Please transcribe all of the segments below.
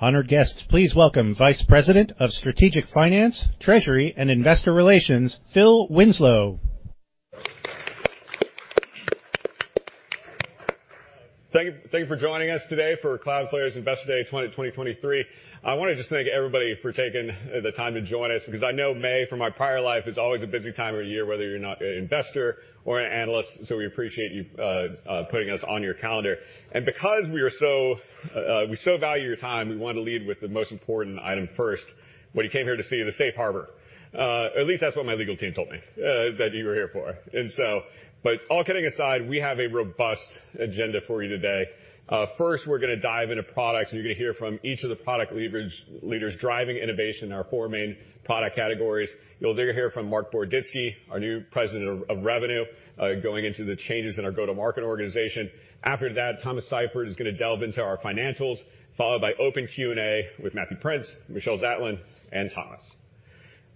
Honored guests, please welcome Vice President of Strategic Finance, Treasury and Investor Relations, Phil Winslow. Thank you for joining us today for Cloudflare's Investor Day 2023. I wanna just thank everybody for taking the time to join us because I know May, from my prior life, is always a busy time of the year, whether you're not an investor or an analyst. We appreciate you putting us on your calendar. Because we so value your time, we want to lead with the most important item first. What you came here to see, the safe harbor. At least that's what my legal team told me that you were here for. All kidding aside, we have a robust agenda for you today. First, we're gonna dive into products, and you're gonna hear from each of the product leaders driving innovation in our four main product categories. You'll then hear from Marc Boroditsky, our new vice president of revenue, going into the changes in our go-to-market organization. After that, Thomas Seifert is gonna delve into our financials, followed by open Q&A with Matthew Prince, Michelle Zatlyn, and Thomas.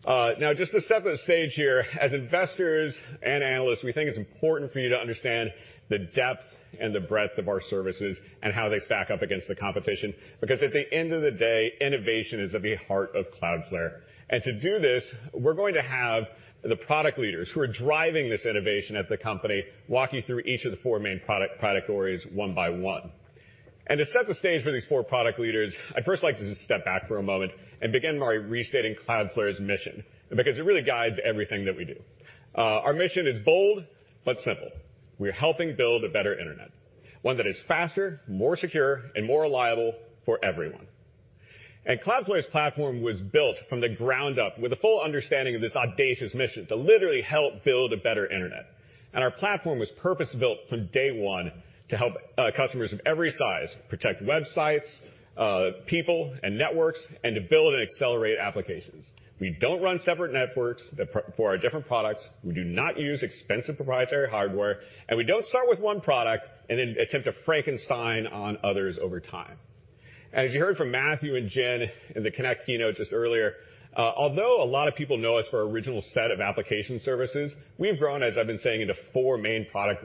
Now, just to set the stage here, as investors and analysts, we think it's important for you to understand the depth and the breadth of our services and how they stack up against the competition, because at the end of the day, innovation is at the heart of Cloudflare. To do this, we're going to have the product leaders who are driving this innovation at the company walk you through each of the four main product cateories one by one. To set the stage for these four product leaders, I'd first like to just step back for a moment and begin by restating Cloudflare's mission, because it really guides everything that we do. Our mission is bold but simple. We're helping build a better internet, one that is faster, more secure, and more reliable for everyone. Cloudflare's platform was built from the ground up with a full understanding of this audacious mission to literally help build a better internet. Our platform was purpose-built from day one to help customers of every size protect websites, people and networks, and to build and accelerate applications. We don't run separate networks for our different products, we do not use expensive proprietary hardware, and we don't start with one product and then attempt to Frankenstein on others over time. As you heard from Matthew and Jen in the connect keynote just earlier, although a lot of people know us for our original set of application services, we've grown, as I've been saying, into four main product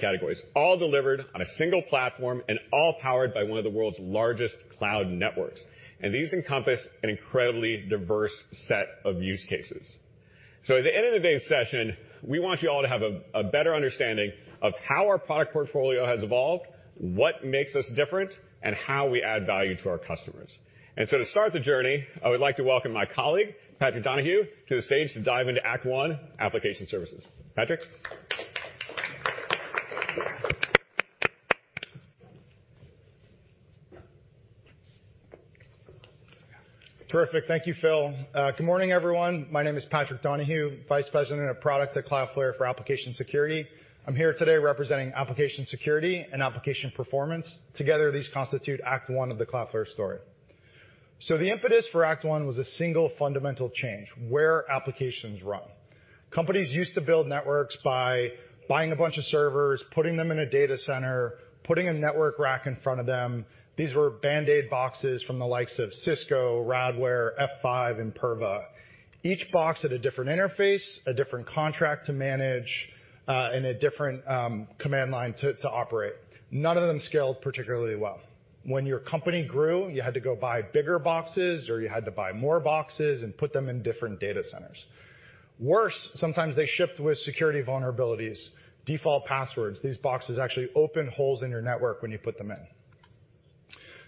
categories, all delivered on a single platform and all powered by one of the world's largest cloud networks. These encompass an incredibly diverse set of use cases. At the end of today's session, we want you all to have a better understanding of how our product portfolio has evolved, what makes us different, and how we add value to our customers. To start the journey, I would like to welcome my colleague, Patrick Donahue, to the stage to dive into act one, Application Services. Patrick. Terrific. Thank you, Phil. Good morning, everyone. My name is Patrick Donahue, Vice President of Product at Cloudflare for Application Security. I'm here today representing application security and application performance. Together, these constitute act one of the Cloudflare story. The impetus for act one was a single fundamental change, where applications run. Companies used to build networks by buying a bunch of servers, putting them in a data center, putting a network rack in front of them. These were bandaid boxes from the likes of Cisco, Radware, F5, and Imperva. Each box had a different interface, a different contract to manage, and a different command line to operate. None of them scaled particularly well. When your company grew, you had to go buy bigger boxes, or you had to buy more boxes and put them in different data centers. Worse, sometimes they shipped with security vulnerabilities, default passwords. These boxes actually open holes in your network when you put them in.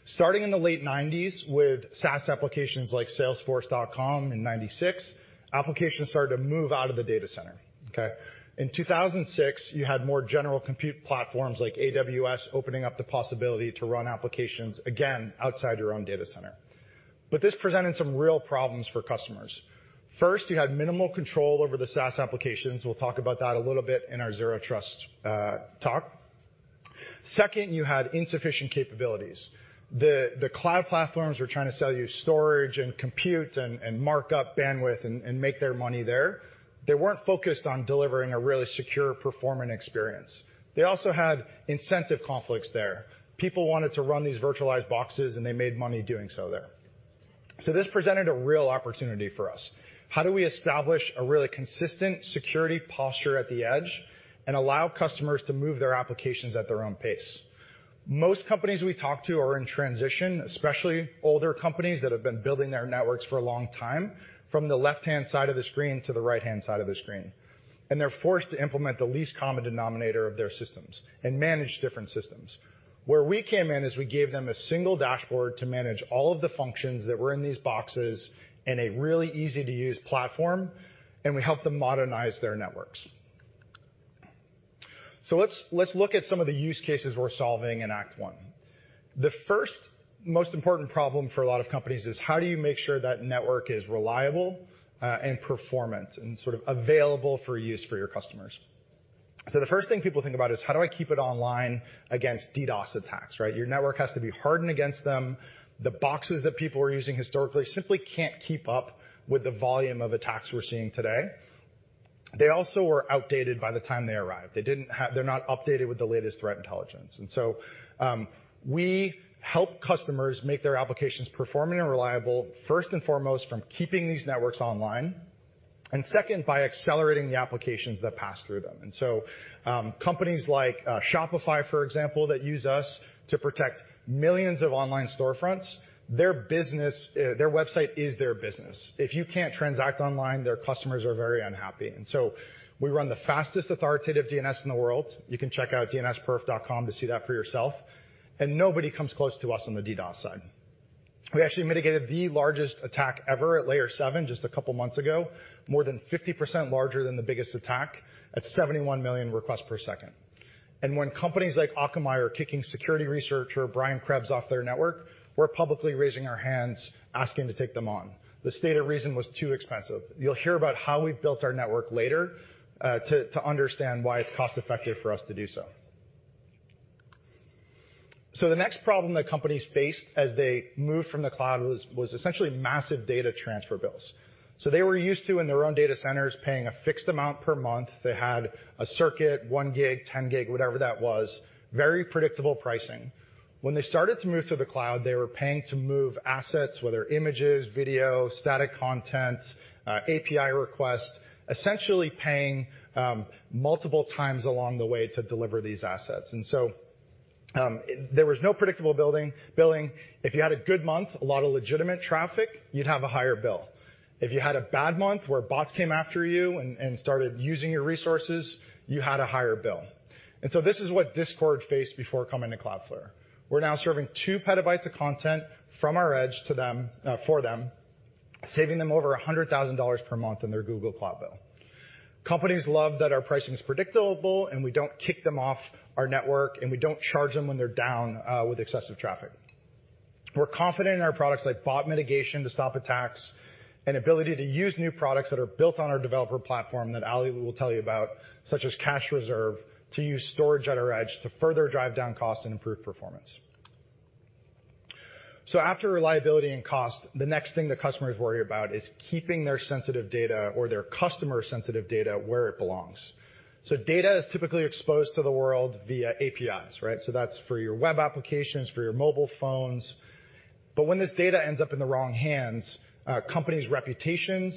Starting in the late 90s with SaaS applications like Salesforce.com in 96, applications started to move out of the data center, okay? In 2006, you had more general compute platforms like AWS opening up the possibility to run applications again outside your own data center. This presented some real problems for customers. First, you had minimal control over the SaaS applications. We'll talk about that a little bit in our Zero Trust talk. Second, you had insufficient capabilities. The cloud platforms were trying to sell you storage and compute and mark up bandwidth and make their money there. They weren't focused on delivering a really secure performing experience. They also had incentive conflicts there. People wanted to run these virtualized boxes. They made money doing so there. This presented a real opportunity for us. How do we establish a really consistent security posture at the edge and allow customers to move their applications at their own pace? Most companies we talk to are in transition, especially older companies that have been building their networks for a long time, from the left-hand side of the screen to the right-hand side of the screen. They're forced to implement the least common denominator of their systems and manage different systems. Where we came in is we gave them a single dashboard to manage all of the functions that were in these boxes in a really easy-to-use platform, and we helped them modernize their networks. Let's look at some of the use cases we're solving in act one. The first most important problem for a lot of companies is: How do you make sure that network is reliable and performant and sort of available for use for your customers? The first thing people think about is, how do I keep it online against DDoS attacks, right. Your network has to be hardened against them. The boxes that people are using historically simply can't keep up with the volume of attacks we're seeing today. They also were outdated by the time they arrived. They didn't have. They're not updated with the latest threat intelligence. We help customers make their applications performing and reliable first and foremost from keeping these networks online. Second, by accelerating the applications that pass through them. Companies like Shopify, for example, that use us to protect millions of online storefronts, their website is their business. If you can't transact online, their customers are very unhappy. We run the fastest authoritative DNS in the world. You can check out dnsperf.com to see that for yourself. Nobody comes close to us on the DDoS side. We actually mitigated the largest attack ever at layer seven just a couple months ago, more than 50% larger than the biggest attack at 71 million requests per second. When companies like Akamai are kicking security researcher Brian Krebs off their network, we're publicly raising our hands, asking to take them on. The state of reason was too expensive. You'll hear about how we've built our network later, to understand why it's cost-effective for us to do so. The next problem that companies faced as they moved from the cloud was essentially massive data transfer bills. They were used to in their own data centers, paying a fixed amount per month. They had a circuit, one gig, 10 gig, whatever that was. Very predictable pricing. When they started to move to the cloud, they were paying to move assets, whether images, video, static content, API requests, essentially paying multiple times along the way to deliver these assets. There was no predictable billing. If you had a good month, a lot of legitimate traffic, you'd have a higher bill. If you had a bad month where bots came after you and started using your resources, you had a higher bill. This is what Discord faced before coming to Cloudflare. We're now serving two petabytes of content from our edge to them, for them, saving them over $100,000 per month in their Google Cloud bill. Companies love that our pricing is predictable, and we don't kick them off our network, and we don't charge them when they're down with excessive traffic. We're confident in our products like bot mitigation to stop attacks and ability to use new products that are built on our developer platform that Ali will tell you about, such as Cache Reserve, to use storage at our edge to further drive down cost and improve performance. After reliability and cost, the next thing that customers worry about is keeping their sensitive data or their customer sensitive data where it belongs. Data is typically exposed to the world via APIs, right? That's for your web applications, for your mobile phones. When this data ends up in the wrong hands, companies' reputations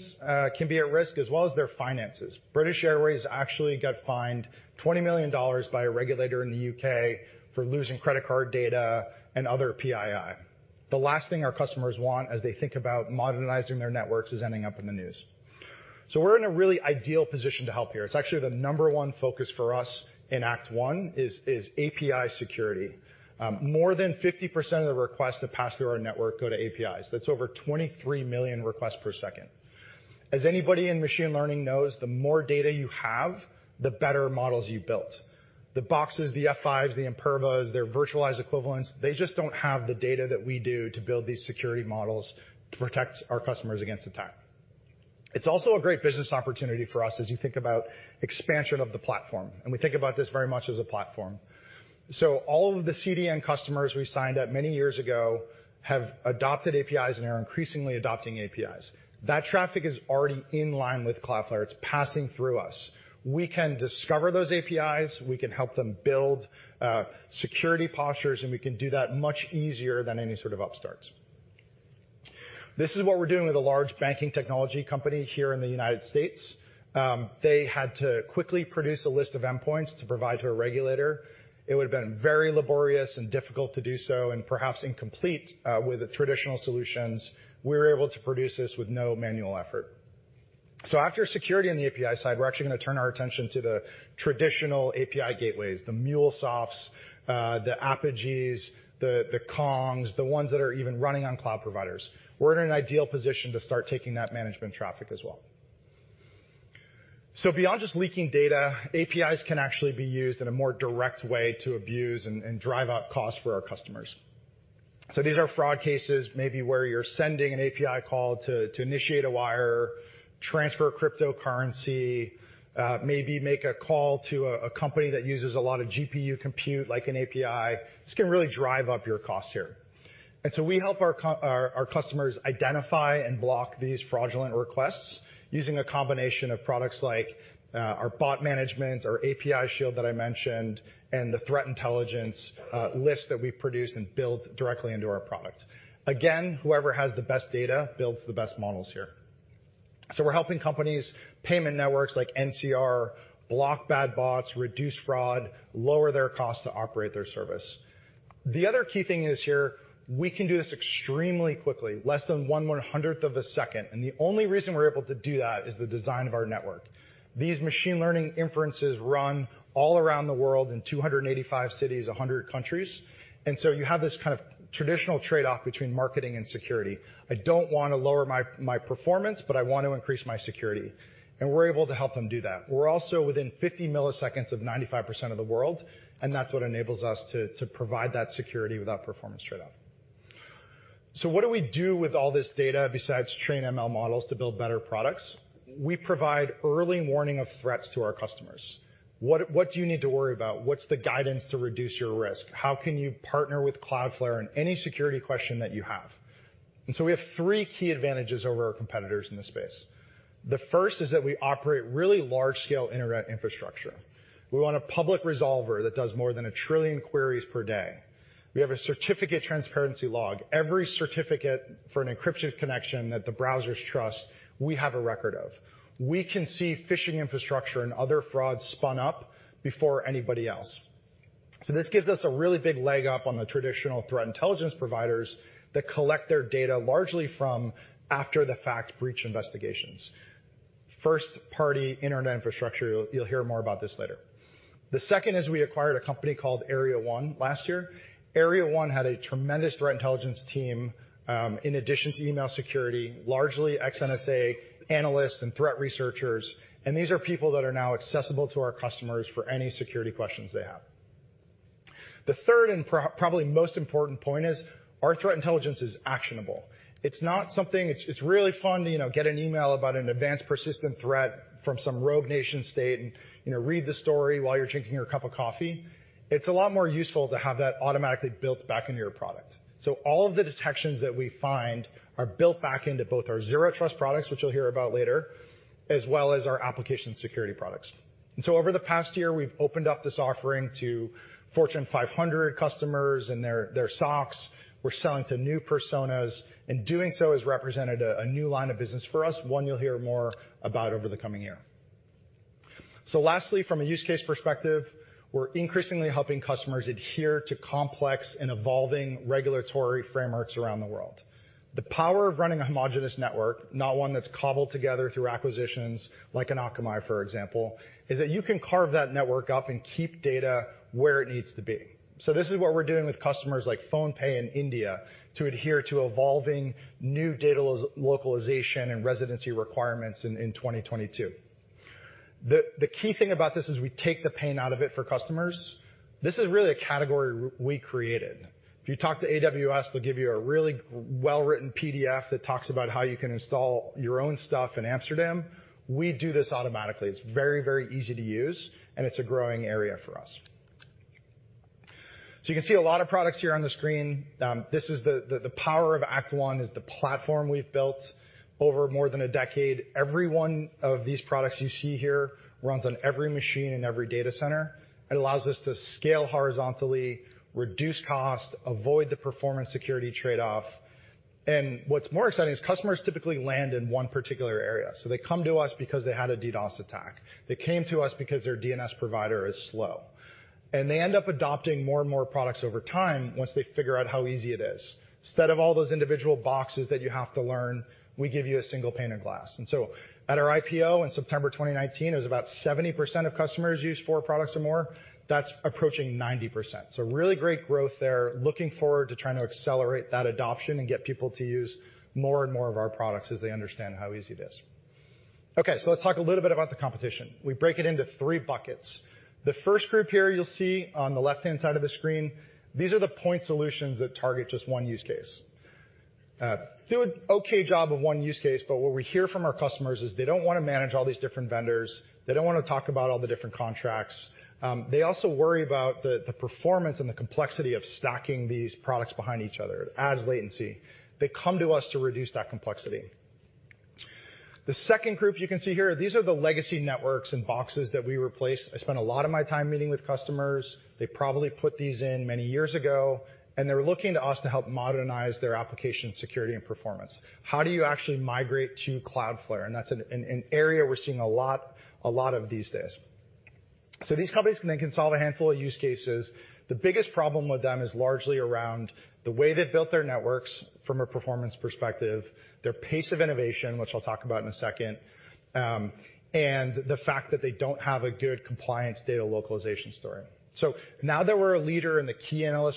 can be at risk as well as their finances. British Airways actually got fined $20 million by a regulator in the U.K. for losing credit card data and other PII. The last thing our customers want as they think about modernizing their networks is ending up in the news. We're in a really ideal position to help here. It's actually the number one focus for us in act one is API security. More than 50% of the requests that pass through our network go to APIs. That's over 23 million requests per second. As anybody in machine learning knows, the more data you have, the better models you built. The boxes, the F5s, the Impervas, their virtualized equivalents, they just don't have the data that we do to build these security models to protect our customers against attack. It's also a great business opportunity for us as you think about expansion of the platform, and we think about this very much as a platform. All of the CDN customers we signed up many years ago have adopted APIs and are increasingly adopting APIs. That traffic is already in line with Cloudflare. It's passing through us. We can discover those APIs, we can help them build security postures, and we can do that much easier than any sort of upstarts. This is what we're doing with a large banking technology company here in the United States. They had to quickly produce a list of endpoints to provide to a regulator. It would have been very laborious and difficult to do so and perhaps incomplete with the traditional solutions. We were able to produce this with no manual effort. After security on the API side, we're actually gonna turn our attention to the traditional API gateways, the MuleSofts, the Apigees, the Kongs, the ones that are even running on cloud providers. We're in an ideal position to start taking that management traffic as well. Beyond just leaking data, APIs can actually be used in a more direct way to abuse and drive up costs for our customers. These are fraud cases, maybe where you're sending an API call to initiate a wire, transfer cryptocurrency, maybe make a call to a company that uses a lot of GPU compute like an API. This can really drive up your cost here. We help our customers identify and block these fraudulent requests using a combination of products like, our Bot Management, our API Shield that I mentioned, and the threat intelligence list that we produce and build directly into our product. Again, whoever has the best data builds the best models here. We're helping companies, payment networks like NCR block bad bots, reduce fraud, lower their cost to operate their service. The other key thing is here, we can do this extremely quickly, less than one one-hundredth of a second. The only reason we're able to do that is the design of our network. These machine learning inferences run all around the world in 285 cities, 100 countries. You have this kind of traditional trade-off between marketing and security. I don't wanna lower my performance, I want to increase my security. We're able to help them do that. We're also within 50 milliseconds of 95% of the world, That's what enables us to provide that security with that performance trade-off. What do we do with all this data besides train ML models to build better products? We provide early warning of threats to our customers. What do you need to worry about? What's the guidance to reduce your risk? How can you partner with Cloudflare in any security question that you have? We have three key advantages over our competitors in this space. The first is that we operate really large-scale internet infrastructure. We want a public resolver that does more than a trillion queries per day. We have a certificate transparency log. Every certificate for an encrypted connection that the browsers trust, we have a record of. We can see phishing infrastructure and other frauds spun up before anybody else. This gives us a really big leg up on the traditional threat intelligence providers that collect their data largely from after-the-fact breach investigations. First-party internet infrastructure, you'll hear more about this later. The second is we acquired a company called Area 1 last year. Area 1 had a tremendous threat intelligence team, in addition to email security, largely ex-NSA analysts and threat researchers, and these are people that are now accessible to our customers for any security questions they have. The third and probably most important point is our threat intelligence is actionable. It's not something. It's really fun to, you know, get an email about an advanced persistent threat from some rogue nation state and, you know, read the story while you're drinking your cup of coffee. It's a lot more useful to have that automatically built back into your product. All of the detections that we find are built back into both our Zero Trust products, which you'll hear about later, as well as our application security products. Over the past year, we've opened up this offering to Fortune 500 customers and their SOCs. We're selling to new personas, and doing so has represented a new line of business for us, one you'll hear more about over the coming year. Lastly, from a use case perspective, we're increasingly helping customers adhere to complex and evolving regulatory frameworks around the world. The power of running a homogenous network, not one that's cobbled together through acquisitions like in Akamai, for example, is that you can carve that network up and keep data where it needs to be. This is what we're doing with customers like PhonePe in India to adhere to evolving new data localization and residency requirements in 2022. The key thing about this is we take the pain out of it for customers. This is really a category we created. If you talk to AWS, they'll give you a really well-written PDF that talks about how you can install your own stuff in Amsterdam. We do this automatically. It's very, very easy to use, and it's a growing area for us. You can see a lot of products here on the screen. This is the power of Act One is the platform we've built over more than one decade. Every one of these products you see here runs on every machine in every data center. It allows us to scale horizontally, reduce cost, avoid the performance security trade-off. What's more exciting is customers typically land in one particular area. They come to us because they had a DDoS attack. They came to us because their DNS provider is slow. They end up adopting more and more products over time once they figure out how easy it is. Instead of all those individual boxes that you have to learn, we give you a single pane of glass. At our IPO in September 2019, it was about 70% of customers use four products or more. That's approaching 90%. Really great growth there. Looking forward to trying to accelerate that adoption and get people to use more and more of our products as they understand how easy it is. Let's talk a little bit about the competition. We break it into three buckets. The first group here you'll see on the left-hand side of the screen, these are the point solutions that target just one use case. Do an okay job of one use case, what we hear from our customers is they don't wanna manage all these different vendors. They don't wanna talk about all the different contracts. They also worry about the performance and the complexity of stacking these products behind each other. It adds latency. They come to us to reduce that complexity. The second group you can see here, these are the legacy networks and boxes that we replaced. I spent a lot of my time meeting with customers. They probably put these in many years ago. They're looking to us to help modernize their application security and performance. How do you actually migrate to Cloudflare? That's an area we're seeing a lot of these days. These companies can solve a handful of use cases. The biggest problem with them is largely around the way they've built their networks from a performance perspective, their pace of innovation, which I'll talk about in a second, and the fact that they don't have a good compliance data localization story. Now that we're a leader in the key app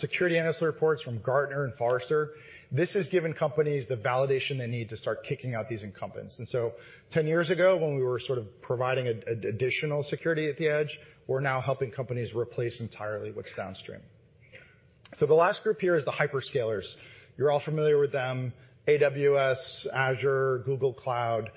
security analyst reports from Gartner and Forrester, this has given companies the validation they need to start kicking out these incumbents. 10 years ago, when we were sort of providing additional security at the edge, we're now helping companies replace entirely what's downstream. The last group here is the hyperscalers. You're all familiar with them, AWS, Azure, Google Cloud.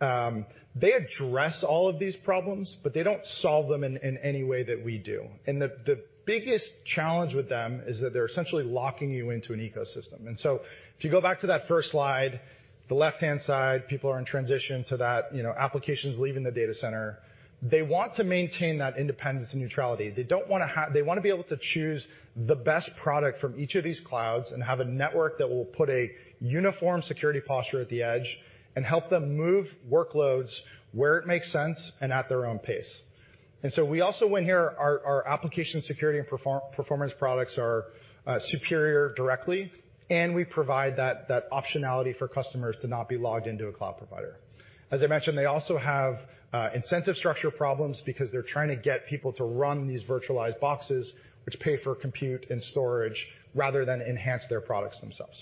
They address all of these problems, but they don't solve them in any way that we do. The biggest challenge with them is that they're essentially locking you into an ecosystem. If you go back to that first slide, the left-hand side, people are in transition to that, you know, applications leaving the data center. They want to maintain that independence and neutrality. They wanna be able to choose the best product from each of these clouds and have a network that will put a uniform security posture at the edge and help them move workloads where it makes sense and at their own pace. We also win here. Our application security and performance products are superior directly, and we provide that optionality for customers to not be logged into a cloud provider. As I mentioned, they also have incentive structure problems because they're trying to get people to run these virtualized boxes, which pay for compute and storage rather than enhance their products themselves.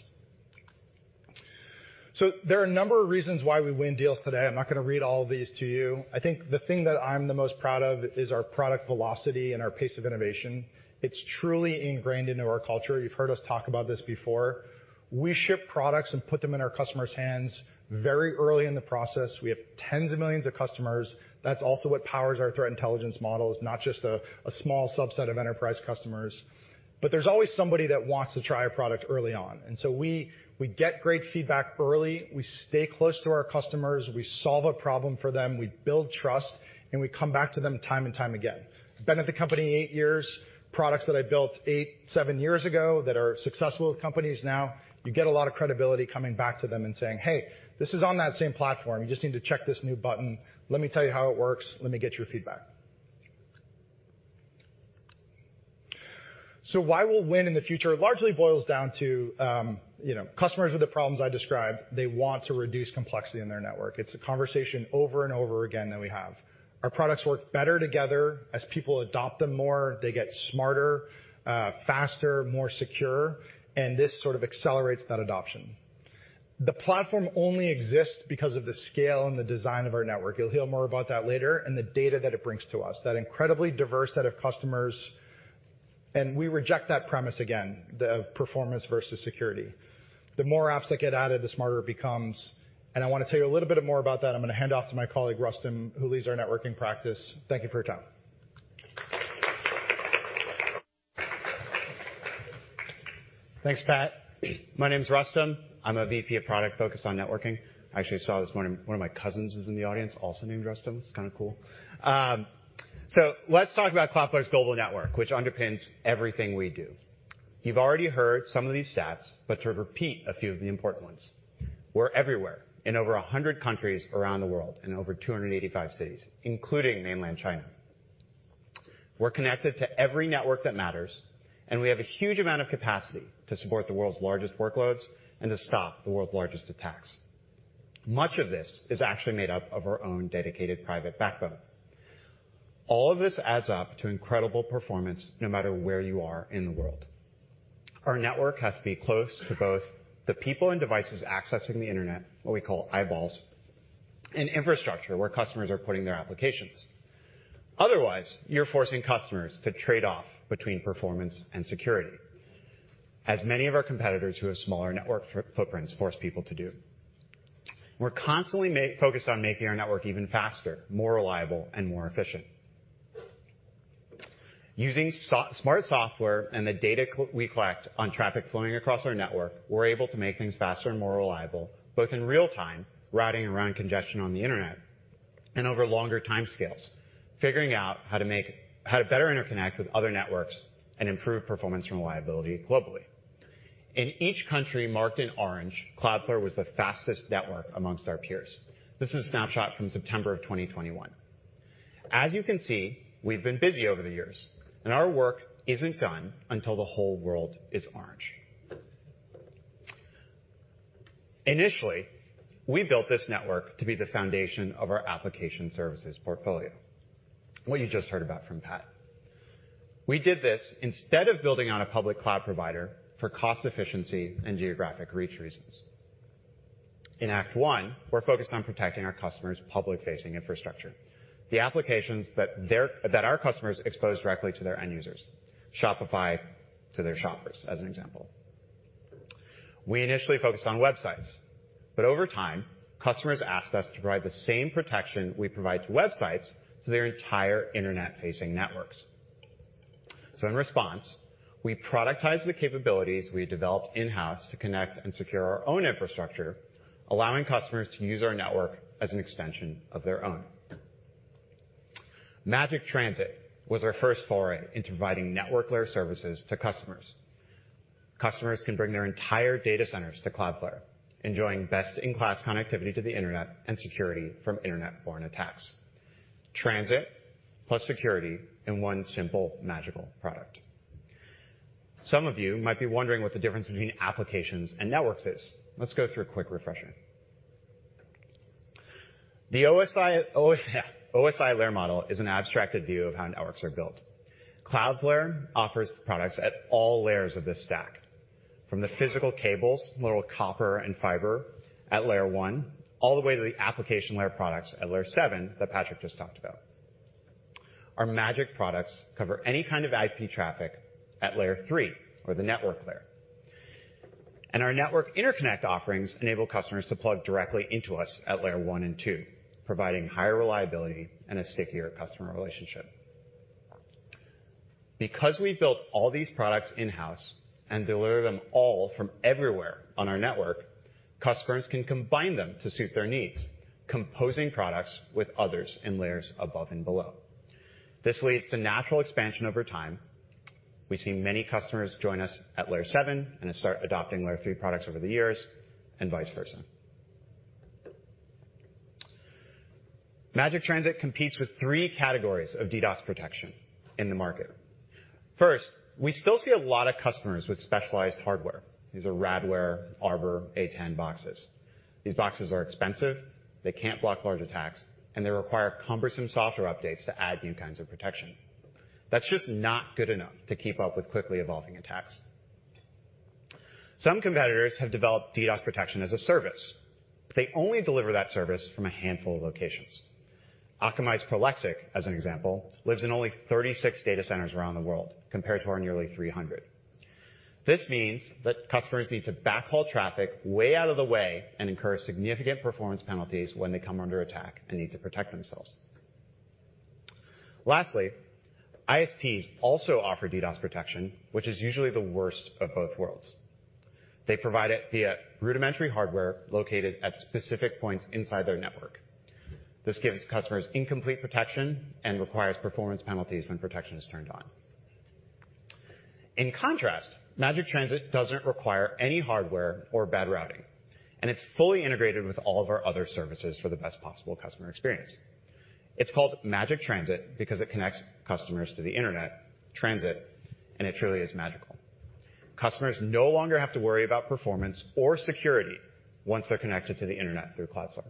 There are a number of reasons why we win deals today. I'm not gonna read all of these to you. I think the thing that I'm the most proud of is our product velocity and our pace of innovation. It's truly ingrained into our culture. You've heard us talk about this before. We ship products and put them in our customers' hands very early in the process. We have tens of millions of customers. That's also what powers our threat intelligence models, not just a small subset of enterprise customers. There's always somebody that wants to try a product early on, and so we get great feedback early. We stay close to our customers. We solve a problem for them. We build trust, and we come back to them time and time again. Been at the company years years, products that I built eight, seven years ago that are successful with companies now, you get a lot of credibility coming back to them and saying, "Hey, this is on that same platform. You just need to check this new button. Let me tell you how it works. Let me get your feedback." Why we'll win in the future largely boils down to, you know, customers with the problems I described. They want to reduce complexity in their network. It's a conversation over and over again that we have. Our products work better together. As people adopt them more, they get smarter, faster, more secure, and this sort of accelerates that adoption. The platform only exists because of the scale and the design of our network, you'll hear more about that later, and the data that it brings to us, that incredibly diverse set of customers. We reject that premise again, the performance versus security. The more apps that get added, the smarter it becomes, and I wanna tell you a little bit more about that. I'm gonna hand off to my colleague, Rustam, who leads our networking practice. Thank you for your time. Thanks, Pat. My name's Rustam. I'm a VP of product focused on networking. I actually saw this morning, one of my cousins is in the audience also named Rustam. It's kinda cool. Let's talk about Cloudflare's global network, which underpins everything we do. You've already heard some of these stats, to repeat a few of the important ones. We're everywhere in over 100 countries around the world and over 285 cities, including mainland China. We're connected to every network that matters, we have a huge amount of capacity to support the world's largest workloads and to stop the world's largest attacks. Much of this is actually made up of our own dedicated private backbone. All of this adds up to incredible performance, no matter where you are in the world. Our network has to be close to both the people and devices accessing the Internet, what we call eyeballs, and infrastructure, where customers are putting their applications. You're forcing customers to trade off between performance and security, as many of our competitors who have smaller network footprints force people to do. We're constantly focused on making our network even faster, more reliable, and more efficient. Using smart software and the data we collect on traffic flowing across our network, we're able to make things faster and more reliable, both in real-time, routing around congestion on the Internet, and over longer timescales, figuring out how to better interconnect with other networks and improve performance and reliability globally. In each country marked in orange, Cloudflare was the fastest network amongst our peers. This is a snapshot from September of 2021. As you can see, we've been busy over the years, and our work isn't done until the whole world is orange. Initially, we built this network to be the foundation of our application services portfolio, what you just heard about from Pat. We did this instead of building on a public cloud provider for cost efficiency and geographic reach reasons. In act one, we're focused on protecting our customers' public-facing infrastructure, the applications that our customers expose directly to their end users. Shopify to their shoppers, as an example. We initially focused on websites, but over time, customers asked us to provide the same protection we provide to websites to their entire Internet-facing networks. In response, we productize the capabilities we developed in-house to connect and secure our own infrastructure, allowing customers to use our network as an extension of their own. Magic Transit was our first foray into providing network layer services to customers. Customers can bring their entire data centers to Cloudflare, enjoying best-in-class connectivity to the Internet and security from Internet-borne attacks. Transit plus security in one simple, magical product. Some of you might be wondering what the difference between applications and networks is. Let's go through a quick refresher. The OSI layer model is an abstracted view of how networks are built. Cloudflare offers products at all layers of this stack, from the physical cables, literal copper and fiber at layer one, all the way to the application layer products at layer seven that Patrick just talked about. Our Magic products cover any kind of IP traffic at layer three or the network layer. Our network interconnect offerings enable customers to plug directly into us at layer one and two, providing higher reliability and a stickier customer relationship. Because we built all these products in-house and deliver them all from everywhere on our network, customers can combine them to suit their needs, composing products with others in layers above and below. This leads to natural expansion over time. We see many customers join us at layer seven and then start adopting layer three products over the years and vice versa. Magic Transit competes with three categories of DDoS protection in the market. First, we still see a lot of customers with specialized hardware. These are Radware, Arbor, A10 boxes. These boxes are expensive, they can't block large attacks, and they require cumbersome software updates to add new kinds of protection. That's just not good enough to keep up with quickly evolving attacks. Some competitors have developed DDoS protection as a service. They only deliver that service from a handful of locations. Akamai's Prolexic, as an example, lives in only 36 data centers around the world compared to our nearly 300. This means that customers need to backhaul traffic way out of the way and incur significant performance penalties when they come under attack and need to protect themselves. ISPs also offer DDoS protection, which is usually the worst of both worlds. They provide it via rudimentary hardware located at specific points inside their network. This gives customers incomplete protection and requires performance penalties when protection is turned on. In contrast, Magic Transit doesn't require any hardware or bad routing, and it's fully integrated with all of our other services for the best possible customer experience. It's called Magic Transit because it connects customers to the Internet transit, and it truly is magical. Customers no longer have to worry about performance or security once they're connected to the Internet through Cloudflare.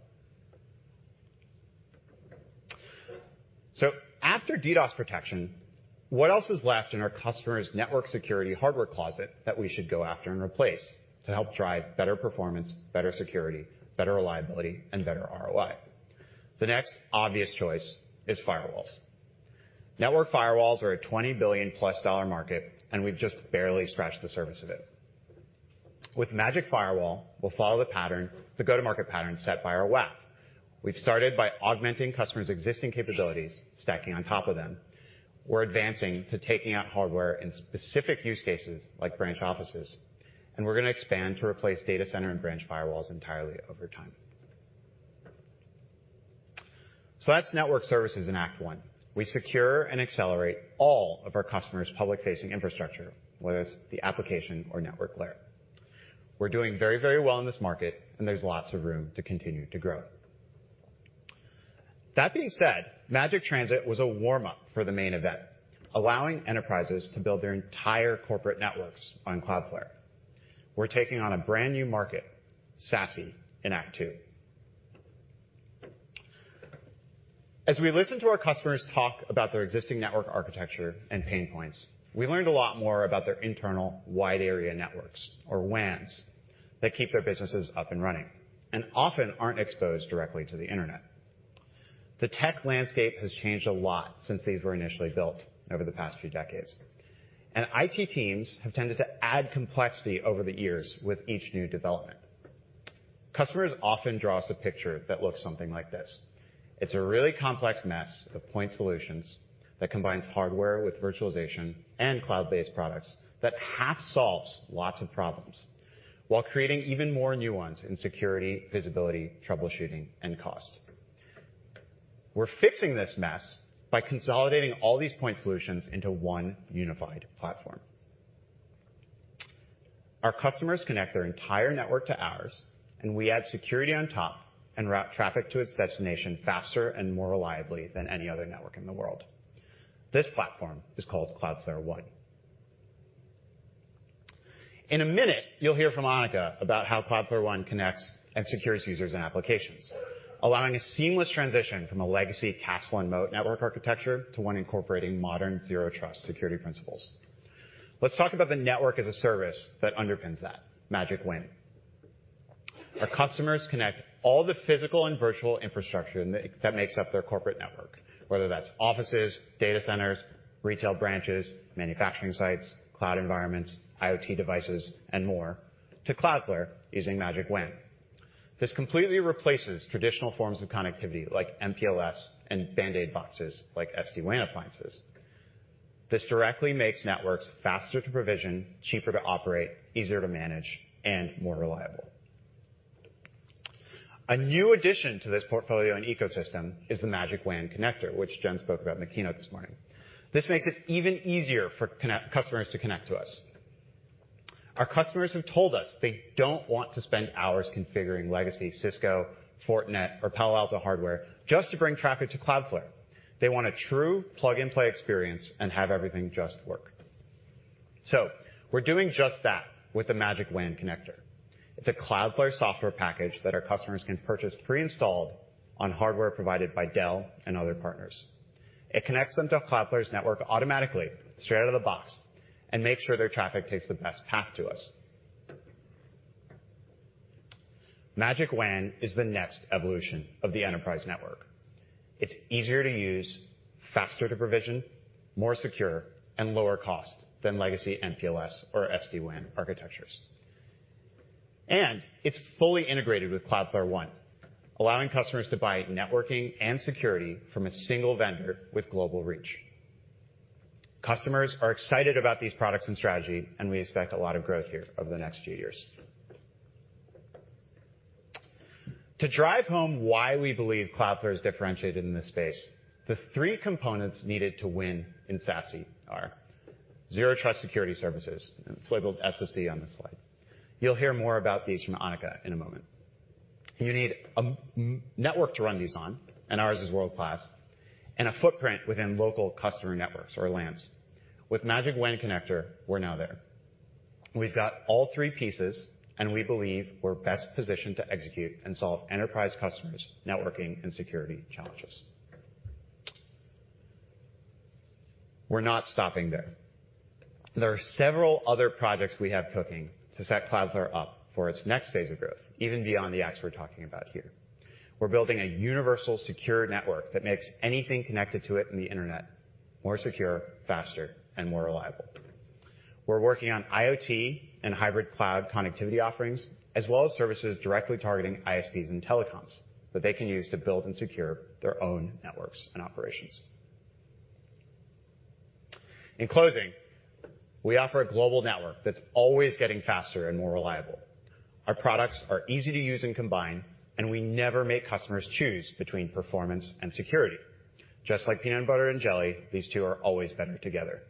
After DDoS protection, what else is left in our customer's network security hardware closet that we should go after and replace to help drive better performance, better security, better reliability, and better ROI? T he next obvious choice is firewalls. Network firewalls are a $20 billion-plus market, and we've just barely scratched the surface of it. With Magic Firewall, we'll follow the pattern, the go-to-market pattern set by our WAF. We've started by augmenting customers' existing capabilities, stacking on top of them. We're advancing to taking out hardware in specific use cases like branch offices, and we're gonna expand to replace data center and branch firewalls entirely over time. That's network services in act one. We secure and accelerate all of our customers' public-facing infrastructure, whether it's the application or network layer. We're doing very, very well in this market and there's lots of room to continue to grow. That being said, Magic Transit was a warm-up for the main event, allowing enterprises to build their entire corporate networks on Cloudflare. We're taking on a brand-new market, SASE, in act two. As we listened to our customers talk about their existing network architecture and pain points, we learned a lot more about their internal wide area networks, or WANs, that keep their businesses up and running and often aren't exposed directly to the Internet. The tech landscape has changed a lot since these were initially built over the past few decades, and IT teams have tended to add complexity over the years with each new development. Customers often draw us a picture that looks something like this. It's a really complex mess of point solutions that combines hardware with virtualization and cloud-based products that half solves lots of problems while creating even more new ones in security, visibility, troubleshooting, and cost. We're fixing this mess by consolidating all these point solutions into one unified platform. Our customers connect their entire network to ours, and we add security on top and route traffic to its destination faster and more reliably than any other network in the world. This platform is called Cloudflare One. In a minute, you'll hear from Annika about how Cloudflare One connects and secures users and applications, allowing a seamless transition from a legacy castle and moat network architecture to one incorporating modern Zero Trust security principles. Let's talk about the network as a service that underpins that Magic WAN. Our customers connect all the physical and virtual infrastructure that makes up their corporate network, whether that's offices, data centers, retail branches, manufacturing sites, cloud environments, IoT devices, and more to Cloudflare using Magic WAN. This completely replaces traditional forms of connectivity like MPLS and band-aid boxes like SD-WAN appliances. This directly makes networks faster to provision, cheaper to operate, easier to manage, and more reliable. A new addition to this portfolio and ecosystem is the Magic WAN Connector, which Jen spoke about in the keynote this morning. This makes it even easier for customers to connect to us. Our customers have told us they don't want to spend hours configuring legacy Cisco, Fortinet, or Palo Alto hardware just to bring traffic to Cloudflare. They want a true plug-and-play experience and have everything just work. We're doing just that with the Magic WAN Connector. It's a Cloudflare software package that our customers can purchase pre-installed on hardware provided by Dell and other partners. It connects them to Cloudflare's network automatically, straight out of the box, and makes sure their traffic takes the best path to us. Magic WAN is the next evolution of the enterprise network. It's easier to use, faster to provision, more secure, and lower cost than legacy MPLS or SD-WAN architectures. It's fully integrated with Cloudflare One, allowing customers to buy networking and security from a single vendor with global reach. Customers are excited about these products and strategy, we expect a lot of growth here over the next few years. To drive home why we believe Cloudflare is differentiated in this space, the three components needed to win in SASE are Zero Trust security services. It's labeled SOC on this slide. You'll hear more about these from Annika in a moment. You need a network to run these on, and ours is world-class, and a footprint within local customer networks or LANs. With Magic WAN Connector, we're now there. We've got all three pieces, and we believe we're best positioned to execute and solve enterprise customers' networking and security challenges. We're not stopping there. There are several other projects we have cooking to set Cloudflare up for its next phase of growth, even beyond the acts we're talking about here. We're building a universal secure network that makes anything connected to it in the Internet more secure, faster, and more reliable. We're working on IoT and hybrid cloud connectivity offerings, as well as services directly targeting ISPs and telecoms that they can use to build and secure their own networks and operations. In closing, we offer a global network that's always getting faster and more reliable. Our products are easy to use and combine. We never make customers choose between performance and security. Just like peanut butter and jelly, these two are always better together.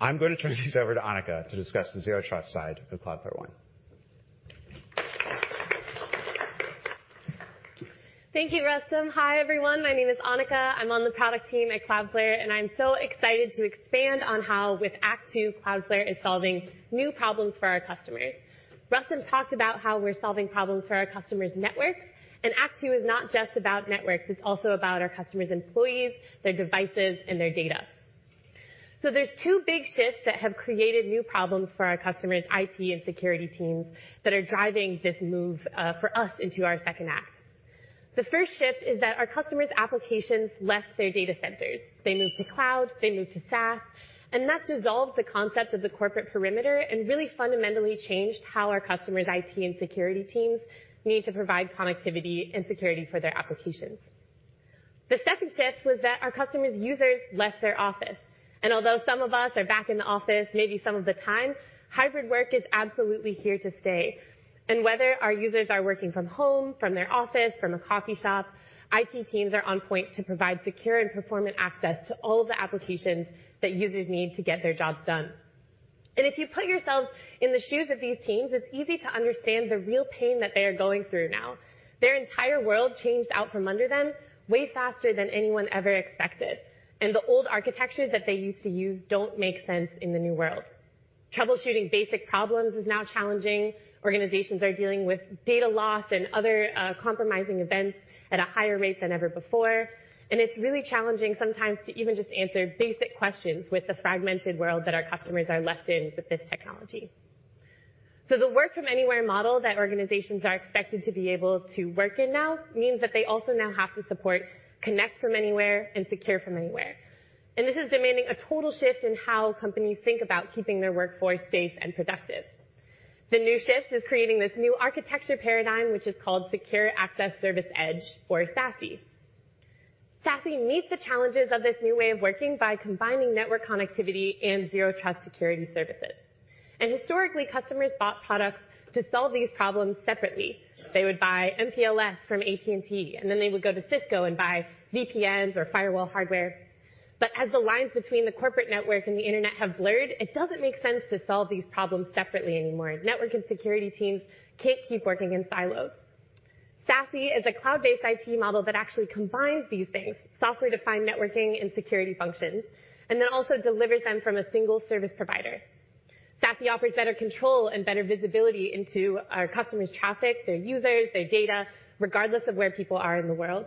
I'm going to turn this over to Annika to discuss the Zero Trust side of Cloudflare One. Thank you, Rustam. Hi, everyone. My name is Annika. I'm on the product team at Cloudflare. I'm so excited to expand on how with Act Two, Cloudflare is solving new problems for our customers. Rustam talked about how we're solving problems for our customers' networks. Act Two is not just about networks, it's also about our customers' employees, their devices, and their data. There's two big shifts that have created new problems for our customers' IT and security teams that are driving this move for us into our second act. The first shift is that our customers' applications left their data centers. They moved to cloud, they moved to SaaS, and that dissolved the concept of the corporate perimeter and really fundamentally changed how our customers' IT and security teams need to provide connectivity and security for their applications. The second shift was that our customers' users left their office. Although some of us are back in the office, maybe some of the time, hybrid work is absolutely here to stay. Whether our users are working from home, from their office, from a coffee shop, IT teams are on point to provide secure and performant access to all of the applications that users need to get their jobs done. If you put yourself in the shoes of these teams, it's easy to understand the real pain that they are going through now. Their entire world changed out from under them way faster than anyone ever expected, and the old architectures that they used to use don't make sense in the new world. Troubleshooting basic problems is now challenging. Organizations are dealing with data loss and other compromising events at a higher rate than ever before. It's really challenging sometimes to even just answer basic questions with the fragmented world that our customers are left in with this technology. The work from anywhere model that organizations are expected to be able to work in now means that they also now have to support connect from anywhere and secure from anywhere. This is demanding a total shift in how companies think about keeping their workforce safe and productive. The new shift is creating this new architecture paradigm, which is called Secure Access Service Edge, or SASE. SASE meets the challenges of this new way of working by combining network connectivity and Zero Trust security services. Historically, customers bought products to solve these problems separately. They would buy MPLS from AT&T, and then they would go to Cisco and buy VPNs or firewall hardware. As the lines between the corporate network and the Internet have blurred, it doesn't make sense to solve these problems separately anymore. Network and security teams can't keep working in silos. SASE is a cloud-based IT model that actually combines these things, software-defined networking and security functions, and then also delivers them from a single service provider. SASE offers better control and better visibility into our customers' traffic, their users, their data, regardless of where people are in the world.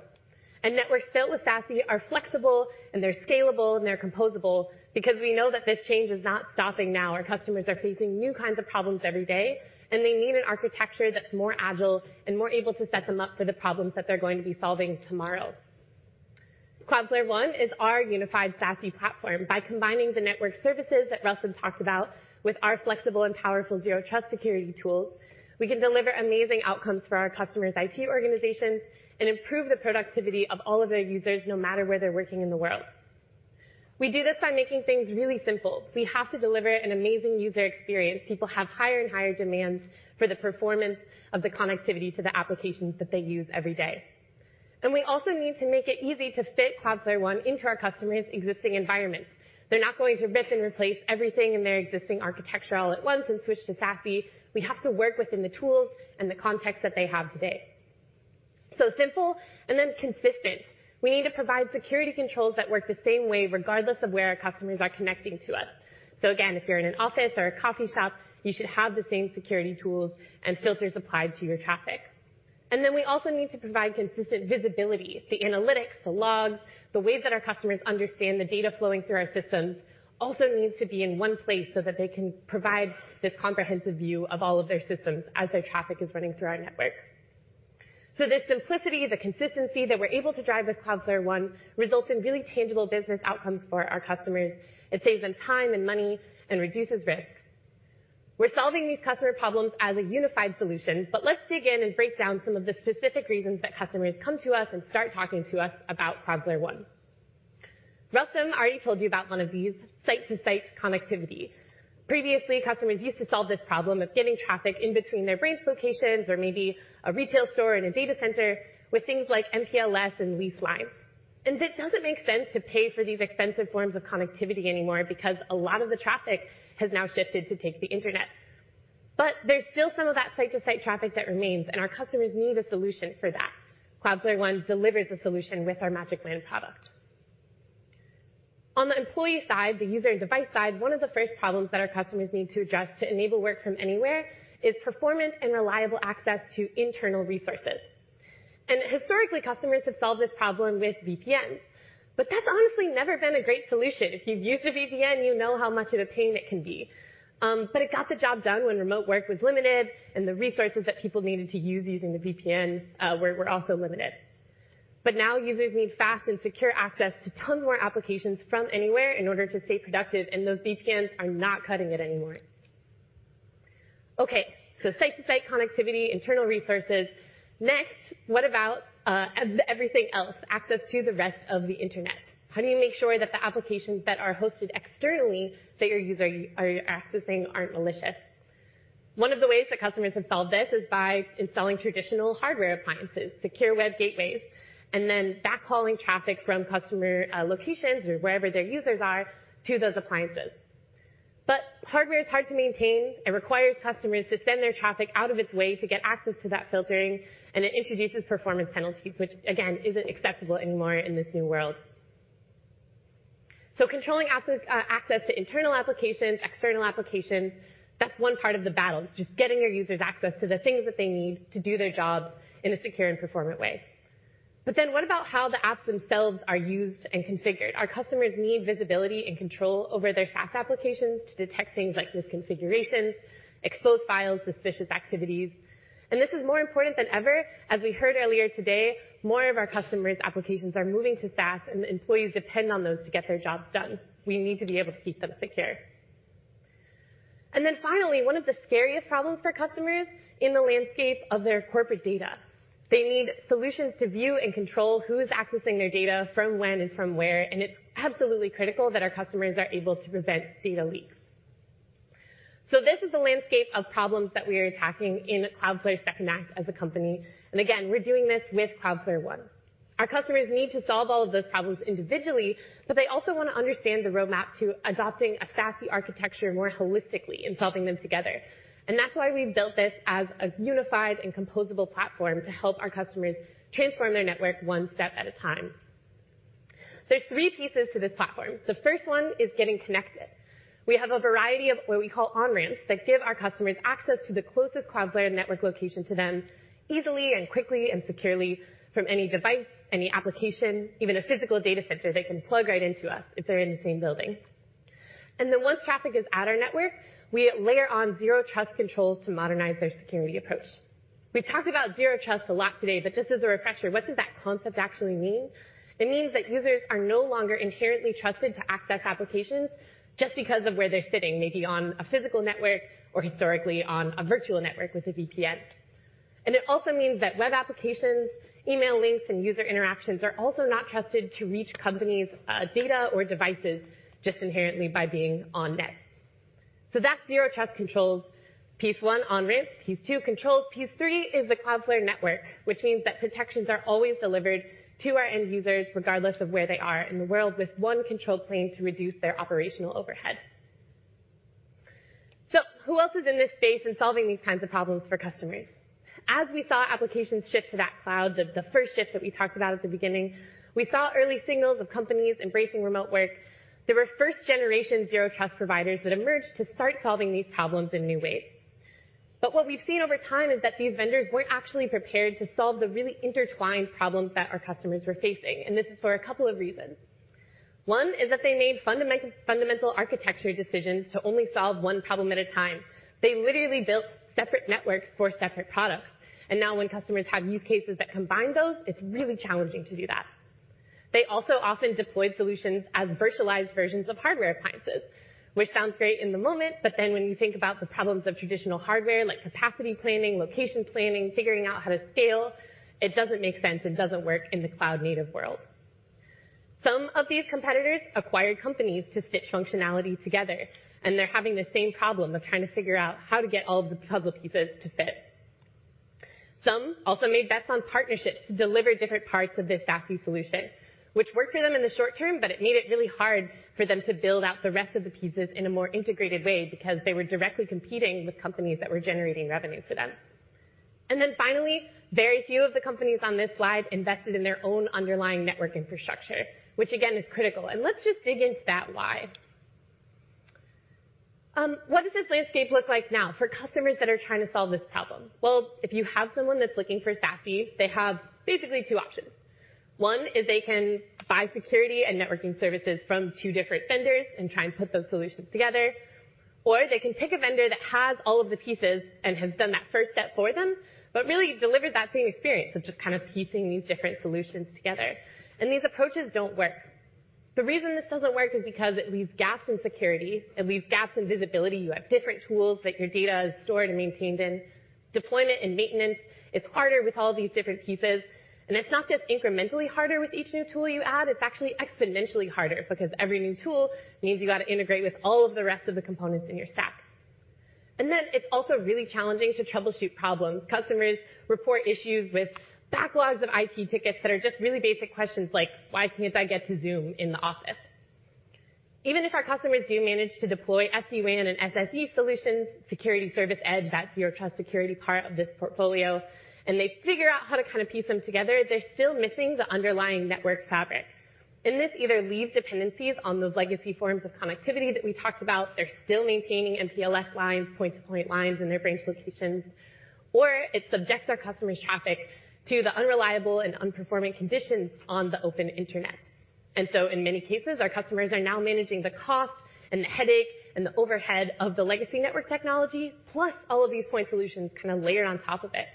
Networks built with SASE are flexible, and they're scalable, and they're composable because we know that this change is not stopping now. Our customers are facing new kinds of problems every day, and they need an architecture that's more agile and more able to set them up for the problems that they're going to be solving tomorrow. Cloudflare One is our unified SASE platform. By combining the network services that Rustam talked about with our flexible and powerful Zero Trust security tools, we can deliver amazing outcomes for our customers' IT organizations and improve the productivity of all of their users, no matter where they're working in the world. We do this by making things really simple. We have to deliver an amazing user experience. People have higher and higher demands for the performance of the connectivity to the applications that they use every day. We also need to make it easy to fit Cloudflare One into our customers' existing environments. They're not going to rip and replace everything in their existing architecture all at once and switch to SASE. We have to work within the tools and the context that they have today. Simple and then consistent. We need to provide security controls that work the same way regardless of where our customers are connecting to us. Again, if you're in an office or a coffee shop, you should have the same security tools and filters applied to your traffic. We also need to provide consistent visibility. The analytics, the logs, the way that our customers understand the data flowing through our systems also needs to be in one place so that they can provide this comprehensive view of all of their systems as their traffic is running through our network. The simplicity, the consistency that we're able to drive with Cloudflare One results in really tangible business outcomes for our customers. It saves them time and money and reduces risk. We're solving these customer problems as a unified solution. Let's dig in and break down some of the specific reasons that customers come to us and start talking to us about Cloudflare One. Rustam already told you about one of these, site to site connectivity. Previously, customers used to solve this problem of getting traffic in between their branch locations or maybe a retail store and a data center with things like MPLS and leased lines. It doesn't make sense to pay for these expensive forms of connectivity anymore because a lot of the traffic has now shifted to take the Internet. There's still some of that site to site traffic that remains, and our customers need a solution for that. Cloudflare One delivers the solution with our Magic WAN product. On the employee side, the user and device side, one of the first problems that our customers need to address to enable work from anywhere is performance and reliable access to internal resources. Historically, customers have solved this problem with VPNs, but that's honestly never been a great solution. If you've used a VPN, you know how much of a pain it can be. It got the job done when remote work was limited and the resources that people needed to use using the VPN were also limited. Now users need fast and secure access to ton more applications from anywhere in order to stay productive, those VPNs are not cutting it anymore. Site-to-site connectivity, internal resources. Next, what about everything else? Access to the rest of the Internet. How do you make sure that the applications that are hosted externally that your user are accessing aren't malicious? One of the ways that customers have solved this is by installing traditional hardware appliances, secure web gateways, and then backhauling traffic from customer locations or wherever their users are to those appliances. Hardware is hard to maintain. It requires customers to send their traffic out of its way to get access to that filtering, and it introduces performance penalties, which again, isn't acceptable anymore in this new world. Controlling access to internal applications, external applications, that's one part of the battle, just getting your users access to the things that they need to do their jobs in a secure and performant way. What about how the apps themselves are used and configured? Our customers need visibility and control over their SaaS applications to detect things like misconfigurations, exposed files, suspicious activities. This is more important than ever. As we heard earlier today, more of our customers' applications are moving to SaaS, and employees depend on those to get their jobs done. We need to be able to keep them secure. Then finally, one of the scariest problems for customers in the landscape of their corporate data. They need solutions to view and control who's accessing their data from when and from where, and it's absolutely critical that our customers are able to prevent data leaks. This is the landscape of problems that we are attacking in Cloudflare's second act as a company. Again, we're doing this with Cloudflare One. Our customers need to solve all of those problems individually, but they also wanna understand the roadmap to adopting a SASE architecture more holistically and solving them together. That's why we've built this as a unified and composable platform to help our customers transform their network one step at a time. There's three pieces to this platform. The first one is getting connected. We have a variety of what we call on-ramps that give our customers access to the closest Cloudflare network location to them easily and quickly and securely from any device, any application, even a physical data center. They can plug right into us if they're in the same building. Then once traffic is at our network, we layer on Zero Trust controls to modernize their security approach. We've talked about Zero Trust a lot today, just as a refresher, what does that concept actually mean? It means that users are no longer inherently trusted to access applications just because of where they're sitting, maybe on a physical network or historically on a virtual network with a VPN. It also means that web applications, email links, and user interactions are also not trusted to reach companies' data or devices just inherently by being on net. That's Zero Trust controls, piece one, on-ramps. Piece two, controls. Piece three is the Cloudflare network, which means that protections are always delivered to our end users regardless of where they are in the world with one control plane to reduce their operational overhead. Who else is in this space and solving these kinds of problems for customers? As we saw applications shift to that cloud, the first shift that we talked about at the beginning, we saw early signals of companies embracing remote work. There were first generation Zero Trust providers that emerged to start solving these problems in new ways. What we've seen over time is that these vendors weren't actually prepared to solve the really intertwined problems that our customers were facing. This is for a couple of reasons. One is that they made fundamental architecture decisions to only solve one problem at a time. They literally built separate networks for separate products. Now when customers have use cases that combine those, it's really challenging to do that. They also often deployed solutions as virtualized versions of hardware appliances, which sounds great in the moment, when you think about the problems of traditional hardware like capacity planning, location planning, figuring out how to scale, it doesn't make sense. It doesn't work in the cloud-native world. Some of these competitors acquired companies to stitch functionality together, they're having the same problem of trying to figure out how to get all of the puzzle pieces to fit. Some also made bets on partnerships to deliver different parts of this SASE solution, which worked for them in the short term, it made it really hard for them to build out the rest of the pieces in a more integrated way because they were directly competing with companies that were generating revenue for them. Very few of the companies on this slide invested in their own underlying network infrastructure, which again, is critical. Let's just dig into that why. What does this landscape look like now for customers that are trying to solve this problem? Well, if you have someone that's looking for SASE, they have basically two options. One is they can buy security and networking services from two different vendors and try and put those solutions together. They can pick a vendor that has all of the pieces and has done that first step for them, but really delivered that same experience of just kind of piecing these different solutions together. These approaches don't work. The reason this doesn't work is because it leaves gaps in security. It leaves gaps in visibility. You have different tools that your data is stored and maintained in. Deployment and maintenance is harder with all these different pieces. It's not just incrementally harder with each new tool you add, it's actually exponentially harder because every new tool means you gotta integrate with all of the rest of the components in your stack. It's also really challenging to troubleshoot problems. Customers report issues with backlogs of IT tickets that are just really basic questions like, "Why can't I get to Zoom in the office?" Even if our customers do manage to deploy SD-WAN and SSE solutions, Security Service Edge, that Zero Trust security part of this portfolio, and they figure out how to kind of piece them together, they're still missing the underlying network fabric. This either leaves dependencies on those legacy forms of connectivity that we talked about. They're still maintaining MPLS lines, point-to-point lines in their branch locations, or it subjects our customers' traffic to the unreliable and unperforming conditions on the open internet. In many cases, our customers are now managing the cost and the headache and the overhead of the legacy network technology, plus all of these point solutions kind of layered on top of it.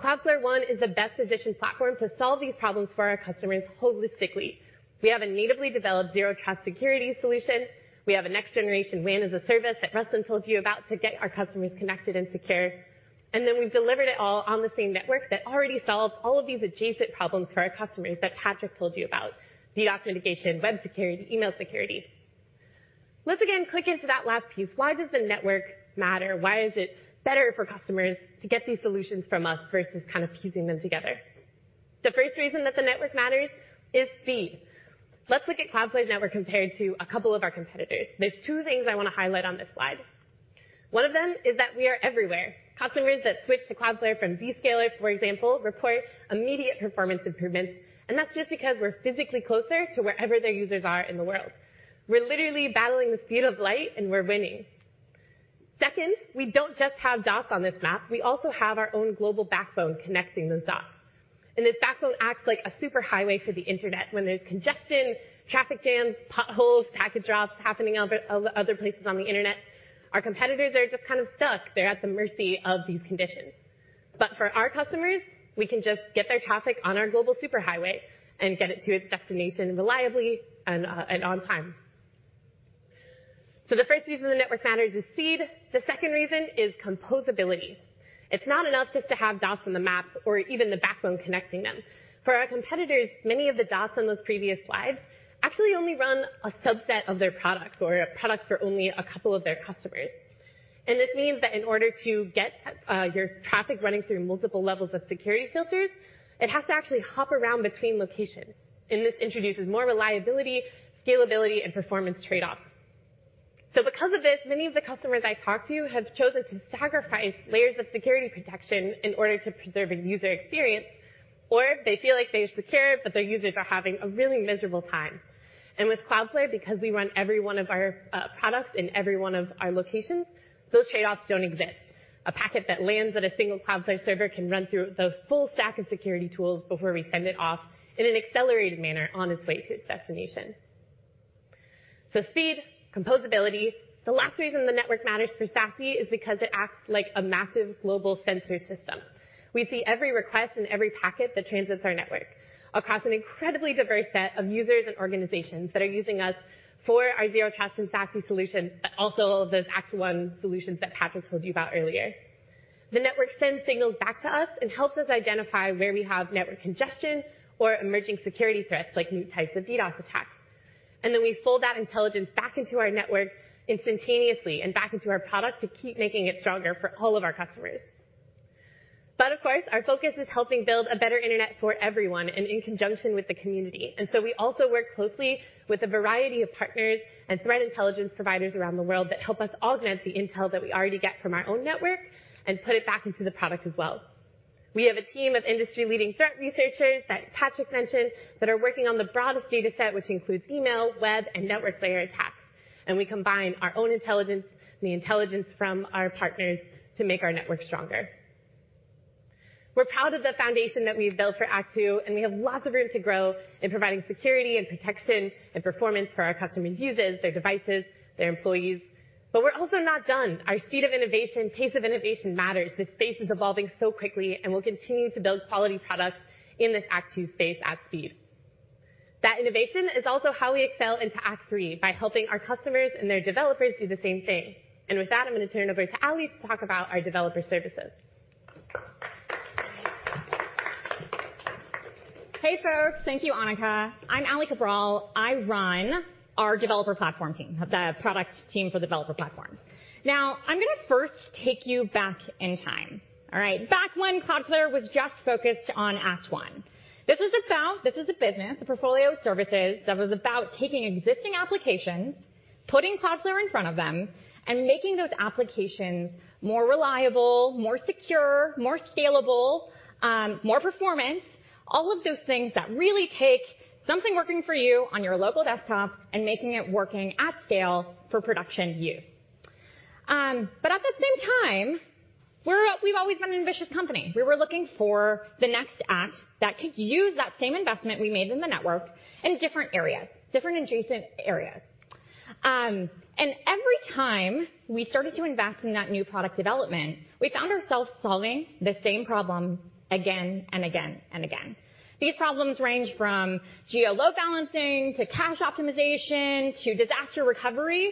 Cloudflare One is the best position platform to solve these problems for our customers holistically. We have a natively developed Zero Trust security solution. We have a next generation WAN as a service that Ruslan told you about to get our customers connected and secure. We've delivered it all on the same network that already solves all of these adjacent problems for our customers that Patrick told you about: DDoS mitigation, web security, email security. Let's again click into that last piece. Why does the network matter? Why is it better for customers to get these solutions from us versus kind of piecing them together? The first reason that the network matters is speed. Let's look at Cloudflare's network compared to a couple of our competitors. There's two things I want to highlight on this slide. One of them is that we are everywhere. Customers that switch to Cloudflare from Zscaler, for example, report immediate performance improvements, and that's just because we're physically closer to wherever their users are in the world. We're literally battling the speed of light, and we're winning. Second, we don't just have dots on this map. We also have our own global backbone connecting those dots. This backbone acts like a super highway for the Internet. When there's congestion, traffic jams, potholes, package drops happening on other places on the Internet, our competitors are just kind of stuck. They're at the mercy of these conditions. For our customers, we can just get their traffic on our global superhighway and get it to its destination reliably and on time. The first reason the network matters is speed. The second reason is composability. It's not enough just to have dots on the map or even the backbone connecting them. For our competitors, many of the dots on those previous slides actually only run a subset of their product or a product for only a couple of their customers. This means that in order to get your traffic running through multiple levels of security filters, it has to actually hop around between locations. This introduces more reliability, scalability, and performance trade-offs. Because of this, many of the customers I talk to have chosen to sacrifice layers of security protection in order to preserve a user experience, or they feel like they're secure, but their users are having a really miserable time. With Cloudflare, because we run every one of our products in every one of our locations, those trade-offs don't exist. A packet that lands at a single Cloudflare server can run through those full stack of security tools before we send it off in an accelerated manner on its way to its destination. Speed, composability. The last reason the network matters for SASE is because it acts like a massive global sensor system. We see every request and every packet that transits our network across an incredibly diverse set of users and organizations that are using us for our Zero Trust and SASE solutions, but also those Act One solutions that Patrick told you about earlier. The network sends signals back to us and helps us identify where we have network congestion or emerging security threats, like new types of DDoS attacks. Then we fold that intelligence back into our network instantaneously and back into our product to keep making it stronger for all of our customers. Of course, our focus is helping build a better internet for everyone and in conjunction with the community. We also work closely with a variety of partners and threat intelligence providers around the world that help us augment the intel that we already get from our own network and put it back into the product as well. We have a team of industry-leading threat researchers that Patrick mentioned that are working on the broadest data set, which includes email, web, and network layer attacks. We combine our own intelligence and the intelligence from our partners to make our network stronger. We're proud of the foundation that we've built for Act Two, and we have lots of room to grow in providing security and protection and performance for our customers' users, their devices, their employees. We're also not done. Our speed of innovation, pace of innovation matters. This space is evolving so quickly, and we'll continue to build quality products in this Act Two space at speed. That innovation is also how we excel into Act Three, by helping our customers and their developers do the same thing. With that, I'm going to turn it over to Aly to talk about our developer services. Hey, folks. Thank you, Annika. I'm Aly Cabral. I run our developer platform team, the product team for the developer platform. I'm gonna first take you back in time. All right? Back when Cloudflare was just focused on Act One. This was a business, a portfolio of services that was about taking existing applications, putting Cloudflare in front of them, and making those applications more reliable, more secure, more scalable, more performance. All of those things that really take something working for you on your local desktop and making it working at scale for production use. At the same time, we've always been an ambitious company. We were looking for the next act that could use that same investment we made in the network in different areas, different adjacent areas. Every time we started to invest in that new product development, we found ourselves solving the same problem again and again and again. These problems range from geo load balancing to cache optimization to disaster recovery.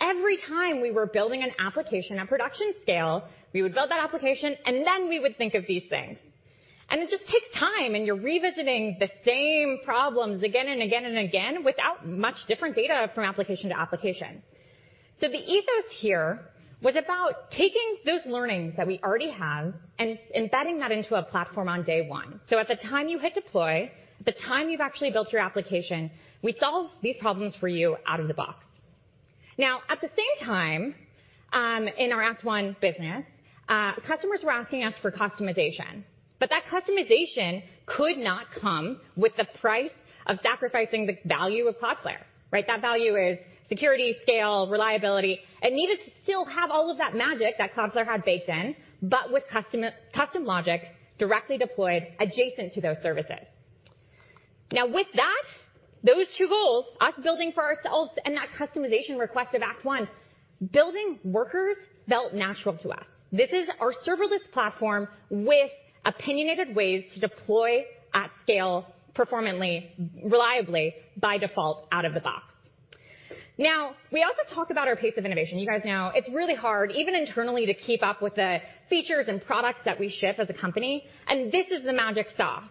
Every time we were building an application at production scale, we would build that application, and then we would think of these things. It just takes time, and you're revisiting the same problems again and again and again without much different data from application to application. The ethos here was about taking those learnings that we already have and embedding that into a platform on day one. At the time you hit deploy, at the time you've actually built your application, we solve these problems for you out of the box. Now, at the same time, in our Act One business, customers were asking us for customization. That customization could not come with the price of sacrificing the value of Cloudflare, right? That value is security, scale, reliability. It needed to still have all of that magic that Cloudflare had baked in, but with custom logic directly deployed adjacent to those services. Now, with that, those two goals, us building for ourselves and that customization request of Act One, building Workers felt natural to us. This is our serverless platform with opinionated ways to deploy at scale performantly, reliably by default out of the box. We also talk about our pace of innovation. You guys know it's really hard, even internally, to keep up with the features and products that we ship as a company. This is the magic sauce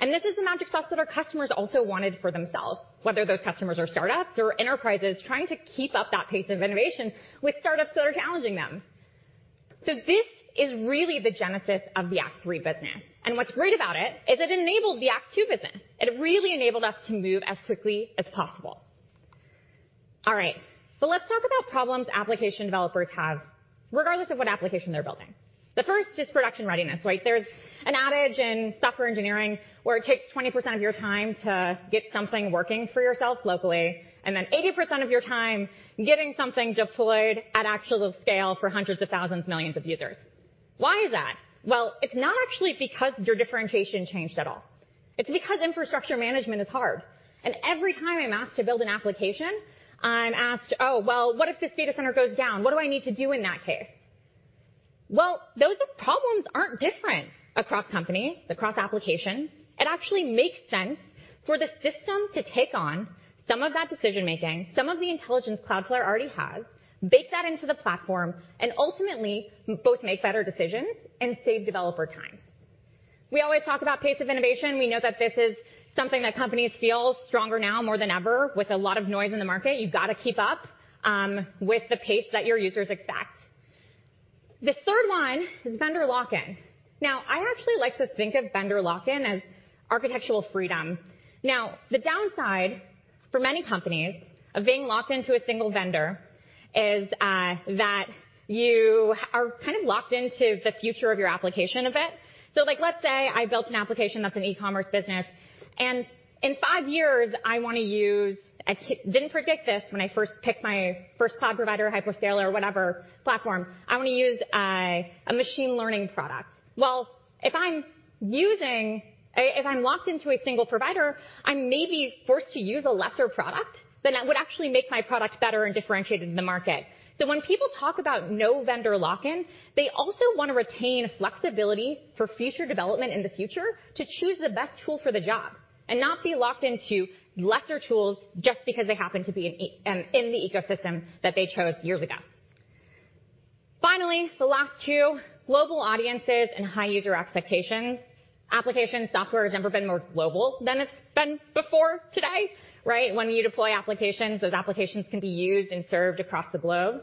that our customers also wanted for themselves, whether those customers are startups or enterprises trying to keep up that pace of innovation with startups that are challenging them. This is really the genesis of the Act Three business. What's great about it is it enabled the Act Two business. It really enabled us to move as quickly as possible. All right. Let's talk about problems application developers have regardless of what application they're building. The first is production readiness, right? There's an adage in software engineering where it takes 20% of your time to get something working for yourself locally, and then 80% of your time getting something deployed at actual scale for hundreds of thousands and millions of users. Why is that? Well, it's not actually because your differentiation changed at all. It's because infrastructure management is hard. Every time I'm asked to build an application, I'm asked, "Oh, well, what if this data center goes down? What do I need to do in that case?" Well, those problems aren't different across company, across application. It actually makes sense for the system to take on some of that decision-making, some of the intelligence Cloudflare already has, bake that into the platform, and ultimately both make better decisions and save developer time. We always talk about pace of innovation. We know that this is something that companies feel stronger now more than ever with a lot of noise in the market. You've got to keep up with the pace that your users expect. The third one is vendor lock-in. I actually like to think of vendor lock-in as architectural freedom. The downside for many companies of being locked into a single vendor is that you are kind of locked into the future of your application a bit. Like, let's say I built an application that's an e-commerce business, and in five years I didn't predict this when I first picked my first cloud provider, hyperscaler, or whatever platform. I want to use a machine learning product. Well, if I'm locked into a single provider, I may be forced to use a lesser product than would actually make my product better and differentiated in the market. When people talk about no vendor lock-in, they also want to retain flexibility for future development in the future to choose the best tool for the job and not be locked into lesser tools just because they happen to be in the ecosystem that they chose years ago. Finally, the last two, global audiences and high user expectations. Application software has never been more global than it's been before today, right? When you deploy applications, those applications can be used and served across the globe.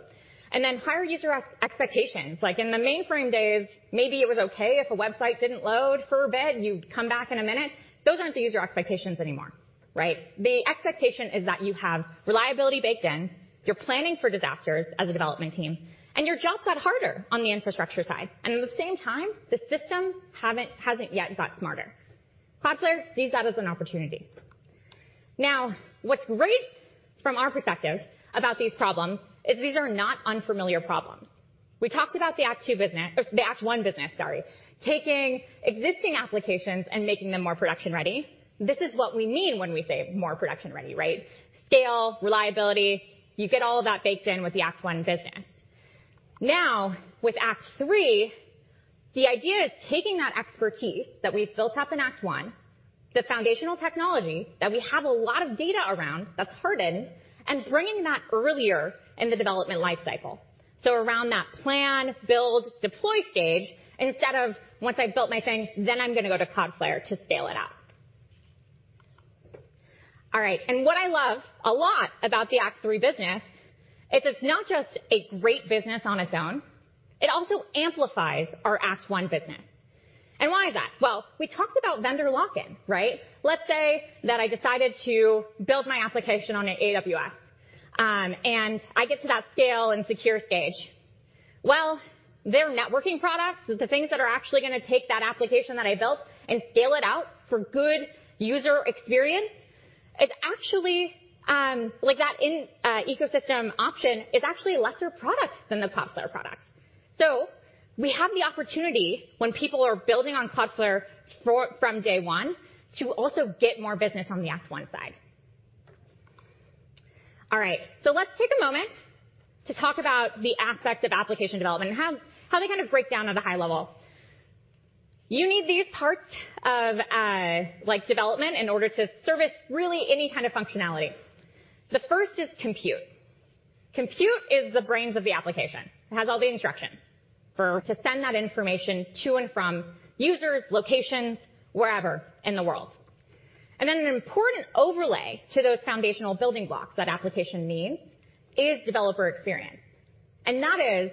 Then higher user expectations. Like in the mainframe days, maybe it was okay if a website didn't load for a bit, and you'd come back in a minute. Those aren't the user expectations anymore, right? The expectation is that you have reliability baked in, you're planning for disasters as a development team, and your job got harder on the infrastructure side. At the same time, the system hasn't yet got smarter. Cloudflare sees that as an opportunity. What's great from our perspective about these problems is these are not unfamiliar problems. We talked about the Act One business, sorry, taking existing applications and making them more production ready. This is what we mean when we say more production ready, right? Scale, reliability, you get all of that baked in with the Act One business. With Act Three, the idea is taking that expertise that we've built up in Act One, the foundational technology that we have a lot of data around that's hardened, and bringing that earlier in the development life cycle. Around that plan, build, deploy stage, instead of once I've built my thing, then I'm going to go to Cloudflare to scale it out. All right. What I love a lot about the Act Three business is it's not just a great business on its own, it also amplifies our Act One business. Why is that? Well, we talked about vendor lock-in, right? Let's say that I decided to build my application on AWS, and I get to that scale and secure stage. Well, their networking products, the things that are actually gonna take that application that I built and scale it out for good user experience, it's actually, like that in ecosystem option is actually a lesser product than the Cloudflare product. We have the opportunity when people are building on Cloudflare from day one to also get more business on the Act One side. All right. Let's take a moment to talk about the aspects of application development and how they kind of break down at a high level. You need these parts of, like, development in order to service really any kind of functionality. The first is compute. Compute is the brains of the application. It has all the instructions to send that information to and from users, locations, wherever in the world. Then an important overlay to those foundational building blocks that application needs is developer experience. That is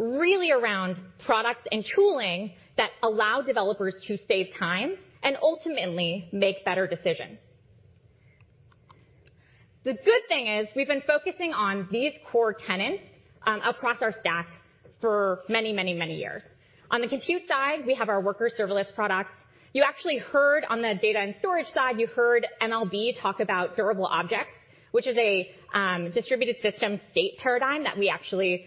really around products and tooling that allow developers to save time and ultimately make better decisions. The good thing is we've been focusing on these core tenets across our stack for many, many, many years. On the compute side, we have our Workers serverless products. You actually heard on the data and storage side, you heard MLB talk about Durable Objects, which is a distributed system state paradigm that we actually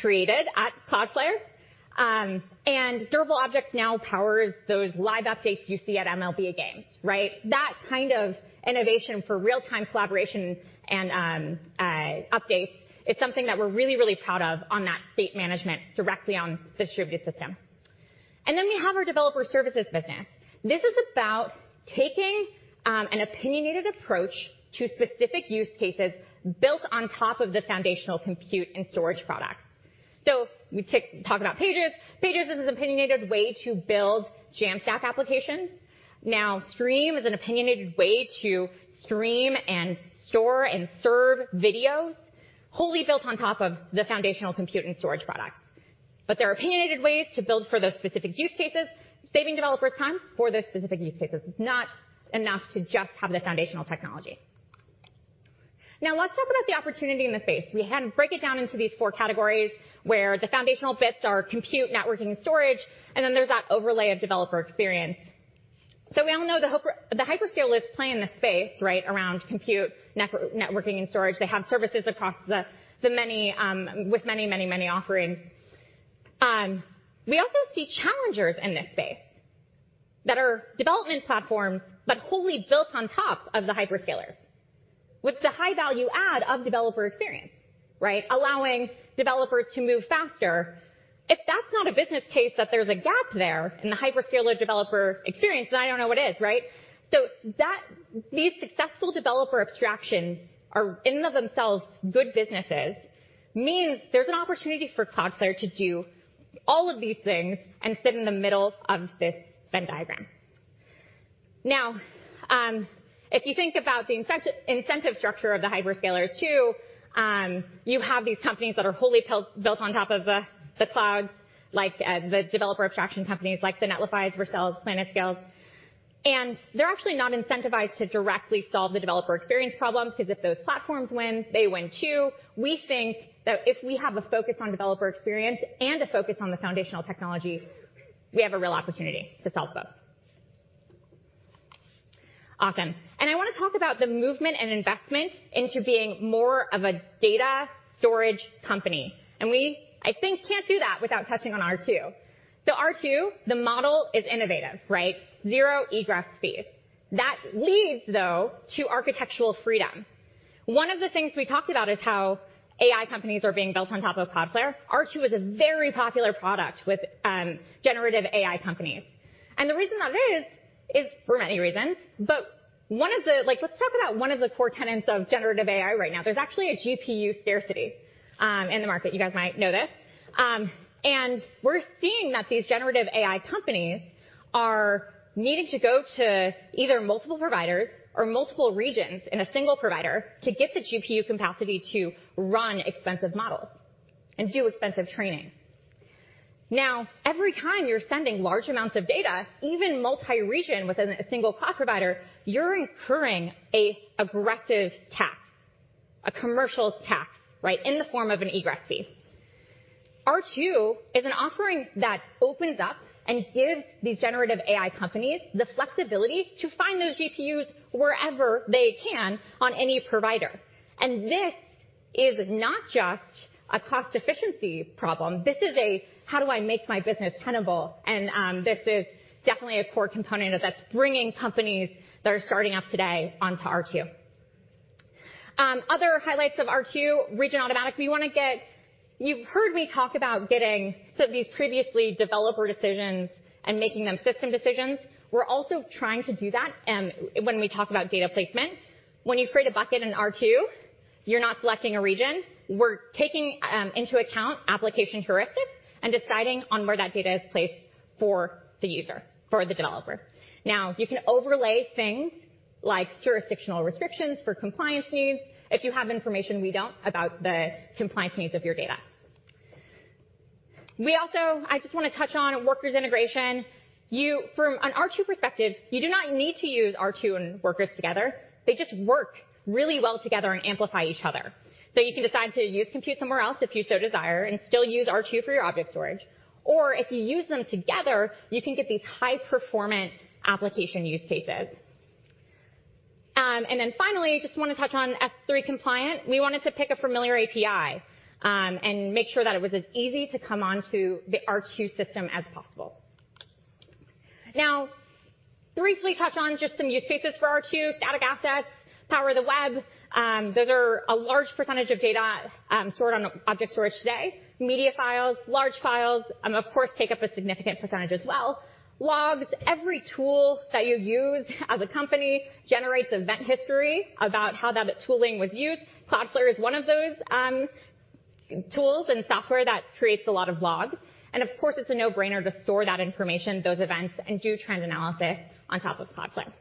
created at Cloudflare. And Durable Objects now powers those live updates you see at MLB games, right? That kind of innovation for real-time collaboration and updates is something that we're really proud of on that state management directly on distributed system. We have our developer services business. This is about taking an opinionated approach to specific use cases built on top of the foundational compute and storage products. We talk about Pages. Pages is an opinionated way to build Jamstack applications. Stream is an opinionated way to stream and store and serve videos wholly built on top of the foundational compute and storage products. They're opinionated ways to build for those specific use cases, saving developers time for those specific use cases. It's not enough to just have the foundational technology. Let's talk about the opportunity in the space. Break it down into these four categories, where the foundational bits are compute, networking, and storage, and then there's that overlay of developer experience. We all know the hyperscalers play in the space, right? Around compute, networking, and storage. They have services across the many, with many offerings. We also see challengers in this space that are development platforms, but wholly built on top of the hyperscalers with the high value add of developer experience, right? Allowing developers to move faster. If that's not a business case that there's a gap there in the hyperscaler developer experience, then I don't know what is, right? That these successful developer abstractions are in and of themselves good businesses means there's an opportunity for Cloudflare to do all of these things and sit in the middle of this Venn diagram. If you think about the incentive structure of the hyperscalers too, you have these companies that are wholly built on top of the cloud, like the developer abstraction companies like the Netlifys, Vercels, PlanetScales, they're actually not incentivized to directly solve the developer experience problem, 'cause if those platforms win, they win too. We think that if we have a focus on developer experience and a focus on the foundational technology, we have a real opportunity to solve both. Awesome. I wanna talk about the movement and investment into being more of a data storage company. We, I think, can't do that without touching on R2. R2, the model is innovative, right? Zero egress fees. That leads though to architectural freedom. One of the things we talked about is how AI companies are being built on top of Cloudflare. R2 is a very popular product with generative AI companies. The reason that is for many reasons, but Like, let's talk about one of the core tenets of generative AI right now. There's actually a GPU scarcity in the market. You guys might know this. We're seeing that these generative AI companies are needing to go to either multiple providers or multiple regions in a single provider to get the GPU capacity to run expensive models and do expensive training. Every time you're sending large amounts of data, even multi-region within a single cloud provider, you're incurring a aggressive tax, a commercial tax, right, in the form of an egress fee. R2 is an offering that opens up and gives these generative AI companies the flexibility to find those GPUs wherever they can on any provider. This is not just a cost efficiency problem. This is a, how do I make my business tenable? This is definitely a core component of that's bringing companies that are starting up today onto R2. Other highlights of R2, region automatic. We wanna get. You've heard me talk about getting these previously developer decisions and making them system decisions. We're also trying to do that when we talk about data placement. When you create a bucket in R2, you're not selecting a region. We're taking into account application heuristics and deciding on where that data is placed for the user, for the developer. You can overlay things like jurisdictional restrictions for compliance needs if you have information we don't about the compliance needs of your data. We also, I just wanna touch on Workers integration. From an R2 perspective, you do not need to use R2 and Workers together. They just work really well together and amplify each other. You can decide to use Compute somewhere else if you so desire, and still use R2 for your object storage, or if you use them together, you can get these high-performance application use cases. Finally, just wanna touch on S3 compliant. We wanted to pick a familiar API and make sure that it was as easy to come onto the R2 system as possible. Now, briefly touch on just some use cases for R2. Static assets power the web. Those are a large percentage of data stored on object storage today. Media files, large files, of course, take up a significant percentage as well. Logs. Every tool that you use as a company generates event history about how that tooling was used. Cloudflare is one of those, Tools and software that creates a lot of logs. Of course, it's a no-brainer to store that information, those events, and do trend analysis on top of Cloudflare.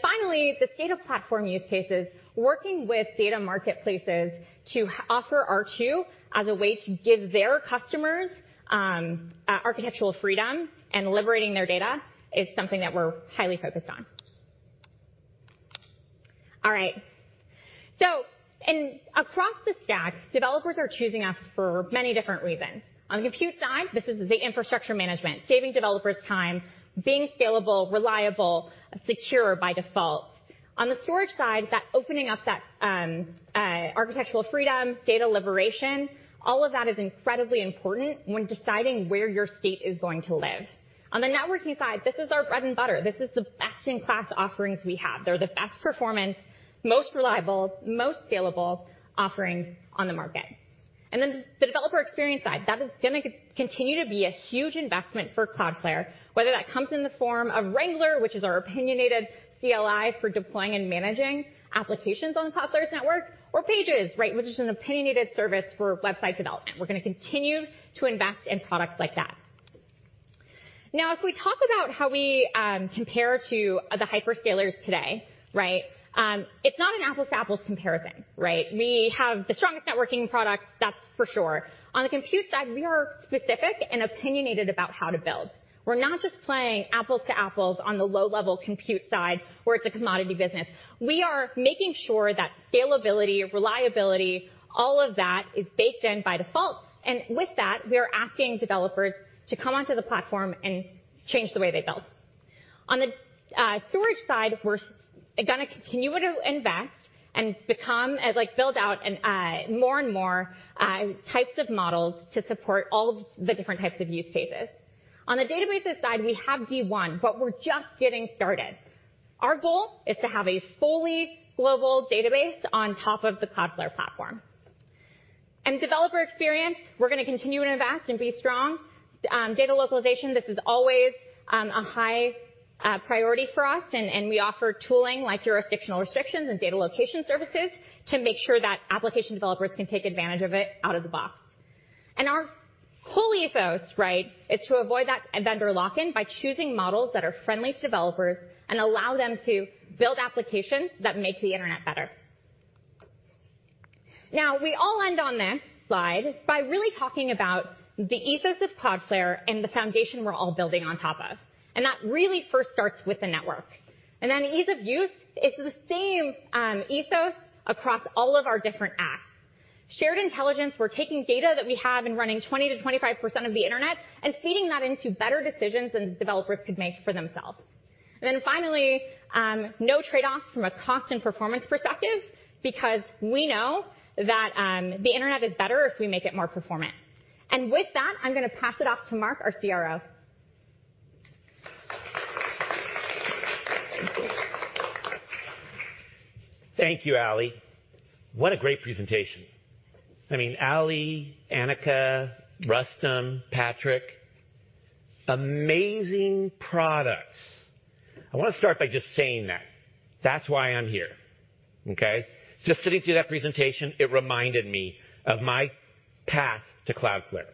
Finally, this data platform use cases, working with data marketplaces to offer R2 as a way to give their customers, architectural freedom and liberating their data is something that we're highly focused on. All right. Across the stack, developers are choosing us for many different reasons. On the compute side, this is the infrastructure management, saving developers time, being scalable, reliable, secure by default. On the storage side, that opening up that, architectural freedom, data liberation, all of that is incredibly important when deciding where your state is going to live. On the networking side, this is our bread and butter. This is the best-in-class offerings we have. They're the best performance, most reliable, most scalable offerings on the market. The developer experience side, that is gonna continue to be a huge investment for Cloudflare, whether that comes in the form of Wrangler, which is our opinionated CLI for deploying and managing applications on Cloudflare's network or Pages, right, which is an opinionated service for website development. We're gonna continue to invest in products like that. Now, if we talk about how we compare to the hyperscalers today, right? It's not an apples to apples comparison, right? We have the strongest networking products, that's for sure. On the compute side, we are specific and opinionated about how to build. We're not just playing apples to apples on the low level compute side where it's a commodity business. We are making sure that scalability, reliability, all of that is baked in by default. With that, we are asking developers to come onto the platform and change the way they build. On the storage side, we're gonna continue to invest and become as build out more and more types of models to support all of the different types of use cases. On the databases side, we have D1, but we're just getting started. Our goal is to have a fully global database on top of the Cloudflare platform. In developer experience, we're gonna continue to invest and be strong. Data localization, this is always a high priority for us, and we offer tooling like jurisdictional restrictions and data location services to make sure that application developers can take advantage of it out of the box. Our whole ethos, right, is to avoid that vendor lock-in by choosing models that are friendly to developers and allow them to build applications that make the Internet better. Now, we all end on this slide by really talking about the ethos of Cloudflare and the foundation we're all building on top of. That really first starts with the network. Then ease of use is the same ethos across all of our different apps. Shared intelligence, we're taking data that we have and running 20%-25% of the Internet and feeding that into better decisions than developers could make for themselves. Finally, no trade-offs from a cost and performance perspective because we know that the Internet is better if we make it more performant. With that, I'm gonna pass it off to Marc, our CRO. Thank you, Aly. What a great presentation. I mean, Aly, Annika, Rustam, Patrick, amazing products. I wanna start by just saying that. That's why I'm here. Okay? Just sitting through that presentation, it reminded me of my path to Cloudflare.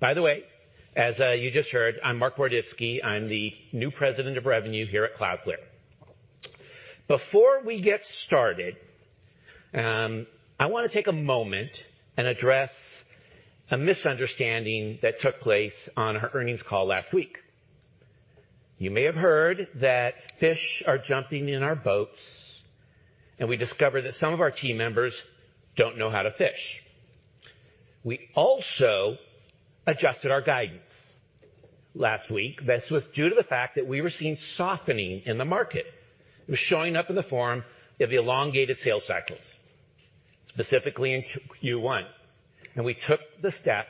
By the way, as you just heard, I'm Marc Boroditsky. I'm the new president of revenue here at Cloudflare. Before we get started, I wanna take a moment and address a misunderstanding that took place on our earnings call last week. You may have heard that fish are jumping in our boats, and we discovered that some of our team members don't know how to fish. We also adjusted our guidance last week. This was due to the fact that we were seeing softening in the market. It was showing up in the form of elongated sales cycles, specifically in Q-Q one. We took the step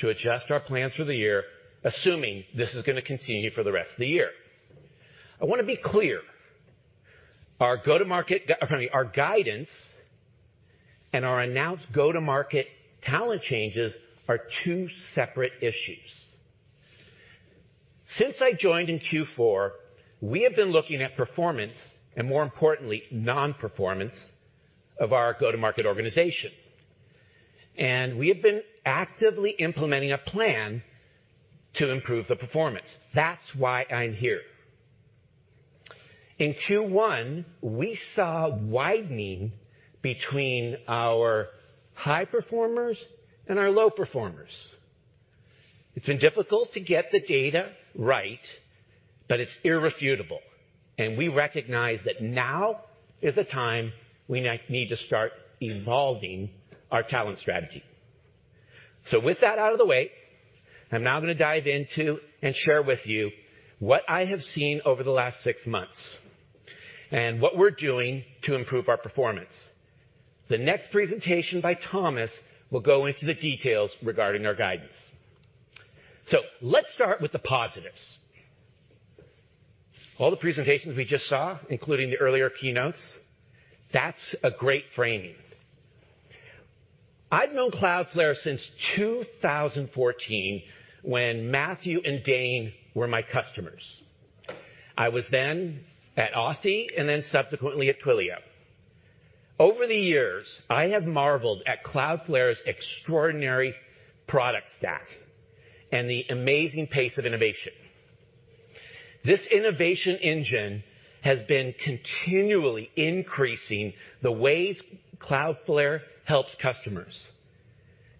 to adjust our plans for the year, assuming this is gonna continue for the rest of the year. I wanna be clear, our go-to-market, pardon me, our guidance and our announced go-to-market talent changes are two separate issues. Since I joined in Q4, we have been looking at performance and, more importantly, non-performance of our go-to-market organization. We have been actively implementing a plan to improve the performance. That's why I'm here. In Q1, we saw a widening between our high performers and our low performers. It's been difficult to get the data right, but it's irrefutable, and we recognize that now is the time we need to start evolving our talent strategy. With that out of the way, I'm now gonna dive into and share with you what I have seen over the last six months and what we're doing to improve our performance. The next presentation by Thomas will go into the details regarding our guidance. Let's start with the positives. All the presentations we just saw, including the earlier keynotes, that's a great framing. I've known Cloudflare since 2014 when Matthew and Dane were my customers. I was then at Authy and then subsequently at Twilio. Over the years, I have marveled at Cloudflare's extraordinary product stack and the amazing pace of innovation. This innovation engine has been continually increasing the ways Cloudflare helps customers.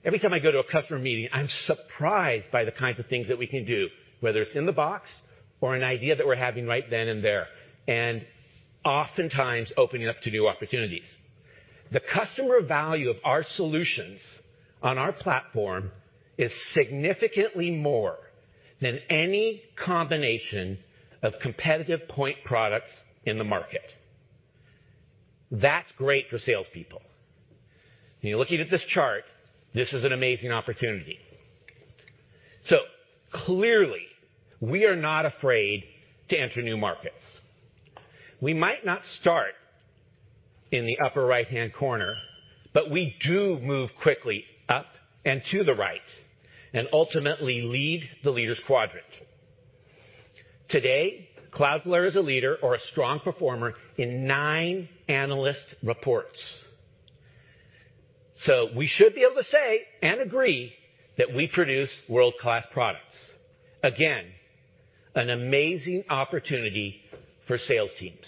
Every time I go to a customer meeting, I'm surprised by the kinds of things that we can do, whether it's in the box or an idea that we're having right then and there, and oftentimes opening up to new opportunities. The customer value of our solutions on our platform is significantly more than any combination of competitive point products in the market. That's great for salespeople. When you're looking at this chart, this is an amazing opportunity. Clearly we are not afraid to enter new markets. We might not start in the upper right-hand corner, but we do move quickly up and to the right and ultimately lead the Leaders Quadrant. Today, Cloudflare is a leader or a strong performer in nine analyst reports. We should be able to say and agree that we produce world-class products. Again, an amazing opportunity for sales teams.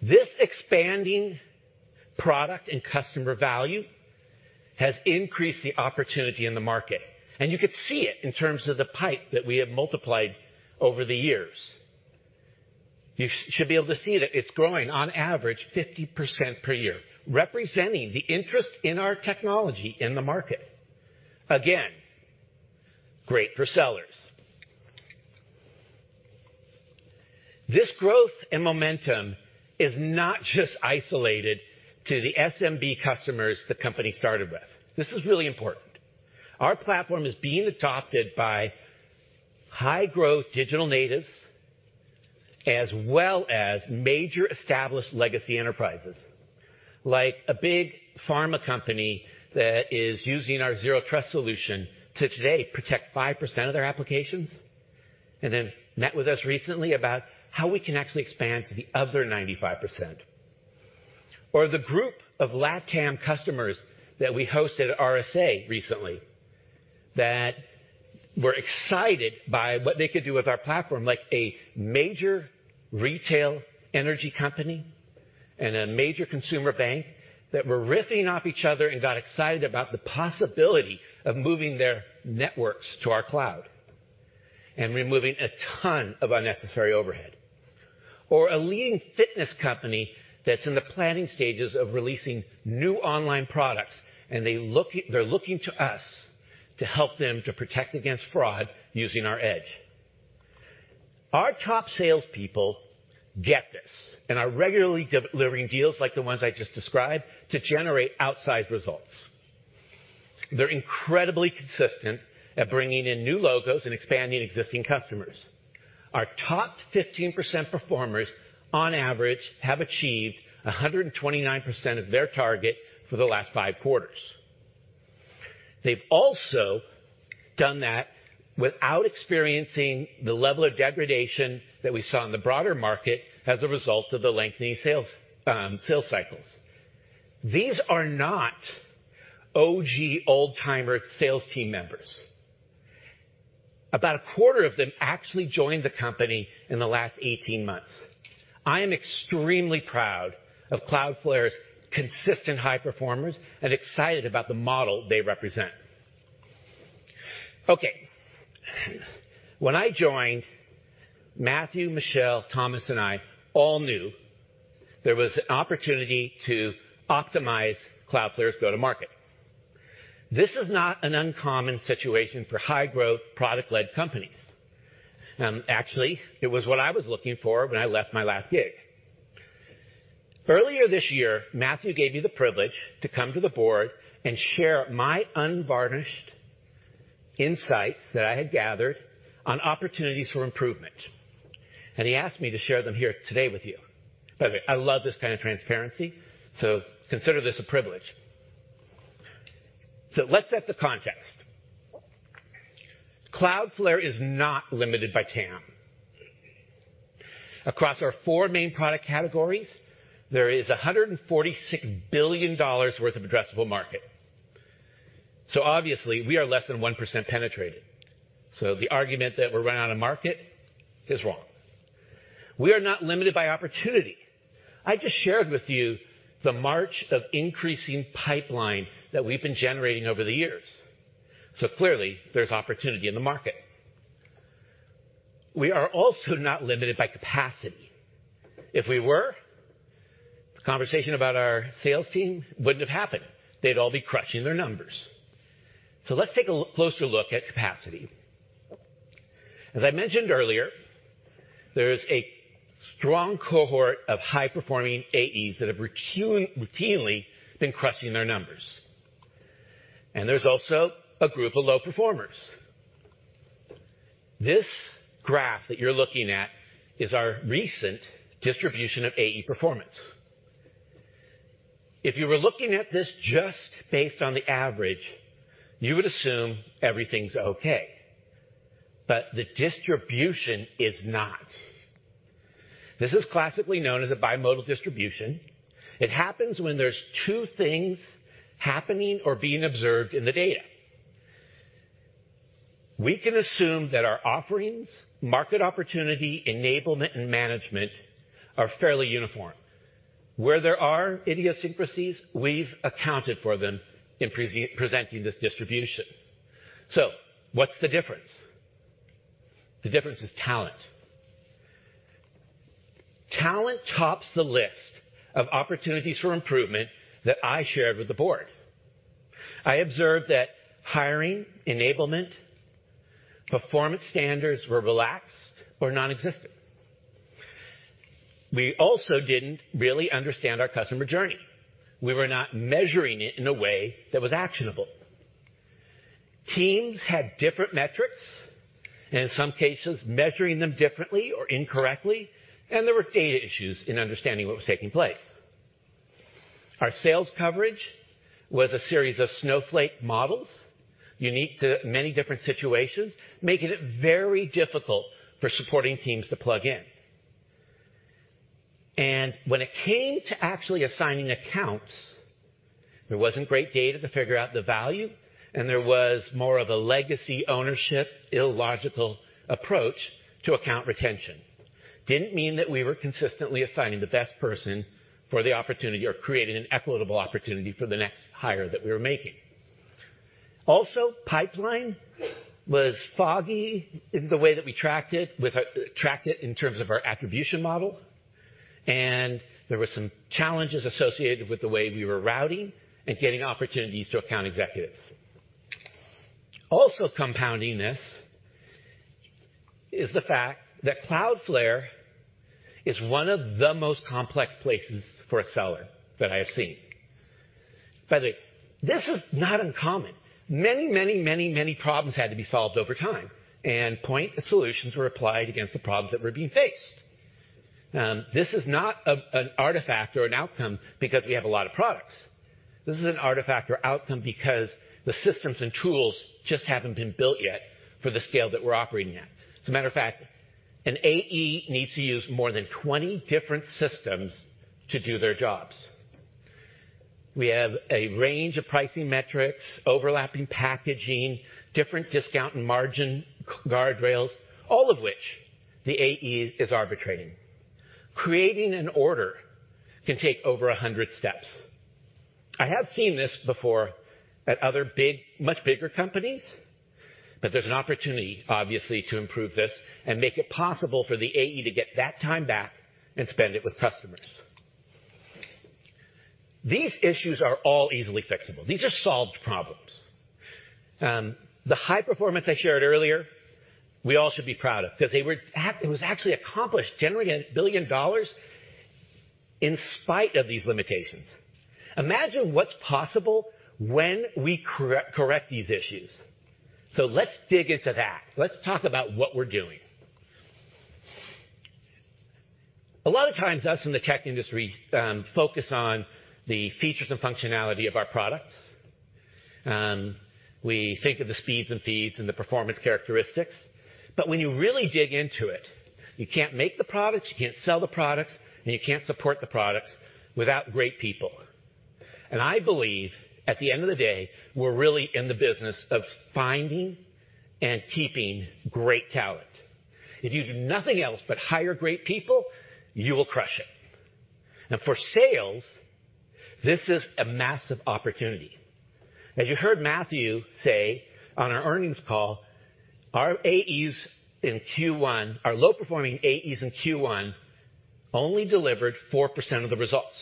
This expanding product and customer value has increased the opportunity in the market, and you could see it in terms of the pipe that we have multiplied over the years. You should be able to see that it's growing on average 50% per year, representing the interest in our technology in the market. Again, great for sellers. This growth and momentum is not just isolated to the SMB customers the company started with. This is really important. Our platform is being adopted by high-growth digital natives as well as major established legacy enterprises. Like a big pharma company that is using our Zero Trust solution to today protect 5% of their applications, and then met with us recently about how we can actually expand to the other 95%. The group of LatAm customers that we hosted at RSA recently that were excited by what they could do with our platform. Like a major retail energy company and a major consumer bank that were riffing off each other and got excited about the possibility of moving their networks to our cloud and removing a ton of unnecessary overhead. A leading fitness company that's in the planning stages of releasing new online products, and they're looking to us to help them to protect against fraud using our edge. Our top salespeople get this and are regularly delivering deals like the ones I just described to generate outsized results. They're incredibly consistent at bringing in new logos and expanding existing customers. Our top 15% performers on average have achieved 129% of their target for the last five quarters. They've also done that without experiencing the level of degradation that we saw in the broader market as a result of the lengthening sales sales cycles. These are not OG old-timer sales team members. About a quarter of them actually joined the company in the last 18 months. I am extremely proud of Cloudflare's consistent high performers and excited about the model they represent. Okay. When I joined, Matthew, Michelle, Thomas, and I all knew there was an opportunity to optimize Cloudflare's go-to-market. This is not an uncommon situation for high-growth, product-led companies. Actually, it was what I was looking for when I left my last gig. Earlier this year, Matthew gave me the privilege to come to the board and share my unvarnished insights that I had gathered on opportunities for improvement, and he asked me to share them here today with you. By the way, I love this kind of transparency, so consider this a privilege. Let's set the context. Cloudflare is not limited by TAM. Across our four main product categories, there is $146 billion worth of addressable market. Obviously we are less than 1% penetrated. The argument that we're running out of market is wrong. We are not limited by opportunity. I just shared with you the march of increasing pipeline that we've been generating over the years. Clearly there's opportunity in the market. We are also not limited by capacity. If we were, the conversation about our sales team wouldn't have happened. They'd all be crushing their numbers. Let's take a closer look at capacity. As I mentioned earlier, there is a strong cohort of high-performing AEs that have routinely been crushing their numbers, and there's also a group of low performers. This graph that you're looking at is our recent distribution of AE performance. If you were looking at this just based on the average, you would assume everything's okay, but the distribution is not. This is classically known as a bimodal distribution. It happens when there's two things happening or being observed in the data. We can assume that our offerings, market opportunity, enablement, and management are fairly uniform. Where there are idiosyncrasies, we've accounted for them in presenting this distribution. What's the difference? The difference is talent. Talent tops the list of opportunities for improvement that I shared with the board. I observed that hiring, enablement, performance standards were relaxed or nonexistent. We also didn't really understand our customer journey. We were not measuring it in a way that was actionable. Teams had different metrics, and in some cases, measuring them differently or incorrectly, and there were data issues in understanding what was taking place. Our sales coverage was a series of snowflake models unique to many different situations, making it very difficult for supporting teams to plug in. When it came to actually assigning accounts, there wasn't great data to figure out the value, and there was more of a legacy ownership, illogical approach to account retention. Didn't mean that we were consistently assigning the best person for the opportunity or creating an equitable opportunity for the next hire that we were making. Pipeline was foggy in the way that we tracked it with our tracked it in terms of our attribution model. There were some challenges associated with the way we were routing and getting opportunities to account executives. Also compounding this is the fact that Cloudflare is one of the most complex places for a seller that I have seen. By the way, this is not uncommon. Many problems had to be solved over time. Point solutions were applied against the problems that were being faced. This is not a, an artifact or an outcome because we have a lot of products. This is an artifact or outcome because the systems and tools just haven't been built yet for the scale that we're operating at. As a matter of fact, an AE needs to use more than 20 different systems to do their jobs. We have a range of pricing metrics, overlapping packaging, different discount and margin guardrails, all of which the AE is arbitrating. Creating an order can take over 100 steps. I have seen this before at other big, much bigger companies. There's an opportunity, obviously, to improve this and make it possible for the AE to get that time back and spend it with customers. These issues are all easily fixable. These are solved problems. The high performance I shared earlier, we all should be proud of because it was actually accomplished, generating $1 billion in spite of these limitations. Imagine what's possible when we correct these issues. Let's dig into that. Let's talk about what we're doing. A lot of times, us in the tech industry, focus on the features and functionality of our products. We think of the speeds and feeds and the performance characteristics, but when you really dig into it, you can't make the products, you can't sell the products, and you can't support the products without great people. I believe, at the end of the day, we're really in the business of finding and keeping great talent. If you do nothing else but hire great people, you will crush it. For sales, this is a massive opportunity. As you heard Matthew say on our earnings call, our AEs in Q1, our low-performing AEs in Q1 only delivered 4% of the results.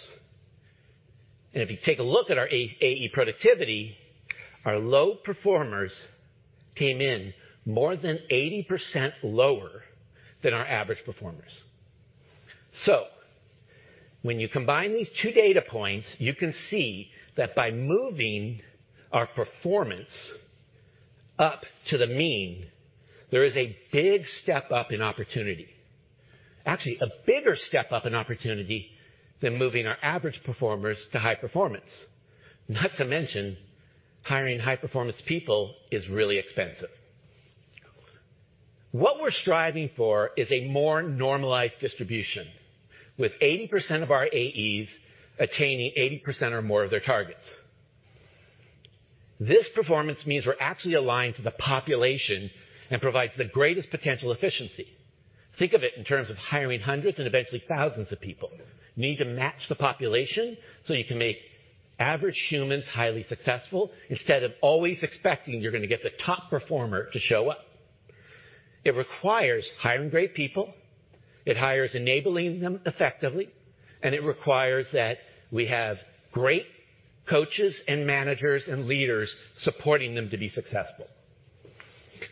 If you take a look at our A-AE productivity, our low performers came in more than 80% lower than our average performers. When you combine these two data points, you can see that by moving our performance up to the mean, there is a big step up in opportunity. Actually, a bigger step up in opportunity than moving our average performers to high performance. Not to mention, hiring high-performance people is really expensive. What we're striving for is a more normalized distribution, with 80% of our AEs attaining 80% or more of their targets. This performance means we're actually aligned to the population and provides the greatest potential efficiency. Think of it in terms of hiring hundreds and eventually thousands of people. You need to match the population so you can make average humans highly successful instead of always expecting you're gonna get the top performer to show up. It requires hiring great people, it hires enabling them effectively, and it requires that we have great coaches and managers and leaders supporting them to be successful.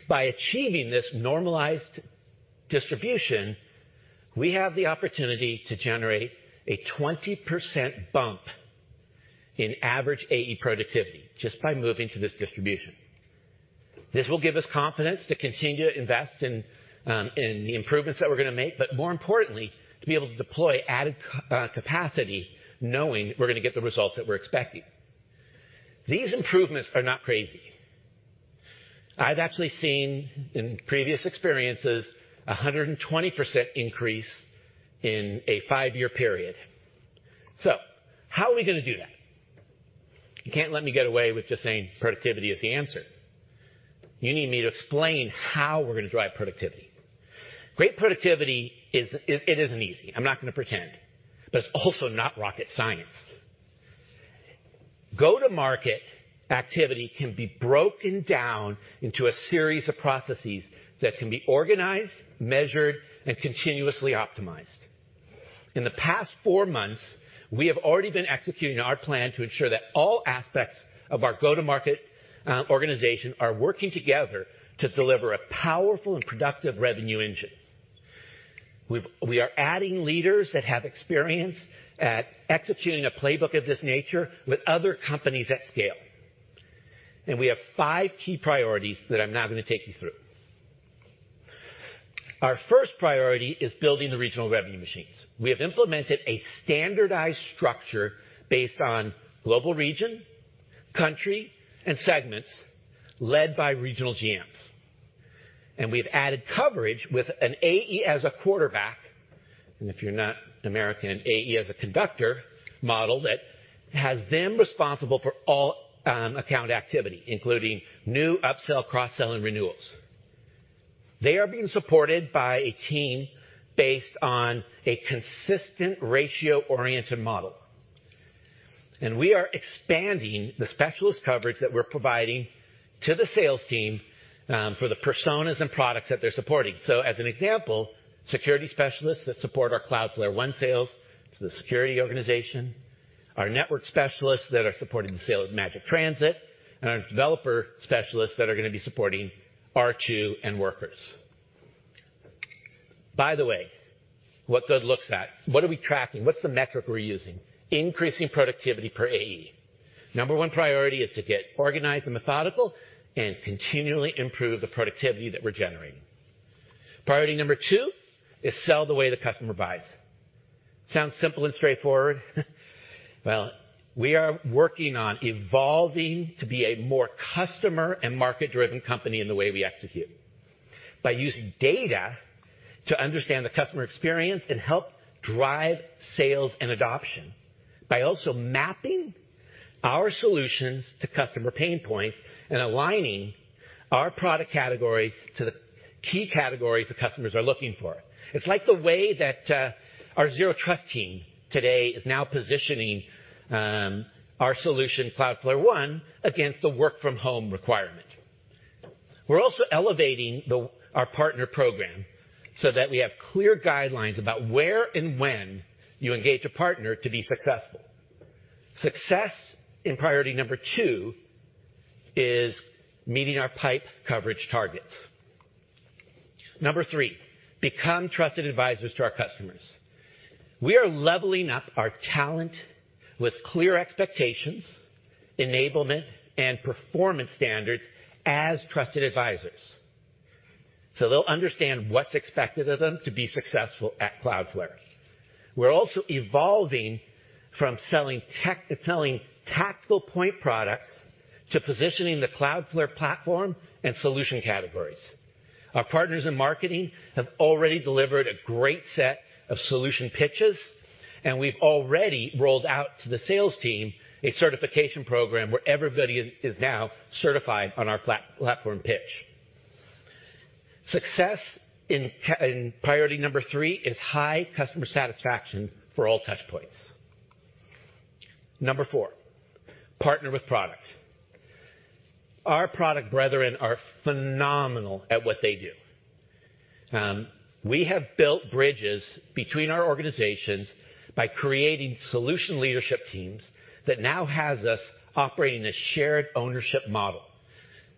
By achieving this normalized distribution, we have the opportunity to generate a 20% bump in average AE productivity just by moving to this distribution. This will give us confidence to continue to invest in the improvements that we're gonna make, but more importantly, to be able to deploy added capacity knowing we're gonna get the results that we're expecting. These improvements are not crazy. I've actually seen in previous experiences a 120% increase in a five-year period. How are we gonna do that? You can't let me get away with just saying productivity is the answer. You need me to explain how we're gonna drive productivity. Great productivity is it isn't easy, I'm not gonna pretend, but it's also not rocket science. Go-to-market activity can be broken down into a series of processes that can be organized, measured, and continuously optimized. In the past four months, we have already been executing our plan to ensure that all aspects of our go-to-market organization are working together to deliver a powerful and productive revenue engine. We are adding leaders that have experience at executing a playbook of this nature with other companies at scale. We have five key priorities that I'm now gonna take you through. Our first priority is building the regional revenue machines. We have implemented a standardized structure based on global region, country, and segments led by regional GMs. We've added coverage with an AE as a quarterback, and if you're not American, AE as a conductor model that has them responsible for all account activity, including new up-sell, cross-sell, and renewals. They are being supported by a team based on a consistent ratio-oriented model. We are expanding the specialist coverage that we're providing to the sales team, for the personas and products that they're supporting. As an example, security specialists that support our Cloudflare One sales to the security organization, our network specialists that are supporting the sale of Magic Transit, and our developer specialists that are gonna be supporting R2 and Workers. By the way, what good looks at? What are we tracking? What's the metric we're using? Increasing productivity per AE. Number one priority is to get organized and methodical and continually improve the productivity that we're generating. Priority two is sell the way the customer buys. Sounds simple and straightforward. Well, we are working on evolving to be a more customer and market-driven company in the way we execute. By using data to understand the customer experience and help drive sales and adoption. By also mapping our solutions to customer pain points and aligning our product categories to the key categories the customers are looking for. It's like the way that our Zero Trust team today is now positioning our solution, Cloudflare One, against the work from home requirement. We're also elevating our partner program so that we have clear guidelines about where and when you engage a partner to be successful. Success in priority two is meeting our pipe coverage targets. three, become trusted advisors to our customers. We are leveling up our talent with clear expectations, enablement, and performance standards as trusted advisors, so they'll understand what's expected of them to be successful at Cloudflare. We're also evolving from selling tactical point products to positioning the Cloudflare platform and solution categories. Our partners in marketing have already delivered a great set of solution pitches, and we've already rolled out to the sales team a certification program where everybody is now certified on our platform pitch. Success in priority number three is high customer satisfaction for all touch points. Number four, partner with product. Our product brethren are phenomenal at what they do. We have built bridges between our organizations by creating solution leadership teams that now has us operating a shared ownership model.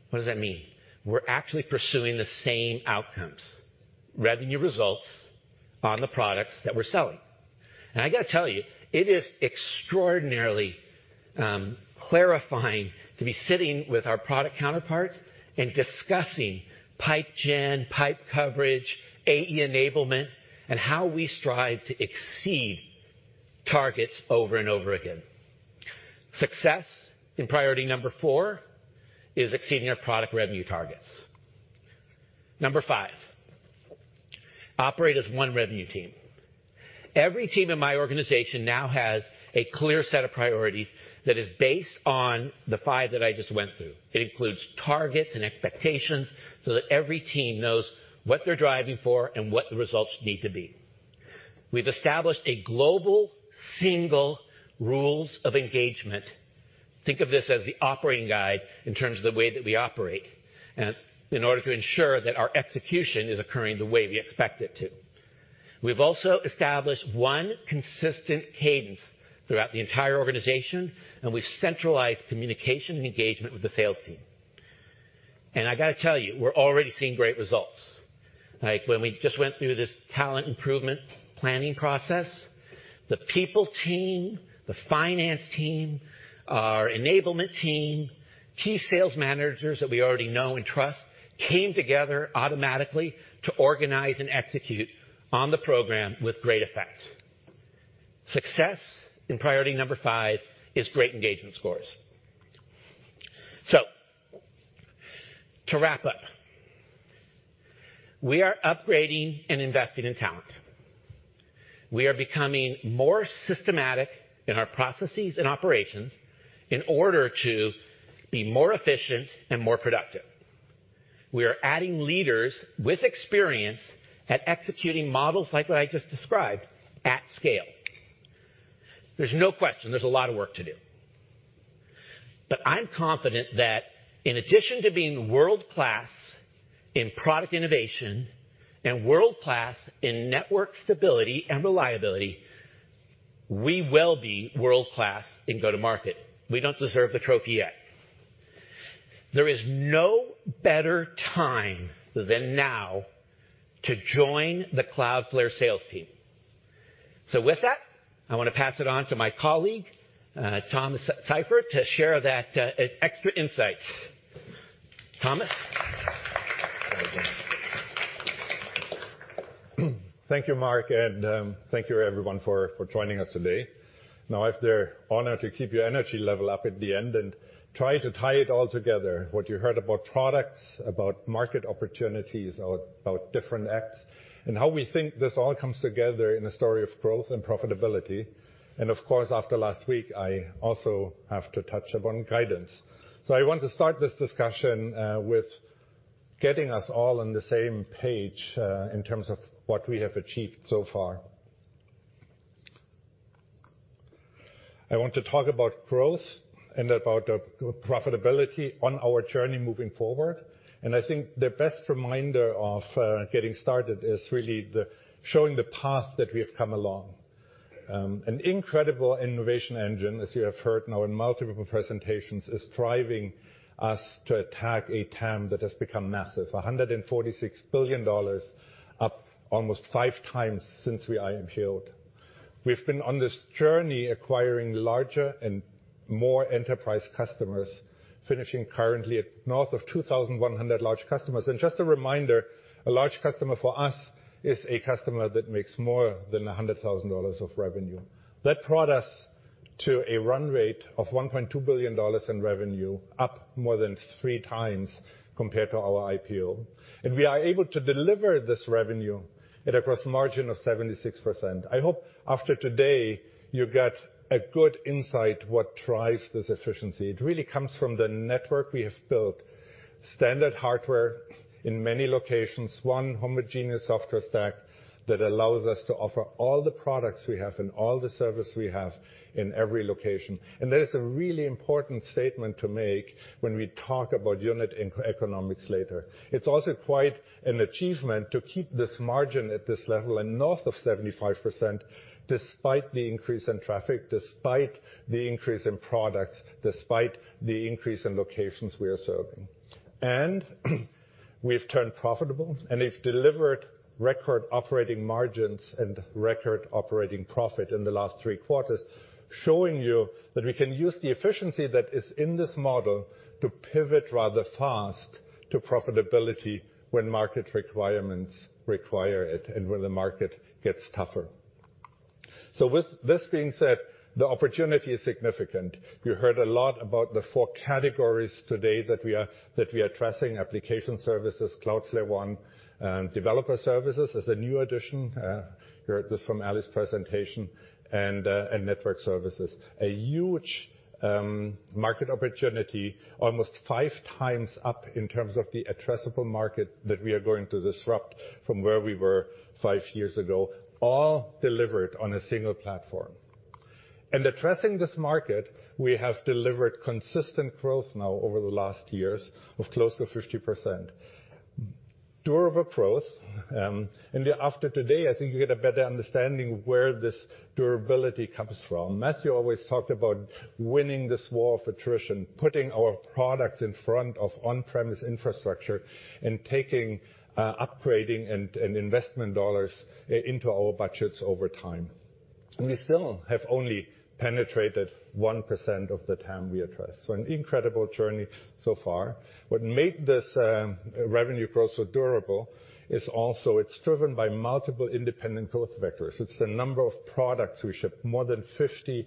What does that mean? We're actually pursuing the same outcomes, revenue results on the products that we're selling. I gotta tell you, it is extraordinarily clarifying to be sitting with our product counterparts and discussing pipe gen, pipe coverage, AE enablement, and how we strive to exceed targets over and over again. Success in priority number four is exceeding our product revenue targets. Number five, operate as one revenue team. Every team in my organization now has a clear set of priorities that is based on the five that I just went through. It includes targets and expectations so that every team knows what they're driving for and what the results need to be. We've established a global single rules of engagement. Think of this as the operating guide in terms of the way that we operate in order to ensure that our execution is occurring the way we expect it to. We've also established one consistent cadence throughout the entire organization, and we've centralized communication and engagement with the sales team. I gotta tell you, we're already seeing great results. Like when we just went through this talent improvement planning process, the people team, the finance team, our enablement team, key sales managers that we already know and trust, came together automatically to organize and execute on the program with great effect. Success in priority number five is great engagement scores. To wrap up, we are upgrading and investing in talent. We are becoming more systematic in our processes and operations in order to be more efficient and more productive. We are adding leaders with experience at executing models like what I just described at scale. There's no question there's a lot of work to do. I'm confident that in addition to being world-class in product innovation and world-class in network stability and reliability, we will be world-class in go-to-market. We don't deserve the trophy yet. There is no better time than now to join the Cloudflare sales team. With that, I wanna pass it on to my colleague, Thomas Seifert, to share that extra insights. Thomas? Thank you, Marc, and thank you everyone for joining us today. Now, if they're honored to keep your energy level up at the end and try to tie it all together, what you heard about products, about market opportunities or about different acts, and how we think this all comes together in a story of growth and profitability. Of course, after last week, I also have to touch upon guidance. I want to start this discussion with getting us all on the same page in terms of what we have achieved so far. I want to talk about growth and about our profitability on our journey moving forward. I think the best reminder of getting started is really the showing the path that we have come along. An incredible innovation engine, as you have heard now in multiple presentations, is driving us to attack a TAM that has become massive. $146 billion, up almost 5 times since we IPOed. We've been on this journey acquiring larger and more enterprise customers, finishing currently at north of 2,100 large customers. Just a reminder, a large customer for us is a customer that makes more than $100,000 of revenue. That brought us to a run rate of $1.2 billion in revenue, up more than 3 times compared to our IPO. We are able to deliver this revenue at a gross margin of 76%. I hope after today, you get a good insight what drives this efficiency. It really comes from the network we have built, standard hardware in many locations, one homogeneous software stack that allows us to offer all the products we have and all the service we have in every location. That is a really important statement to make when we talk about unit economics later. It's also quite an achievement to keep this margin at this level and north of 75% despite the increase in traffic, despite the increase in products, despite the increase in locations we are serving. We've turned profitable and we've delivered record operating margins and record operating profit in the last three quarters, showing you that we can use the efficiency that is in this model to pivot rather fast to profitability when market requirements require it and when the market gets tougher. With this being said, the opportunity is significant. You heard a lot about the four categories today that we are addressing application services, Cloudflare One, developer services as a new addition, you heard this from Ali's presentation, and network services. A huge market opportunity, almost five times up in terms of the addressable market that we are going to disrupt from where we were five years ago, all delivered on a single platform. Addressing this market, we have delivered consistent growth now over the last years of close to 50%. Durable growth, after today, I think you get a better understanding of where this durability comes from. Matthew always talked about winning this war of attrition, putting our products in front of on-premise infrastructure and taking upgrading and investment dollars into our budgets over time. We still have only penetrated 1% of the TAM we address. An incredible journey so far. What made this revenue growth so durable is also it's driven by multiple independent growth vectors. It's the number of products we ship. More than 50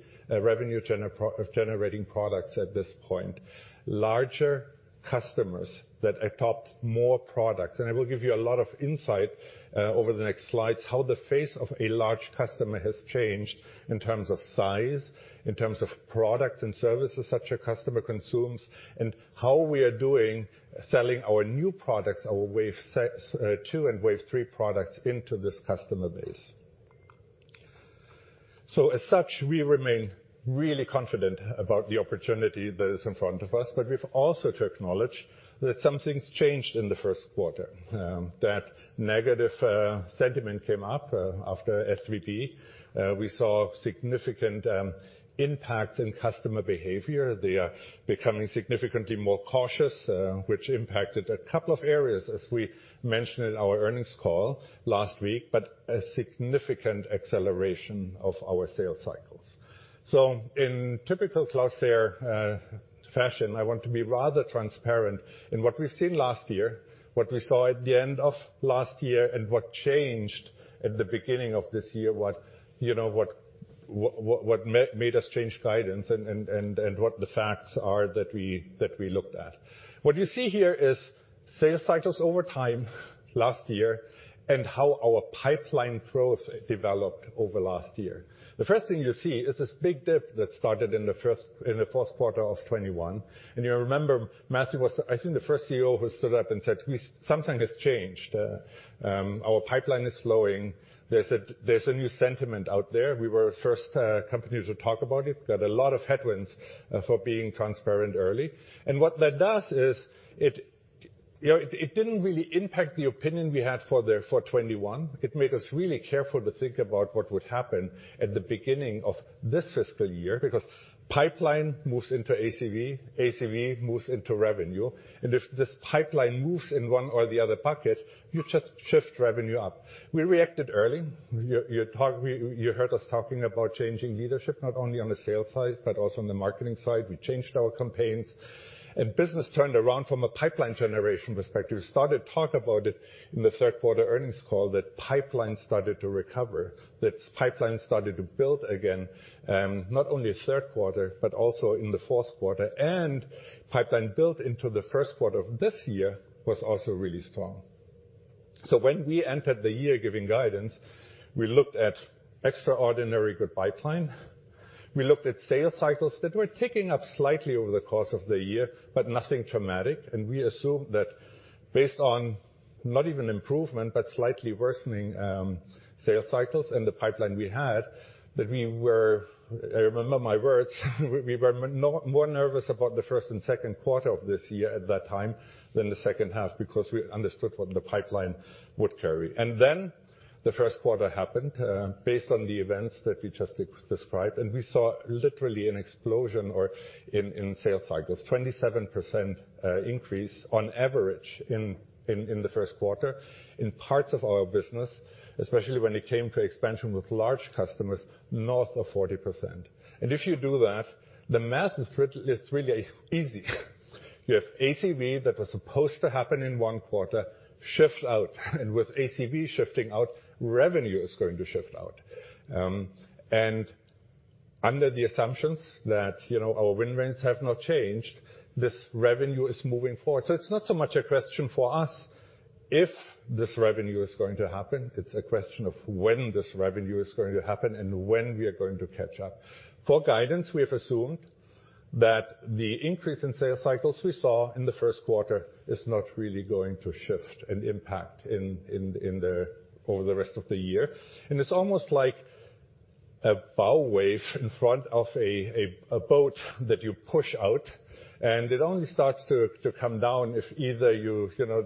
generating products at this point. Larger customers that adopt more products. I will give you a lot of insight over the next slides, how the face of a large customer has changed in terms of size, in terms of products and services such a customer consumes, and how we are doing selling our new products, our Wave Sets, two and Wave three products into this customer base. As such, we remain really confident about the opportunity that is in front of us. We've also to acknowledge that something's changed in the first quarter. That negative sentiment came up after SVB. We saw significant impacts in customer behavior. They are becoming significantly more cautious, which impacted a couple of areas, as we mentioned in our earnings call last week, but a significant acceleration of our sales cycle. In typical Cloudflare fashion, I want to be rather transparent in what we've seen last year, what we saw at the end of last year, and what changed at the beginning of this year, what, you know, what made us change guidance and what the facts are that we looked at. What you see here is sales cycles over time last year and how our pipeline growth developed over last year. The first thing you see is this big dip that started in the fourth quarter of 2021. You remember Matthew was, I think the 1st CEO who stood up and said, "Something has changed. Our pipeline is slowing. There's a new sentiment out there." We were 1st company to talk about it, got a lot of headwinds for being transparent early. What that does is it, you know, it didn't really impact the opinion we had for 2021. It made us really careful to think about what would happen at the beginning of this fiscal year, because pipeline moves into ACV moves into revenue. If this pipeline moves in one or the other bucket, you just shift revenue up. We reacted early. You heard us talking about changing leadership, not only on the sales side, but also on the marketing side. We changed our campaigns. Business turned around from a pipeline generation perspective. Started talk about it in the third quarter earnings call that pipeline started to recover, that pipeline started to build again, not only third quarter, but also in the fourth quarter. Pipeline built into the first quarter of this year was also really strong. When we entered the year giving guidance, we looked at extraordinary good pipeline. We looked at sales cycles that were ticking up slightly over the course of the year, but nothing dramatic. We assumed that based on not even improvement, but slightly worsening, sales cycles and the pipeline we had, that we were, remember my words, we were more nervous about the first and second quarter of this year at that time than the second half, because we understood what the pipeline would carry. The first quarter happened, based on the events that we just described, and we saw literally an explosion or in sales cycles, 27% increase on average in the first quarter in parts of our business, especially when it came to expansion with large customers, north of 40%. If you do that, the math is really easy. You have ACV that was supposed to happen in one quarter, shift out. With ACV shifting out, revenue is going to shift out. Under the assumptions that, you know, our win rates have not changed, this revenue is moving forward. It's not so much a question for us if this revenue is going to happen. It's a question of when this revenue is going to happen and when we are going to catch up. For guidance, we have assumed that the increase in sales cycles we saw in the first quarter is not really going to shift and impact in the, over the rest of the year. It's almost like a bow wave in front of a boat that you push out, and it only starts to come down if either you know,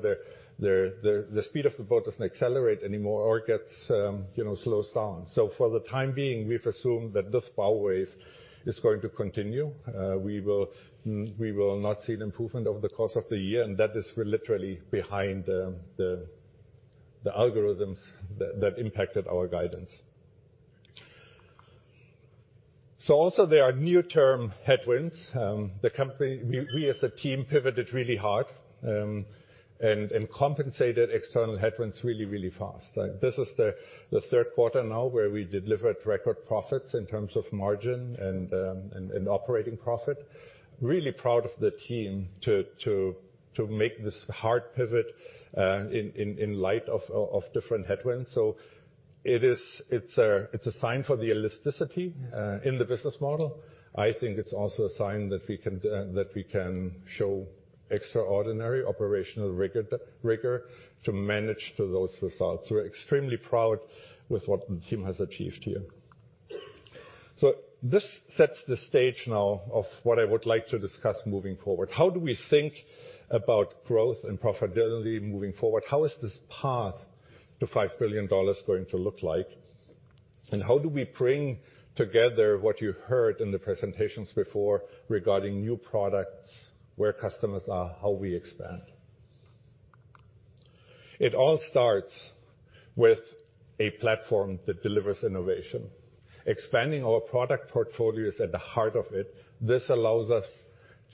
the speed of the boat doesn't accelerate anymore or it gets, you know, slows down. For the time being, we've assumed that this bow wave is going to continue. We will not see an improvement over the course of the year, and that is literally behind the algorithms that impacted our guidance. Also there are near-term headwinds. The company, we as a team pivoted really hard, and compensated external headwinds really fast. This is the third quarter now where we delivered record profits in terms of margin and operating profit. Really proud of the team to make this hard pivot in light of different headwinds. It's a sign for the elasticity in the business model. I think it's also a sign that we can show extraordinary operational rigor to manage to those results. We're extremely proud with what the team has achieved here. This sets the stage now of what I would like to discuss moving forward. How do we think about growth and profitability moving forward? How is this path to $5 billion going to look like? How do we bring together what you heard in the presentations before regarding new products, where customers are, how we expand? It all starts with a platform that delivers innovation. Expanding our product portfolio is at the heart of it. This allows us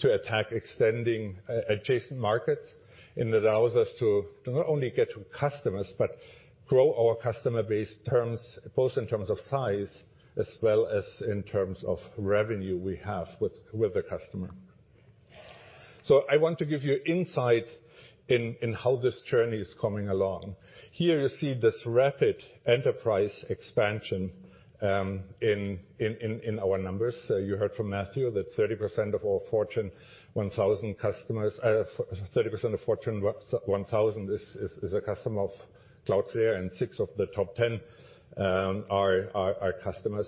to attack extending adjacent markets, and allows us to not only get to customers, but grow our customer base terms, both in terms of size as well as in terms of revenue we have with the customer. I want to give you insight in how this journey is coming along. Here you see this rapid enterprise expansion in our numbers. You heard from Matthew that 30% of all Fortune 1000 customers, 30% of Fortune 1000 is a customer of Cloudflare, and six of the top 10 are customers.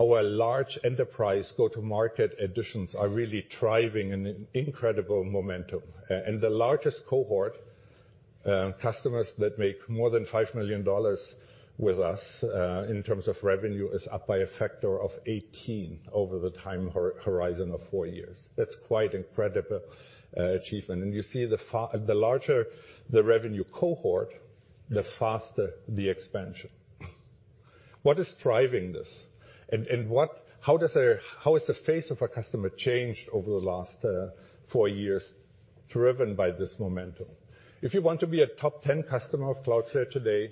Our large enterprise go-to-market additions are really thriving and in incredible momentum. The largest cohort, customers that make more than $5 million with us, in terms of revenue is up by a factor of 18 over the horizon of four years. That's quite incredible achievement. You see the larger the revenue cohort, the faster the expansion. What is driving this? How has the face of our customer changed over the last four years driven by this momentum? If you want to be a top 10 customer of Cloudflare today,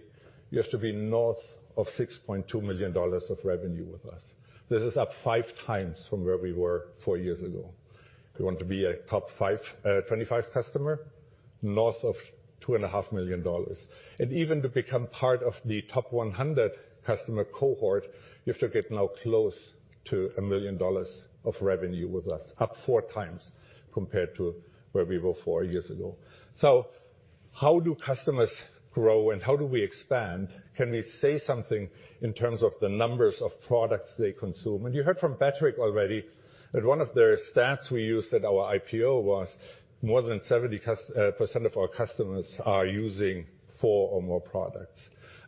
you have to be north of $6.2 million of revenue with us. This is up 5x from where we were four years ago. If you want to be a top five, 25 customer, north of two and a half million dollars. Even to become part of the top 100 customer cohort, you have to get now close to $1 million of revenue with us, up 4 x compared to where we were four years ago. How do customers grow, and how do we expand? Can we say something in terms of the numbers of products they consume? You heard from Patrick already that one of the stats we used at our IPO was more than 70% of our customers are using four or more products.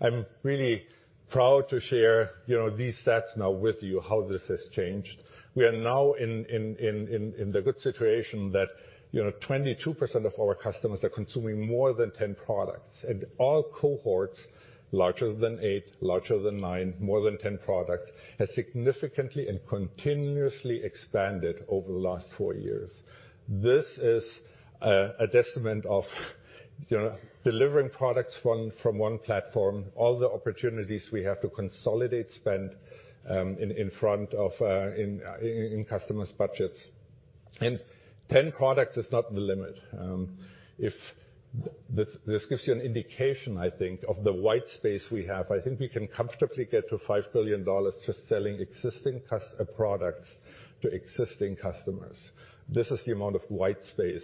I'm really proud to share, you know, these stats now with you, how this has changed. We are now in the good situation that, you know, 22% of our customers are consuming more than 10 products. All cohorts larger than eight, larger than nine, more than 10 products, have significantly and continuously expanded over the last four years. This is a testament of, you know, delivering products from one platform, all the opportunities we have to consolidate spend in front of customer's budgets. 10 products is not the limit. This gives you an indication, I think, of the white space we have. I think we can comfortably get to $5 billion just selling existing products to existing customers. This is the amount of white space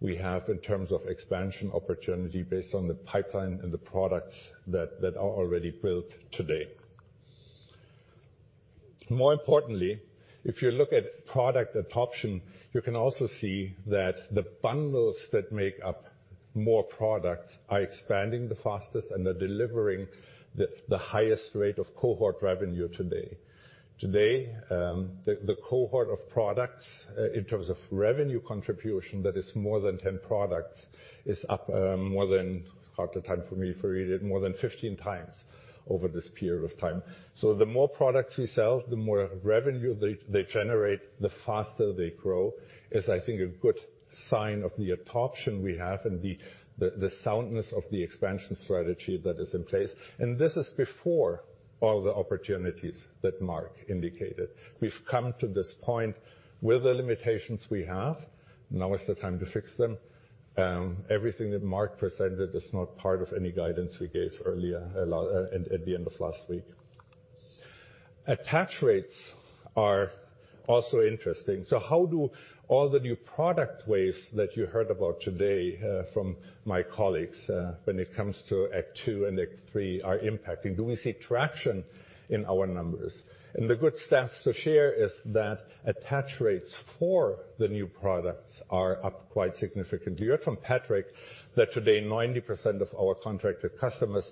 we have in terms of expansion opportunity based on the pipeline and the products that are already built today. More importantly, if you look at product adoption, you can also see that the bundles that make up more products are expanding the fastest and are delivering the highest rate of cohort revenue today. Today, the cohort of products in terms of revenue contribution that is more than 10 products is up, more than hard to time for me to read it, more than 15x over this period of time. The more products we sell, the more revenue they generate, the faster they grow. It's, I think, a good sign of the adoption we have and the soundness of the expansion strategy that is in place. This is before all the opportunities that Marc indicated. We've come to this point with the limitations we have. Now is the time to fix them. Everything that Marc presented is not part of any guidance we gave earlier, at the end of last week. Attach rates are also interesting. How do all the new product waves that you heard about today, from my colleagues, when it comes to act two and act three, are impacting? Do we see traction in our numbers? The good stats to share is that attach rates for the new products are up quite significantly. You heard from Patrick that today 90% of our contracted customers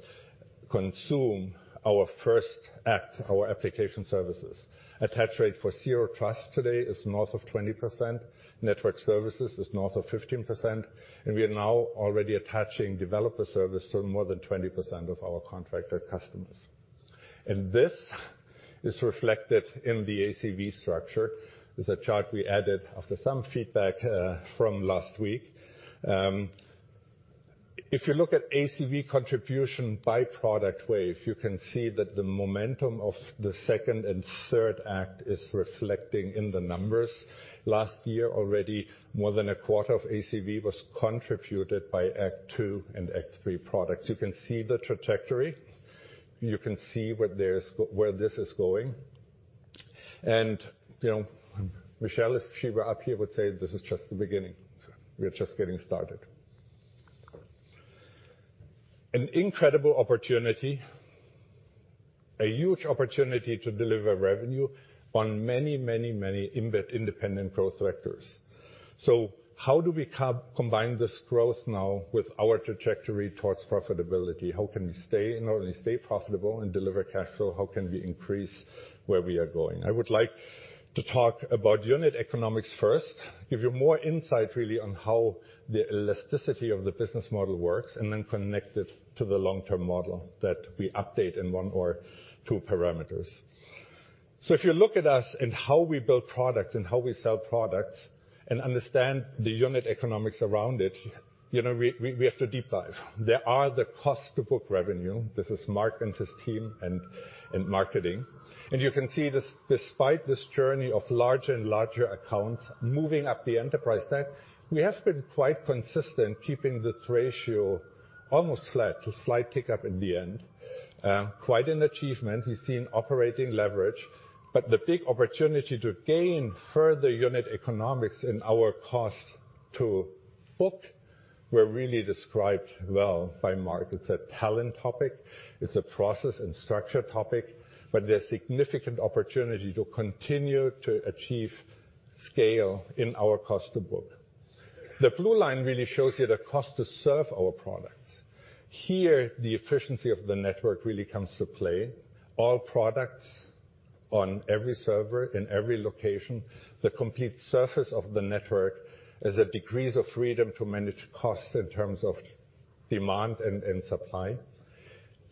consume our first act, our application services. Attach rate for Zero Trust today is north of 20%. Network services is north of 15%. We are now already attaching developer service to more than 20% of our contracted customers. This is reflected in the ACV structure. There's a chart we added after some feedback from last week. If you look at ACV contribution by product wave, you can see that the momentum of the second and third act is reflecting in the numbers. Last year, already, more than a quarter of ACV was contributed by act two and act three products. You can see the trajectory. You can see where this is going. You know, Michelle, if she were up here, would say, "This is just the beginning. We're just getting started." An incredible opportunity, a huge opportunity to deliver revenue on many independent growth vectors. How do we combine this growth now with our trajectory towards profitability? How can we stay, not only stay profitable and deliver cash flow, how can we increase where we are going? I would like to talk about unit economics first, give you more insight, really, on how the elasticity of the business model works, and then connect it to the long-term model that we update in one or two parameters. If you look at us and how we build products and how we sell products and understand the unit economics around it, you know, we have to deep dive. There are the cost to book revenue. This is Marc and his team and marketing. You can see this, despite this journey of larger and larger accounts moving up the enterprise stack, we have been quite consistent keeping the ratio almost flat to slight kick up in the end. Quite an achievement. We've seen operating leverage, but the big opportunity to gain further unit economics in our cost to book were really described well by Marc. It's a talent topic. It's a process and structure topic, but there's significant opportunity to continue to achieve scale in our cost to book. The blue line really shows you the cost to serve our products. Here, the efficiency of the network really comes to play. All products-On every server, in every location, the complete surface of the network is a degrees of freedom to manage costs in terms of demand and supply.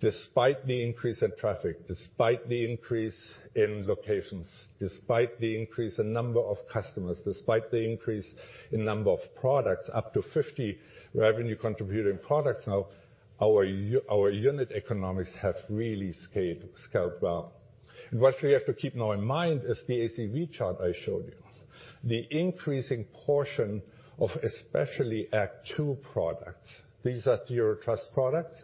Despite the increase in traffic, despite the increase in locations, despite the increase in number of customers, despite the increase in number of products up to 50 revenue-contributing products now, our unit economics have really scaled well. What we have to keep now in mind is the ACV chart I showed you. The increasing portion of especially Act Two products. These are Zero Trust products.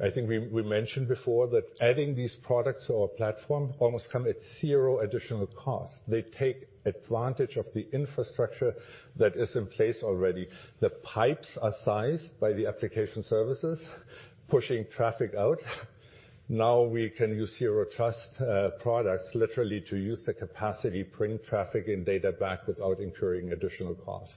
I think we mentioned before that adding these products to our platform almost come at zero additional cost. They take advantage of the infrastructure that is in place already. The pipes are sized by the application services, pushing traffic out. Now we can use Zero Trust products literally to use the capacity, bring traffic and data back without incurring additional cost.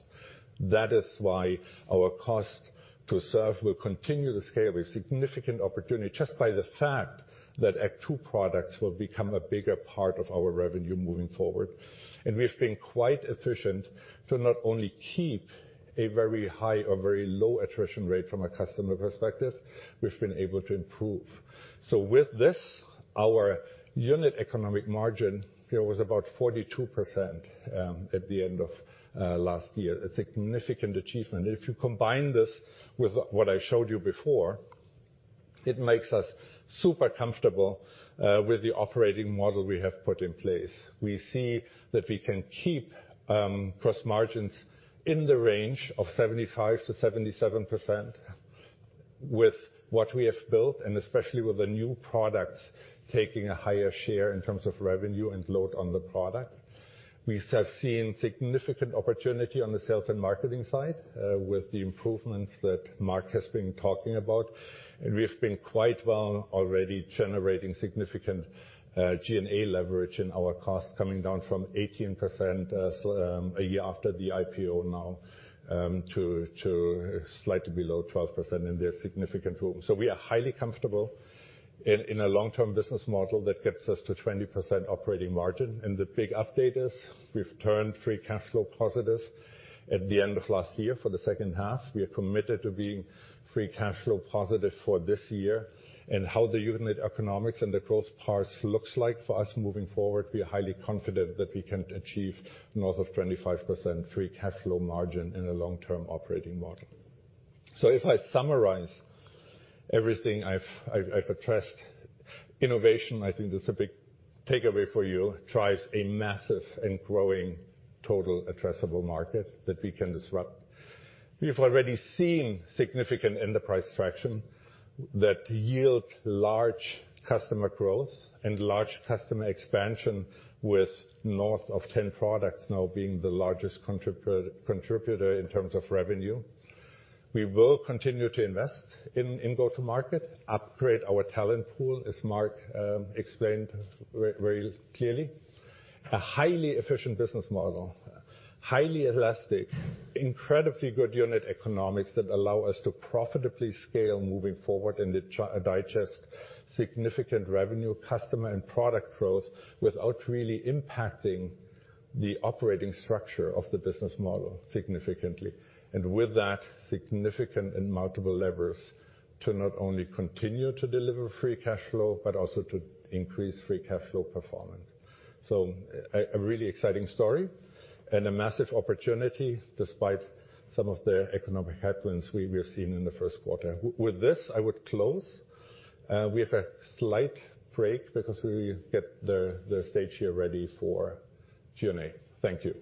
That is why our cost to serve will continue to scale with significant opportunity just by the fact that Act Two products will become a bigger part of our revenue moving forward. We've been quite efficient to not only keep a very high or very low attrition rate from a customer perspective, we've been able to improve. With this, our unit economic margin here was about 42% at the end of last year, a significant achievement. If you combine this with what I showed you before, it makes us super comfortable with the operating model we have put in place. We see that we can keep cross margins in the range of 75%-77% with what we have built, and especially with the new products taking a higher share in terms of revenue and load on the product. We have seen significant opportunity on the sales and marketing side with the improvements that Mark has been talking about. We have been quite well already generating significant G&A leverage in our cost, coming down from 18% a year after the IPO now to slightly below 12%, and there's significant room. We are highly comfortable in a long-term business model that gets us to 20% operating margin. The big update is we've turned free cash flow positive at the end of last year for the second half. We are committed to being free cash flow positive for this year. How the unit economics and the growth path looks like for us moving forward, we are highly confident that we can achieve north of 25% free cash flow margin in a long-term operating model. If I summarize everything I've addressed, innovation, I think that's a big takeaway for you, drives a massive and growing total addressable market that we can disrupt. We've already seen significant enterprise traction that yield large customer growth and large customer expansion with north of 10 products now being the largest contributor in terms of revenue. We will continue to invest in go-to-market, upgrade our talent pool, as Marc explained very clearly. A highly efficient business model, highly elastic, incredibly good unit economics that allow us to profitably scale moving forward and digest significant revenue, customer, and product growth without really impacting the operating structure of the business model significantly. With that, significant and multiple levers to not only continue to deliver free cash flow, but also to increase free cash flow performance. A really exciting story and a massive opportunity despite some of the economic headwinds we're seeing in the first quarter. With this, I would close. We have a slight break because we get the stage here ready for Q&A. Thank you.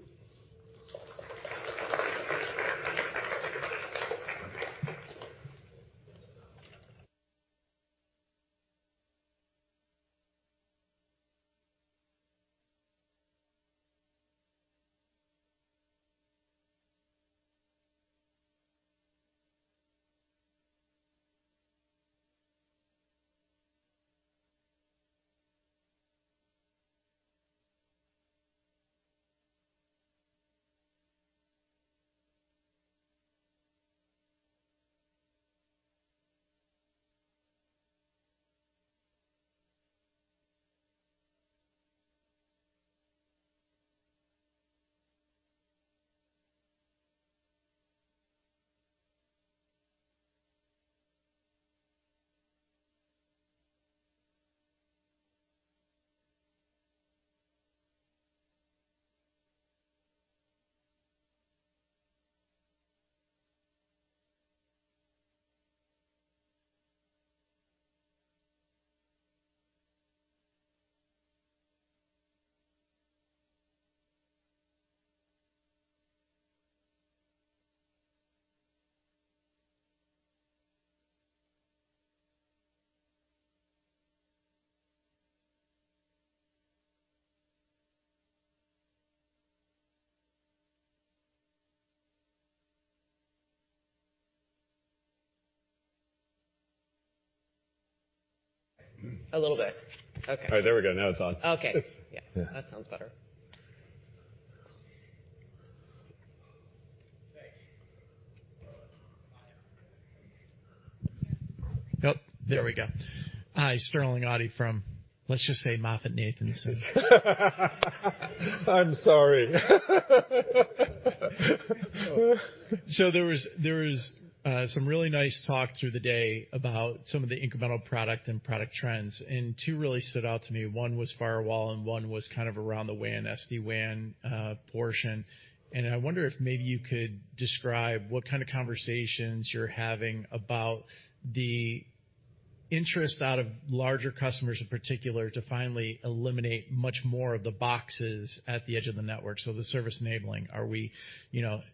A little bit. Okay. All right, there we go. Now it's on. Okay. Yeah. Yeah. That sounds better. Oh, there we go. Hi, Sterling Auty from, let's just say MoffettNathanson. I'm sorry. There was some really nice talk through the day about some of the incremental product and product trends, and two really stood out to me. One was firewall, and one was kind of around the WAN, SD-WAN portion. I wonder if maybe you could describe what kind of conversations you're having about the interest out of larger customers in particular to finally eliminate much more of the boxes at the edge of the network, so the service enabling.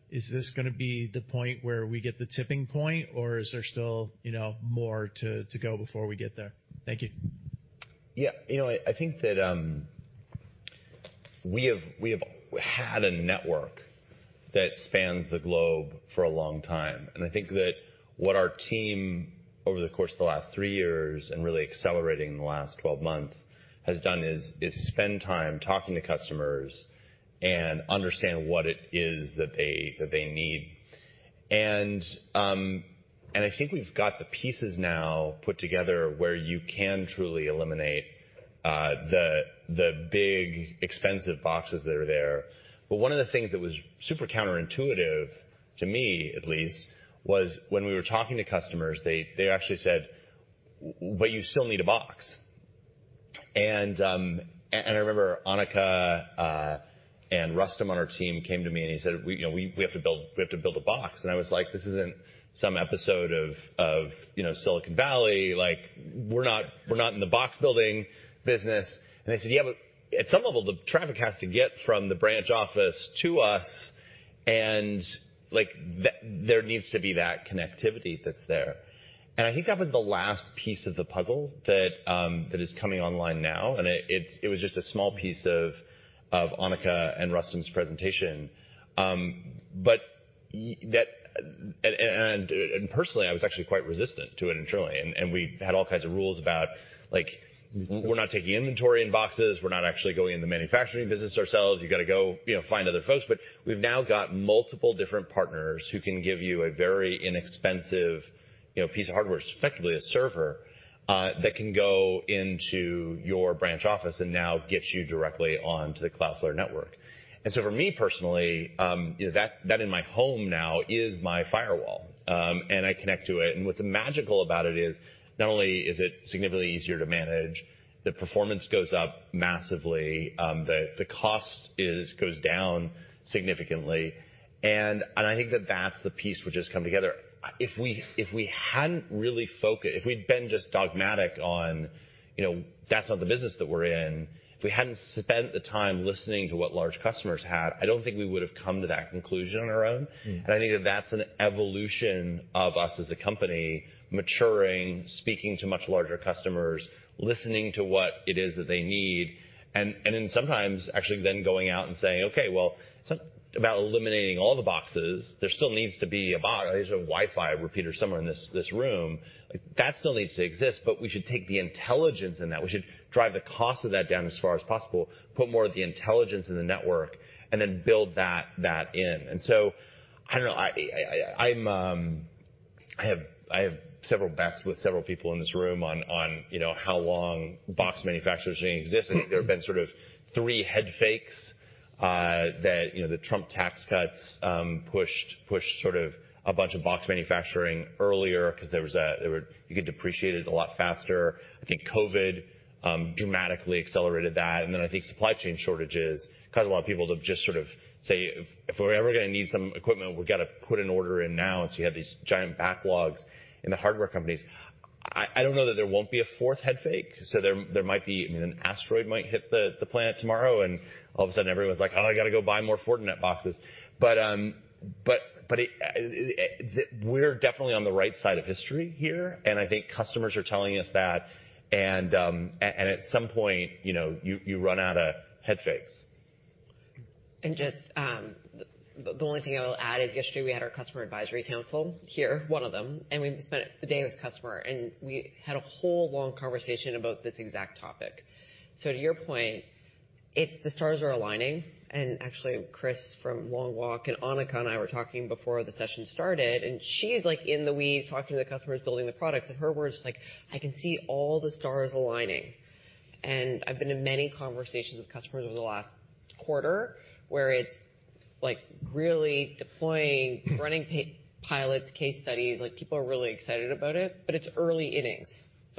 Is this gonna be the point where we get the tipping point or is there still, you know, more to go before we get there? Thank you. Yeah. You know what? I think that, we have had a network that spans the globe for a long time, and I think that what our team over the course of the last three years and really accelerating in the last 12 months has done is spend time talking to customers and understand what it is that they need. I think we've got the pieces now put together where you can truly eliminate the big, expensive boxes that are there. One of the things that was super counterintuitive to me at least was when we were talking to customers, they actually said, "But you still need a box." I remember Annika and Rustam on our team came to me and he said, we, you know, "We have to build a box." I was like, "This isn't some episode of, you know, Silicon Valley. Like, we're not in the box-building business." They said, "Yeah, but at some level, the traffic has to get from the branch office to us, and, like, there needs to be that connectivity that's there." I think that was the last piece of the puzzle that is coming online now, and it's, it was just a small piece of Annika and Rustam's presentation. Personally, I was actually quite resistant to it internally. We had all kinds of rules about, like, we're not taking inventory in boxes. We're not actually going in the manufacturing business ourselves. You gotta go, you know, find other folks. We've now got multiple different partners who can give you a very inexpensive, you know, piece of hardware, effectively a server, that can go into your branch office and now gets you directly onto the Cloudflare network. For me personally, you know, that in my home now is my firewall. I connect to it. What's magical about it is not only is it significantly easier to manage, the performance goes up massively, the cost goes down significantly. I think that that's the piece which has come together. If we hadn't really focused, if we'd been just dogmatic on, you know, that's not the business that we're in, if we hadn't spent the time listening to what large customers had, I don't think we would have come to that conclusion on our own. Mm-hmm. I think that that's an evolution of us as a company maturing, speaking to much larger customers, listening to what it is that they need. Then sometimes actually then going out and saying, "Okay, well, it's not about eliminating all the boxes. There still needs to be a box." There's a Wi-Fi repeater somewhere in this room. Like, that still needs to exist, but we should take the intelligence in that. We should drive the cost of that down as far as possible, put more of the intelligence in the network, and then build that in. I don't know, I'm, I have several bets with several people in this room on, you know, how long box manufacturers are gonna exist. I think there have been sort of three head fakes, that, you know, the Trump tax cuts pushed sort of a bunch of box manufacturing earlier 'cause there were. You could depreciate it a lot faster. I think COVID dramatically accelerated that. Then I think supply chain shortages caused a lot of people to just sort of say, "If we're ever gonna need some equipment, we've gotta put an order in now." You have these giant backlogs in the hardware companies. I don't know that there won't be a fourth head fake. There might be, I mean, an asteroid might hit the planet tomorrow, and all of a sudden everyone's like, "Oh, I gotta go buy more Fortinet boxes." But it, we're definitely on the right side of history here, and I think customers are telling us that. At some point, you know, you run out of head fakes. Just, the only thing I will add is yesterday we had our customer advisory council here, one of them, we spent the day with customer, we had a whole long conversation about this exact topic. To your point, the stars are aligning. Actually, Chris from Long Walk and Annika and I were talking before the session started, she's like in the weeds, talking to the customers, building the products. In her words, like, 'I can see all the stars aligning.' I've been in many conversations with customers over the last quarter where it's like really deploying, running pilots, case studies. Like, people are really excited about it, but it's early innings.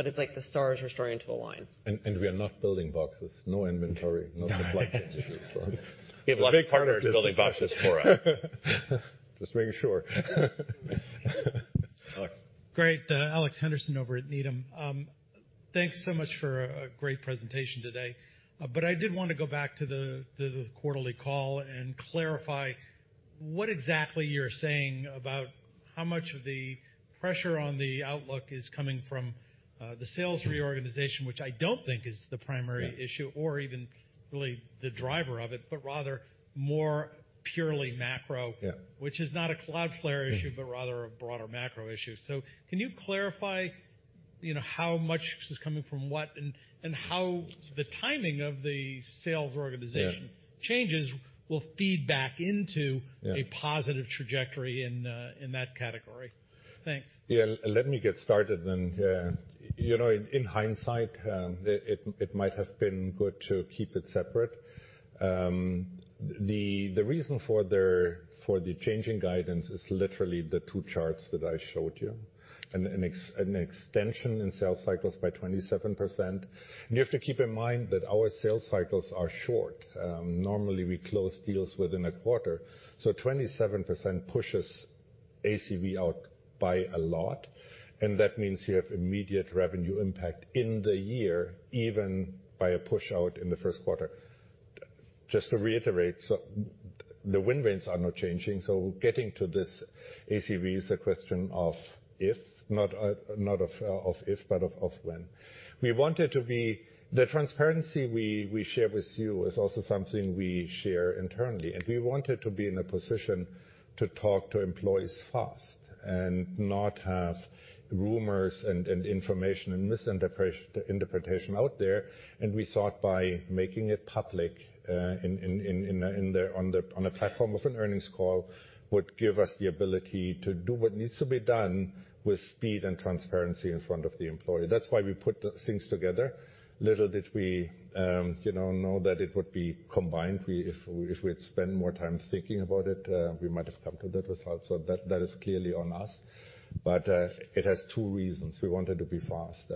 It's like the stars are starting to align. We are not building boxes, no inventory, no supply chain issues, so. We have a lot of partners building boxes for us. Just making sure. Alex. Great. Alex Henderson over at Needham. Thanks so much for a great presentation today. I did wanna go back to the quarterly call and clarify what exactly you're saying about how much of the pressure on the outlook is coming from the sales reorganization, which I don't think is the primary issue. Yeah. -or even really the driver of it, but rather more purely macro- Yeah. which is not a Cloudflare issue. Mm-hmm. Rather a broader macro issue. Can you clarify, you know, how much is coming from what and how the timing of the sales organization Yeah. changes will feed back into. Yeah. a positive trajectory in that category. Thanks. Yeah. Let me get started then. You know, in hindsight, it might have been good to keep it separate. The reason for the change in guidance is literally the two charts that I showed you. An extension in sales cycles by 27%. You have to keep in mind that our sales cycles are short. Normally we close deals within a quarter, so 27% pushes ACV out by a lot, and that means you have immediate revenue impact in the year, even by a pushout in the first quarter. Just to reiterate, so the win rates are not changing, so getting to this ACV is a question of if, not of if, but of when. The transparency we share with you is also something we share internally. We wanted to be in a position to talk to employees fast and not have rumors and information and misinterpretation out there. We thought by making it public on a platform of an earnings call would give us the ability to do what needs to be done with speed and transparency in front of the employee. That's why we put things together. Little did we, you know that it would be combined. If we had spent more time thinking about it, we might have come to that result. That is clearly on us. It has two reasons. We wanted to be fast.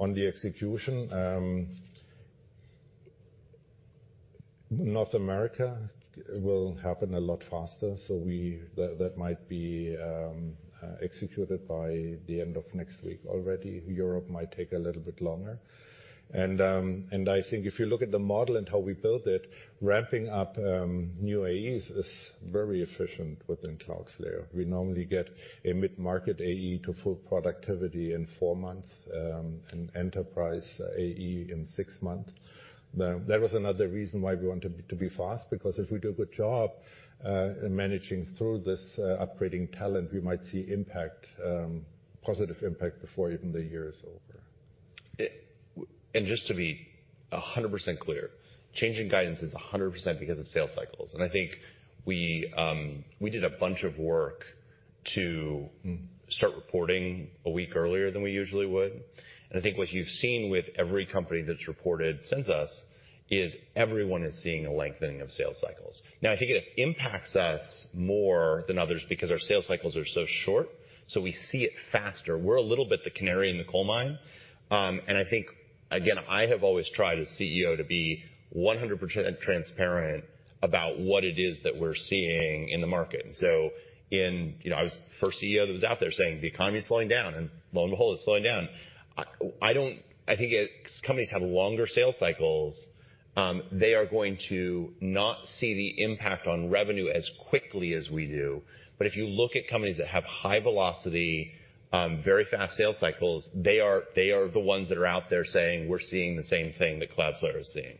On the execution, North America will happen a lot faster, that might be executed by the end of next week already. Europe might take a little bit longer. I think if you look at the model and how we built it, ramping up new AEs is very efficient within Cloudflare. We normally get a mid-market AE to full productivity in four months, an enterprise AE in six months. That was another reason why we wanted to be fast, because if we do a good job in managing through this upgrading talent, we might see impact, positive impact before even the year is over. Just to be 100% clear, change in guidance is 100% because of sales cycles. I think we did a bunch of work to start reporting a week earlier than we usually would. I think what you've seen with every company that's reported since us, is everyone is seeing a lengthening of sales cycles. Now, I think it impacts us more than others because our sales cycles are so short, so we see it faster. We're a little bit the canary in the coal mine. I think, again, I have always tried as CEO to be 100% transparent about what it is that we're seeing in the market. In, you know, I was the first CEO that was out there saying the economy is slowing down. Lo and behold, it's slowing down. I don't, I think as companies have longer sales cycles, they are going to not see the impact on revenue as quickly as we do. If you look at companies that have high velocity, very fast sales cycles, they are the ones that are out there saying, "We're seeing the same thing that Cloudflare is seeing."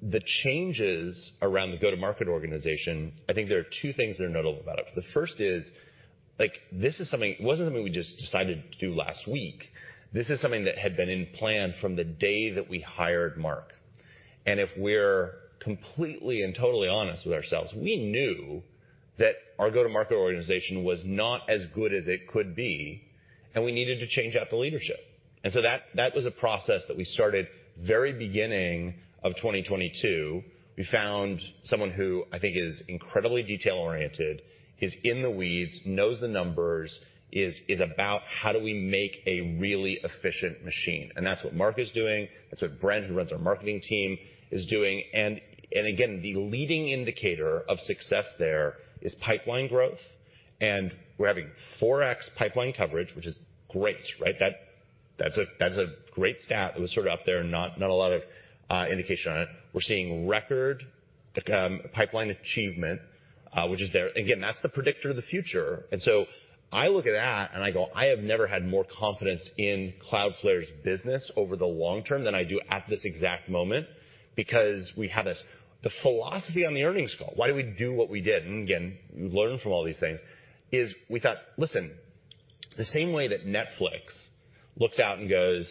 The changes around the go-to-market organization, I think there are two things that are notable about it. The first is, like, this is something. It wasn't something we just decided to do last week. This is something that had been in plan from the day that we hired Marc. If we're completely and totally honest with ourselves, we knew that our go-to-market organization was not as good as it could be, and we needed to change out the leadership. That, that was a process that we started very beginning of 2022. We found someone who I think is incredibly detail-oriented, is in the weeds, knows the numbers, is about how do we make a really efficient machine. That's what Marc is doing. That's what Brent, who runs our marketing team, is doing. Again, the leading indicator of success there is pipeline growth. We're having 4x pipeline coverage, which is great, right? That, that's a, that's a great stat that was sort of up there and not a lot of indication on it. We're seeing record pipeline achievement, which is there. Again, that's the predictor of the future. I look at that and I go, "I have never had more confidence in Cloudflare's business over the long term than I do at this exact moment," because The philosophy on the earnings call, why do we do what we did? Again, we learn from all these things, is we thought, listen, the same way that Netflix looks out and goes,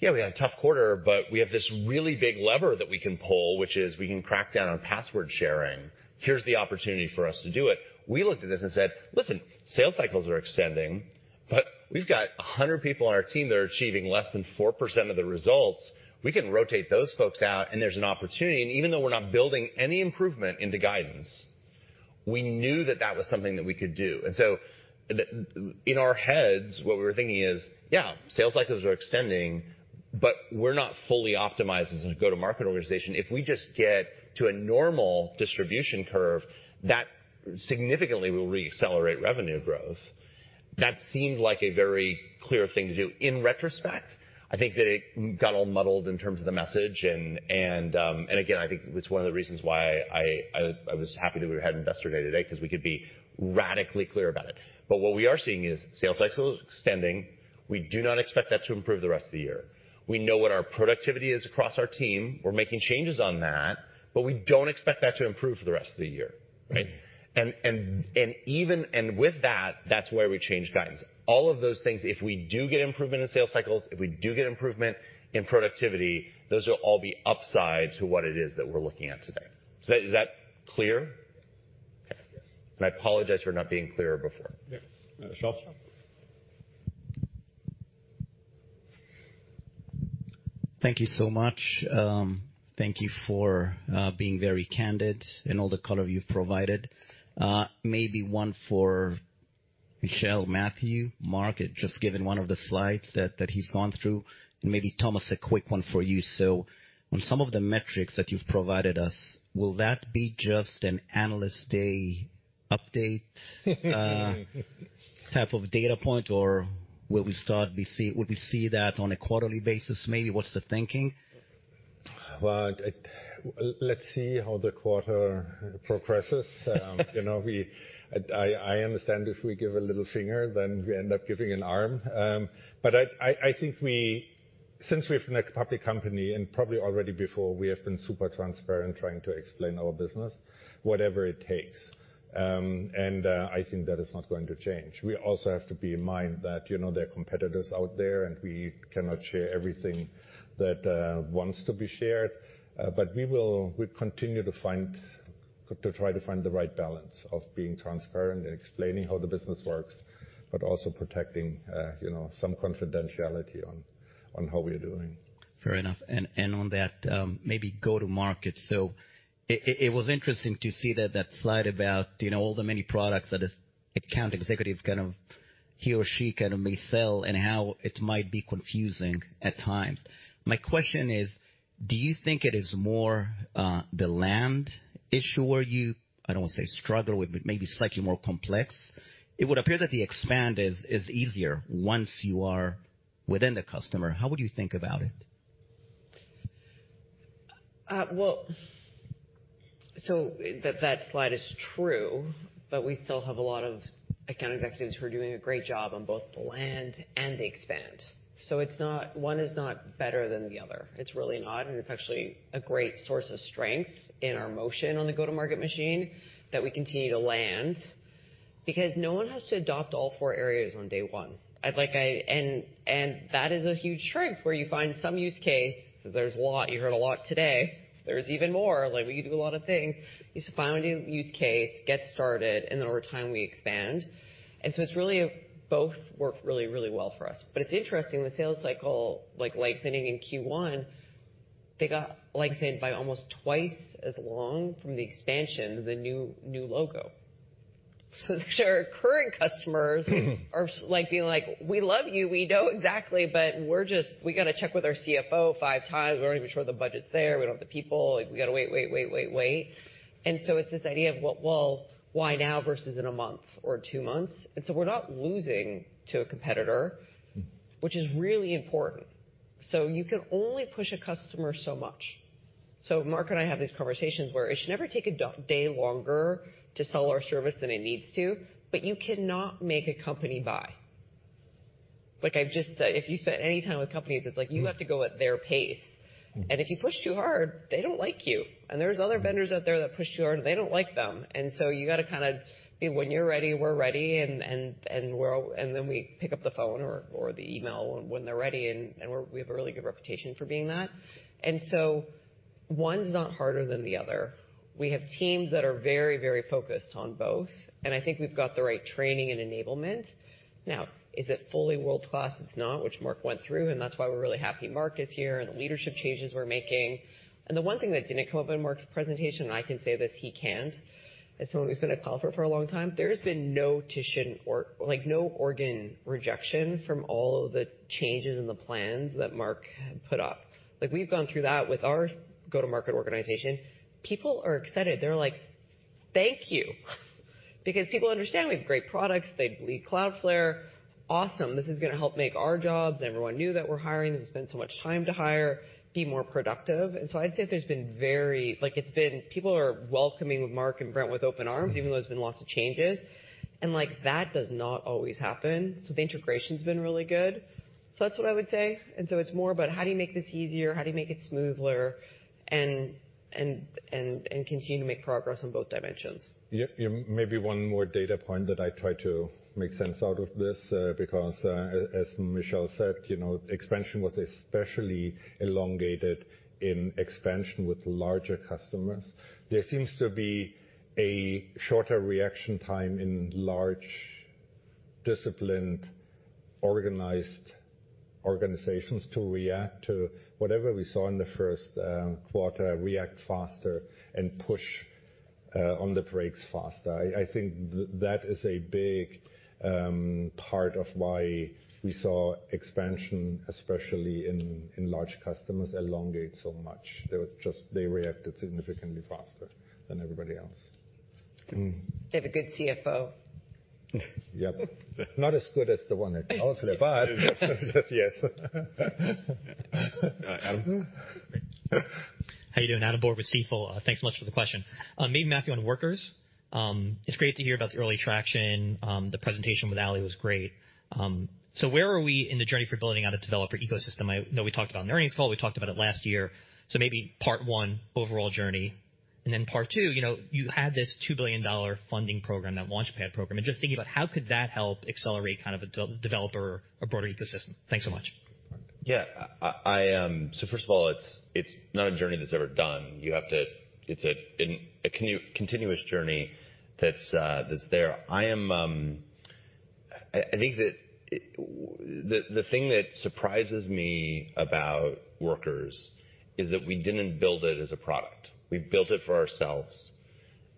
"Yeah, we had a tough quarter, but we have this really big lever that we can pull, which is we can crack down on password sharing. Here's the opportunity for us to do it." We looked at this and said, "Listen, sales cycles are extending, but we've got 100 people on our team that are achieving less than 4% of the results. We can rotate those folks out, and there's an opportunity." Even though we're not building any improvement into guidance, we knew that that was something that we could do. In our heads, what we were thinking is, yeah, sales cycles are extending, but we're not fully optimized as a go-to-market organization. If we just get to a normal distribution curve, that significantly will re-accelerate revenue growth. That seemed like a very clear thing to do. In retrospect, I think that it got all muddled in terms of the message and again, I think it's one of the reasons why I was happy that we had Investor Day today because we could be radically clear about it. What we are seeing is sales cycles extending. We do not expect that to improve the rest of the year. We know what our productivity is across our team. We're making changes on that, but we don't expect that to improve for the rest of the year, right? With that's why we changed guidance. All of those things, if we do get improvement in sales cycles, if we do get improvement in productivity, those will all be upside to what it is that we're looking at today. Is that clear? Okay. I apologize for not being clearer before. Yeah. Michelle? Thank you so much. Thank you for being very candid and all the color you've provided. Maybe one for Michelle, Matthew, Mark, just given one of the slides that he's gone through, and maybe Thomas, a quick one for you. On some of the metrics that you've provided us, will that be just an analyst day update type of data point, or would we see that on a quarterly basis, maybe? What's the thinking? Well, let's see how the quarter progresses. You know, I understand if we give a little finger, then we end up giving an arm. I think since we've been a public company and probably already before, we have been super transparent trying to explain our business, whatever it takes. I think that is not going to change. We also have to bear in mind that, you know, there are competitors out there, and we cannot share everything that wants to be shared. We continue to try to find the right balance of being transparent and explaining how the business works, but also protecting, you know, some confidentiality on how we are doing. Fair enough. On that, maybe go-to-market. It was interesting to see that slide about, you know, all the many products that an account executive he or she may sell and how it might be confusing at times. My question is, do you think it is more the land issue where you, I don't wanna say struggle with, but maybe slightly more complex? It would appear that the expand is easier once you are within the customer. How would you think about it? That slide is true, but we still have a lot of account executives who are doing a great job on both the land and the expand. One is not better than the other. It's really not. It's actually a great source of strength in our motion on the go-to-market machine that we continue to land because no one has to adopt all four areas on day one. That is a huge strength, where you find some use case, there's a lot, you heard a lot today. There's even more, like, we could do a lot of things. You find a new use case, get started, and then over time, we expand. It's really both work really, really well for us. It's interesting, the sales cycle, like lengthening in Q1, they got lengthened by almost twice as long from the expansion, the new logo. Our current customers are like, being like, "We love you. We know exactly, but we're just, we gotta check with our CFO five times. We're not even sure the budget's there. We don't have the people. Like, we gotta wait." It's this idea of well, why now versus in one month or two months? We're not losing to a competitor. Mm-hmm. Which is really important. You can only push a customer so much. Marc and I have these conversations where it should never take a day longer to sell our service than it needs to, but you cannot make a company buy. Like, I've just said, if you spent any time with companies, it's like you have to go at their pace. Mm-hmm. If you push too hard, they don't like you. There's other vendors out there that push too hard, and they don't like them. You gotta kinda be when you're ready, we're ready, and then we pick up the phone or the email when they're ready, and we have a really good reputation for being that. One's not harder than the other. We have teams that are very, very focused on both, and I think we've got the right training and enablement. Now, is it fully world-class? It's not, which Marc went through, and that's why we're really happy Marc is here and the leadership changes we're making. The one thing that didn't come up in Marc's presentation, I can say this, he can't, as someone who's been at Cloudflare for a long time, there has been no tissue and no organ rejection from all the changes in the plans that Marc put up. We've gone through that with our go-to-market organization. People are excited. They're like, "Thank you." People understand we have great products. They believe Cloudflare. Awesome. This is gonna help make our jobs. Everyone knew that we're hiring and spend so much time to hire, be more productive. I'd say there's been very, it's been, people are welcoming Marc and Brent with open arms, even though there's been lots of changes. That does not always happen. The integration's been really good. That's what I would say. It's more about how do you make this easier, how do you make it smoother and continue to make progress on both dimensions. Yep. Yeah. Maybe one more data point that I try to make sense out of this, because as Michelle said, you know, expansion was especially elongated in expansion with larger customers. There seems to be a shorter reaction time in large, disciplined, organized organizations to react to whatever we saw in the first quarter, react faster and push on the brakes faster. I think that is a big part of why we saw expansion, especially in large customers, elongate so much. They reacted significantly faster than everybody else. They have a good CFO. Yep. Not as good as the one at Cloudflare, but yes. Adam. How you doing? Adam Borg with Stifel. Thanks so much for the question. Maybe Matthew on Workers. It's great to hear about the early traction. The presentation with Ali was great. Where are we in the journey for building out a developer ecosystem? I know we talked about it on the earnings call. We talked about it last year. Maybe part one, overall journey. Part two, you know, you had this $2 billion funding program, that Launchpad program, and just thinking about how could that help accelerate kind of a developer or broader ecosystem? Thanks so much. Yeah, I think that the thing that surprises me about Workers is that we didn't build it as a product. We built it for ourselves,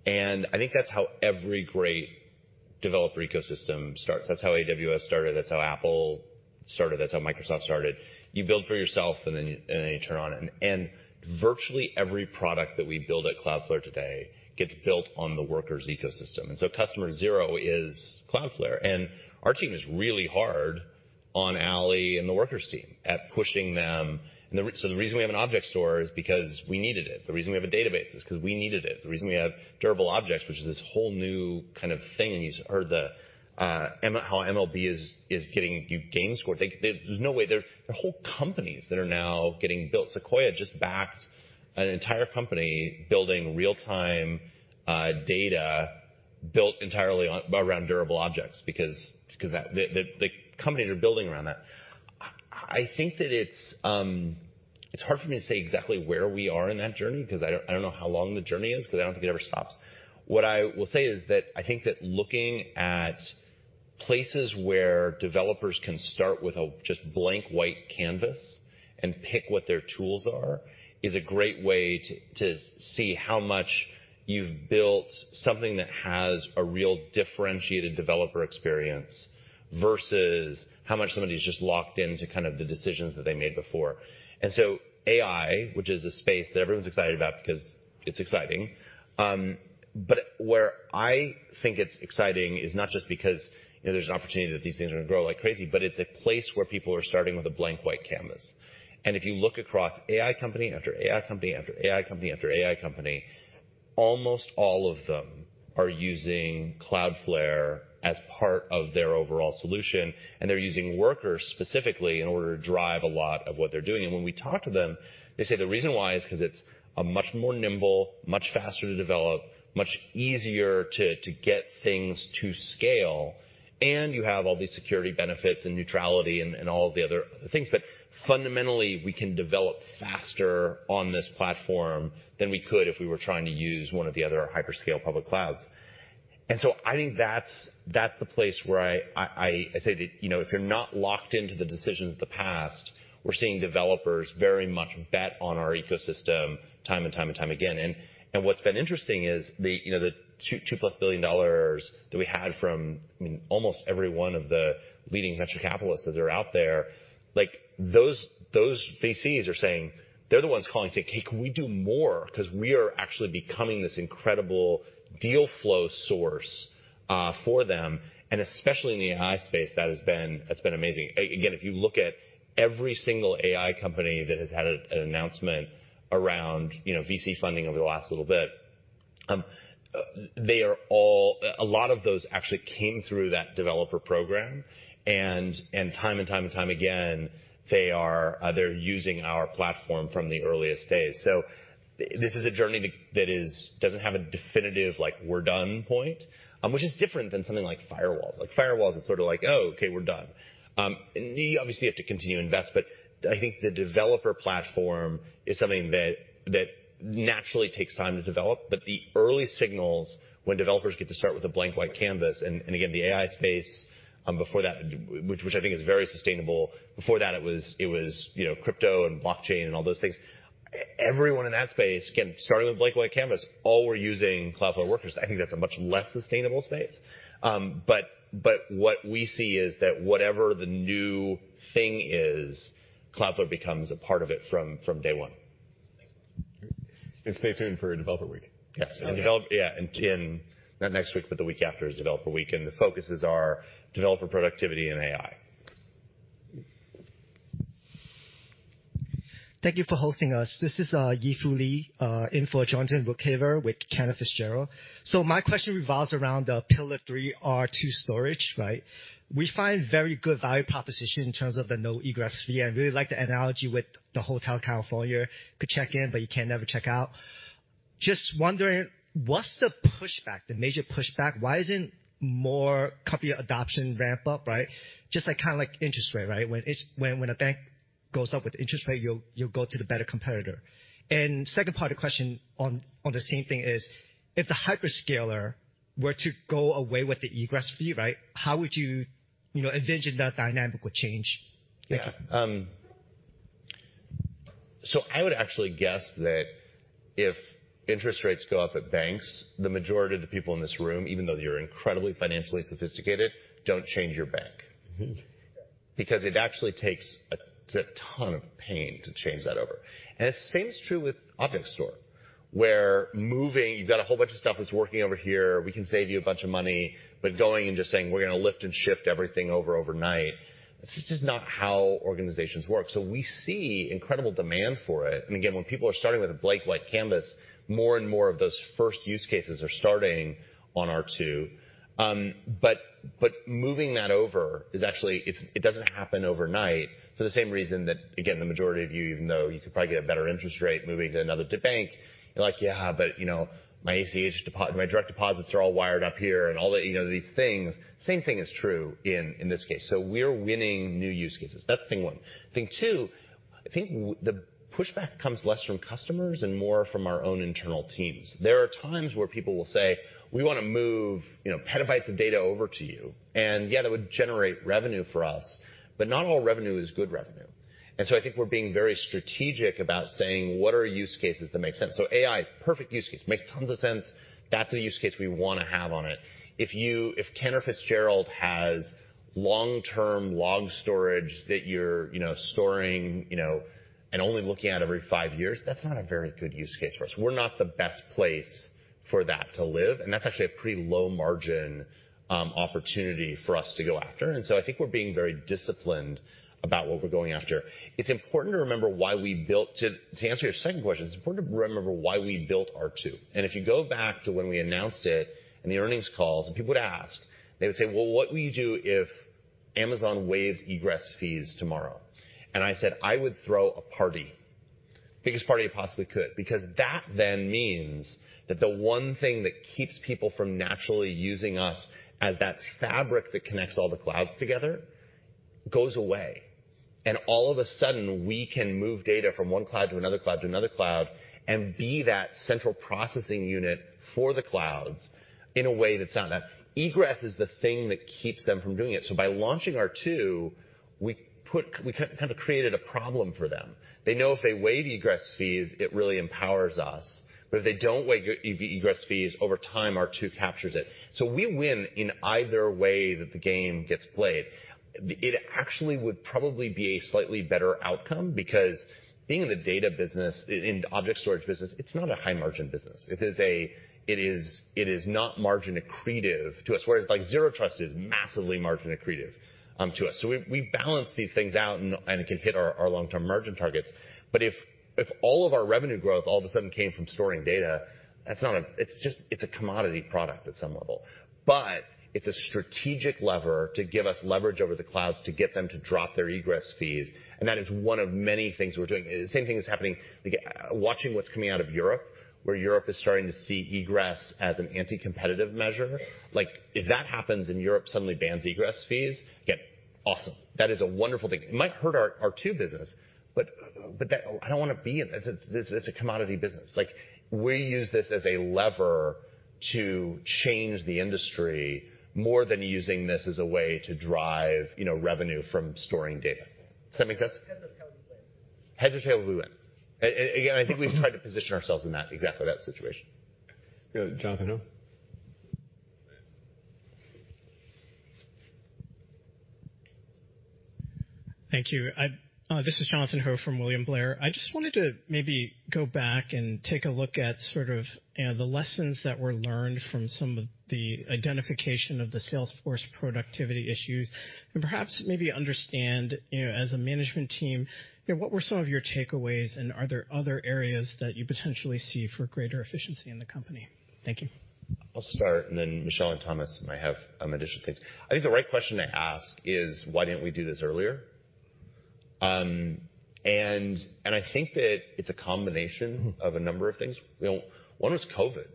and I think that's how every great developer ecosystem starts. That's how AWS started. That's how Apple started. That's how Microsoft started. You build for yourself, and then you, and then you turn on. Virtually every product that we build at Cloudflare today gets built on the Workers ecosystem. Customer zero is Cloudflare. Our team is really hard on Ali and the Workers team at pushing them. The reason we have an object store is because we needed it. The reason we have a database is 'cause we needed it. The reason we have Durable Objects, which is this whole new kind of thing, and you heard how MLB is getting you game score. They, there's no way. There are whole companies that are now getting built. Sequoia just backed an entire company building real-time data built entirely on, around Durable Objects because that, the companies are building around that. I think that it's hard for me to say exactly where we are in that journey, 'cause I don't, I don't know how long the journey is 'cause I don't think it ever stops. What I will say is that I think that looking at places where developers can start with a just blank white canvas and pick what their tools are is a great way to see how much you've built something that has a real differentiated developer experience versus how much somebody's just locked into kind of the decisions that they made before. AI, which is a space that everyone's excited about because it's exciting, but where I think it's exciting is not just because, you know, there's an opportunity that these things are gonna grow like crazy, but it's a place where people are starting with a blank white canvas. If you look across AI company after AI company after AI company after AI company, almost all of them are using Cloudflare as part of their overall solution, and they're using Workers specifically in order to drive a lot of what they're doing. When we talk to them, they say the reason why is 'cause it's a much more nimble, much faster to develop, much easier to get things to scale. You have all these security benefits and neutrality and all the other things. Fundamentally, we can develop faster on this platform than we could if we were trying to use one of the other hyperscale public clouds. I say that, you know, if you're not locked into the decisions of the past, we're seeing developers very much bet on our ecosystem time and time and time again. And what's been interesting is the, you know, the $2-plus billion that we had from, I mean, almost every one of the leading venture capitalists that are out there, like, those VCs are saying. They're the ones calling saying, "Hey, can we do more?" 'Cause we are actually becoming this incredible deal flow source for them, and especially in the AI space, that has been, that's been amazing. Again, if you look at every single AI company that has had an announcement around, you know, VC funding over the last little bit, they are all. A lot of those actually came through that developer program. Time and time again, they're using our platform from the earliest days. This is a journey that doesn't have a definitive like we're done point, which is different than something like firewalls. Like firewalls, it's sort of like, "Oh, okay, we're done." You obviously have to continue to invest, I think the developer platform is something that naturally takes time to develop. The early signals when developers get to start with a blank white canvas, and again, the AI space, before that, which I think is very sustainable. Before that, it was, you know, crypto and blockchain and all those things. Everyone in that space, again, started with a blank white canvas, all were using Cloudflare Workers. I think that's a much less sustainable space. What we see is that whatever the new thing is, Cloudflare becomes a part of it from day one. Thanks. Stay tuned for Developer Week. Yes. Okay. Yeah. Again, not next week, but the week after is Developer Week, and the focuses are developer productivity and AI. Thank you for hosting us. This is Yi Fu Lee, Imtiaz Koujalgi with Cantor Fitzgerald. My question revolves around the pillar three R2 storage, right? We find very good value proposition in terms of the no egress fee and really like the analogy with the Hotel California. Could check in, but you can never check out. Just wondering, what's the pushback, the major pushback? Why isn't more copy adoption ramp up, right? Just like, kinda like interest rate, right? When a bank goes up with interest rate, you'll go to the better competitor. Second part of the question on the same thing is, if the hyperscaler were to go away with the egress fee, right? How would you know, envision that dynamic would change? Thank you. Yeah. I would actually guess that if interest rates go up at banks, the majority of the people in this room, even though you're incredibly financially sophisticated, don't change your bank. Mm-hmm. It actually takes a ton of pain to change that over. The same is true with object store, where moving. You've got a whole bunch of stuff that's working over here, we can save you a bunch of money, but going and just saying, "We're gonna lift and shift everything over overnight," it's just not how organizations work. We see incredible demand for it. Again, when people are starting with a blank white canvas, more and more of those first use cases are starting on R2. Moving that over is actually, it doesn't happen overnight for the same reason that, again, the majority of you, even though you could probably get a better interest rate moving to another bank, you're like, "Yeah, but, you know, my ACH direct deposits are all wired up here," and all, you know, these things. Same thing is true in this case. We're winning new use cases. That's thing one. Thing two, I think the pushback comes less from customers and more from our own internal teams. There are times where people will say, "We wanna move, you know, petabytes of data over to you." Yeah, that would generate revenue for us, but not all revenue is good revenue. I think we're being very strategic about saying, "What are use cases that make sense?" AI, perfect use case, makes tons of sense. That's a use case we wanna have on it. If Cantor Fitzgerald has long-term log storage that you're, you know, storing, you know, and only looking at every five years, that's not a very good use case for us. We're not the best place for that to live, and that's actually a pretty low margin opportunity for us to go after. I think we're being very disciplined about what we're going after. It's important to remember why we built. To answer your second question, it's important to remember why we built R2. If you go back to when we announced it in the earnings calls, and people would ask, they would say, "Well, what will you do if Amazon waives egress fees tomorrow?" I said, "I would throw a party, biggest party I possibly could," because that then means that the one thing that keeps people from naturally using us as that fabric that connects all the clouds together goes away. All of a sudden, we can move data from one cloud to another cloud to another cloud and be that central processing unit for the clouds in a way that's not. Egress is the thing that keeps them from doing it. By launching R2, we kind of created a problem for them. They know if they waive egress fees, it really empowers us. If they don't waive egress fees, over time, R2 captures it. We win in either way that the game gets played. It actually would probably be a slightly better outcome because being in the data business, in the object storage business, it's not a high margin business. It is not margin accretive to us, whereas like Zero Trust is massively margin accretive to us. We balance these things out and it can hit our long-term margin targets. If all of our revenue growth all of a sudden came from storing data, It's a commodity product at some level. It's a strategic lever to give us leverage over the clouds to get them to drop their egress fees, and that is one of many things we're doing. Same thing is happening, again, watching what's coming out of Europe, where Europe is starting to see egress as an anti-competitive measure. Like, if that happens and Europe suddenly bans egress fees, again, awesome. That is a wonderful thing. It might hurt our R2 business, but it's a commodity business. Like, we use this as a lever to change the industry more than using this as a way to drive, you know, revenue from storing data. Does that make sense? Heads or tails, you win. Heads or tails, we win. Again, I think we've tried to position ourselves in that, exactly that situation. Go Jonathan Ho. Thank you. This is Jonathan Ho from William Blair. I just wanted to maybe go back and take a look at sort of, you know, the lessons that were learned from some of the identification of the Salesforce productivity issues, and perhaps maybe understand, you know, as a management team, you know, what were some of your takeaways, and are there other areas that you potentially see for greater efficiency in the company? Thank you. I'll start. Then Michelle and Thomas might have additional things. I think the right question to ask is why didn't we do this earlier? I think that it's a combination of a number of things. You know, one was COVID.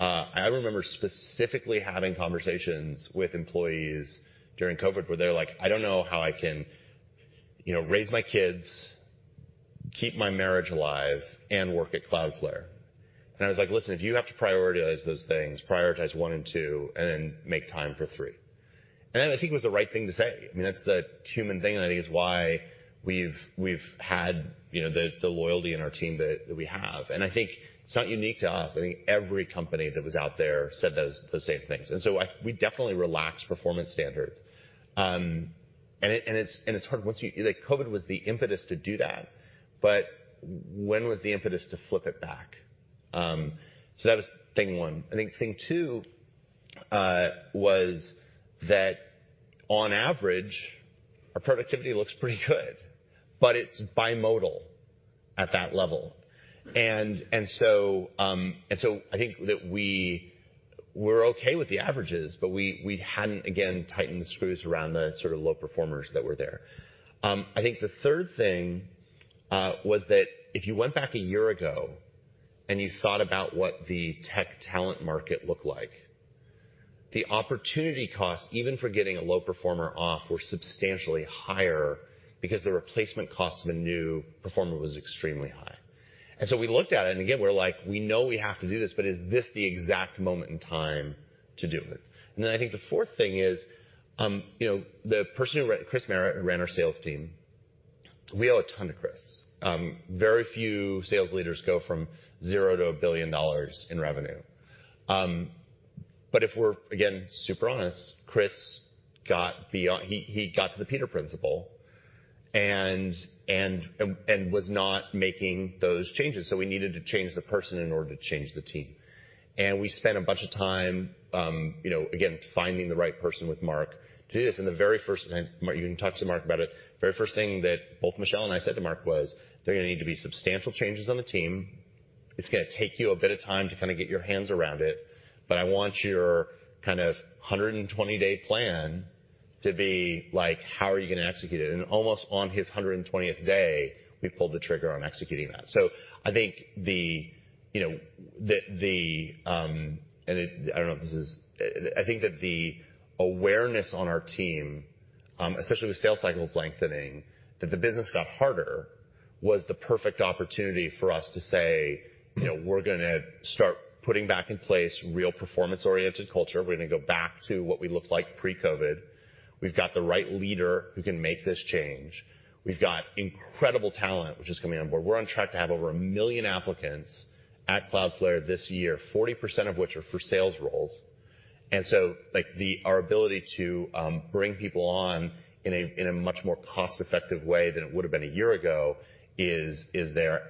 I remember specifically having conversations with employees during COVID where they're like, "I don't know how I can, you know, raise my kids, keep my marriage alive, and work at Cloudflare." I was like, "Listen, if you have to prioritize those things, prioritize 1 and 2, and then make time for 3." I think it was the right thing to say. I mean, that's the human thing, and I think it's why we've had, you know, the loyalty in our team that we have. I think it's not unique to us. I think every company that was out there said those same things. We definitely relaxed performance standards. And it's hard once you, like COVID was the impetus to do that, but when was the impetus to flip it back? So that was thing one. I think thing two was that on average, our productivity looks pretty good, but it's bimodal at that level. I think that we were okay with the averages, but we hadn't again tightened the screws around the sort of low performers that were there. I think the third thing was that if you went back 1 year ago and you thought about what the tech talent market looked like, the opportunity cost, even for getting a low performer off, were substantially higher because the replacement cost of a new performer was extremely high. We looked at it, and again, we're like, "We know we have to do this, but is this the exact moment in time to do it?" I think the fourth thing is, you know, the person who Chris Merritt ran our sales team. We owe a ton to Chris. Very few sales leaders go from 0 to $1 billion in revenue. If we're again, super honest, Chris got to the Peter principle and was not making those changes. We needed to change the person in order to change the team. We spent a bunch of time, you know, again, finding the right person with Marc. To this, in the very first event, Marc, you can talk to Marc about it. Very first thing that both Michelle and I said to Marc was, "There are gonna need to be substantial changes on the team. It's gonna take you a bit of time to kinda get your hands around it, but I want your kind of 120-day plan to be like, how are you gonna execute it?" Almost on his 120th day, we pulled the trigger on executing that. I think the, you know, the. I don't know if this is. I think that the awareness on our team, especially with sales cycles lengthening, that the business got harder, was the perfect opportunity for us to say, you know, we're gonna start putting back in place real performance-oriented culture. We're gonna go back to what we looked like pre-COVID. We've got the right leader who can make this change. We've got incredible talent which is coming on board. We're on track to have over 1 million applicants at Cloudflare this year, 40% of which are for sales roles. Like, our ability to bring people on in a much more cost-effective way than it would have been one year ago is there.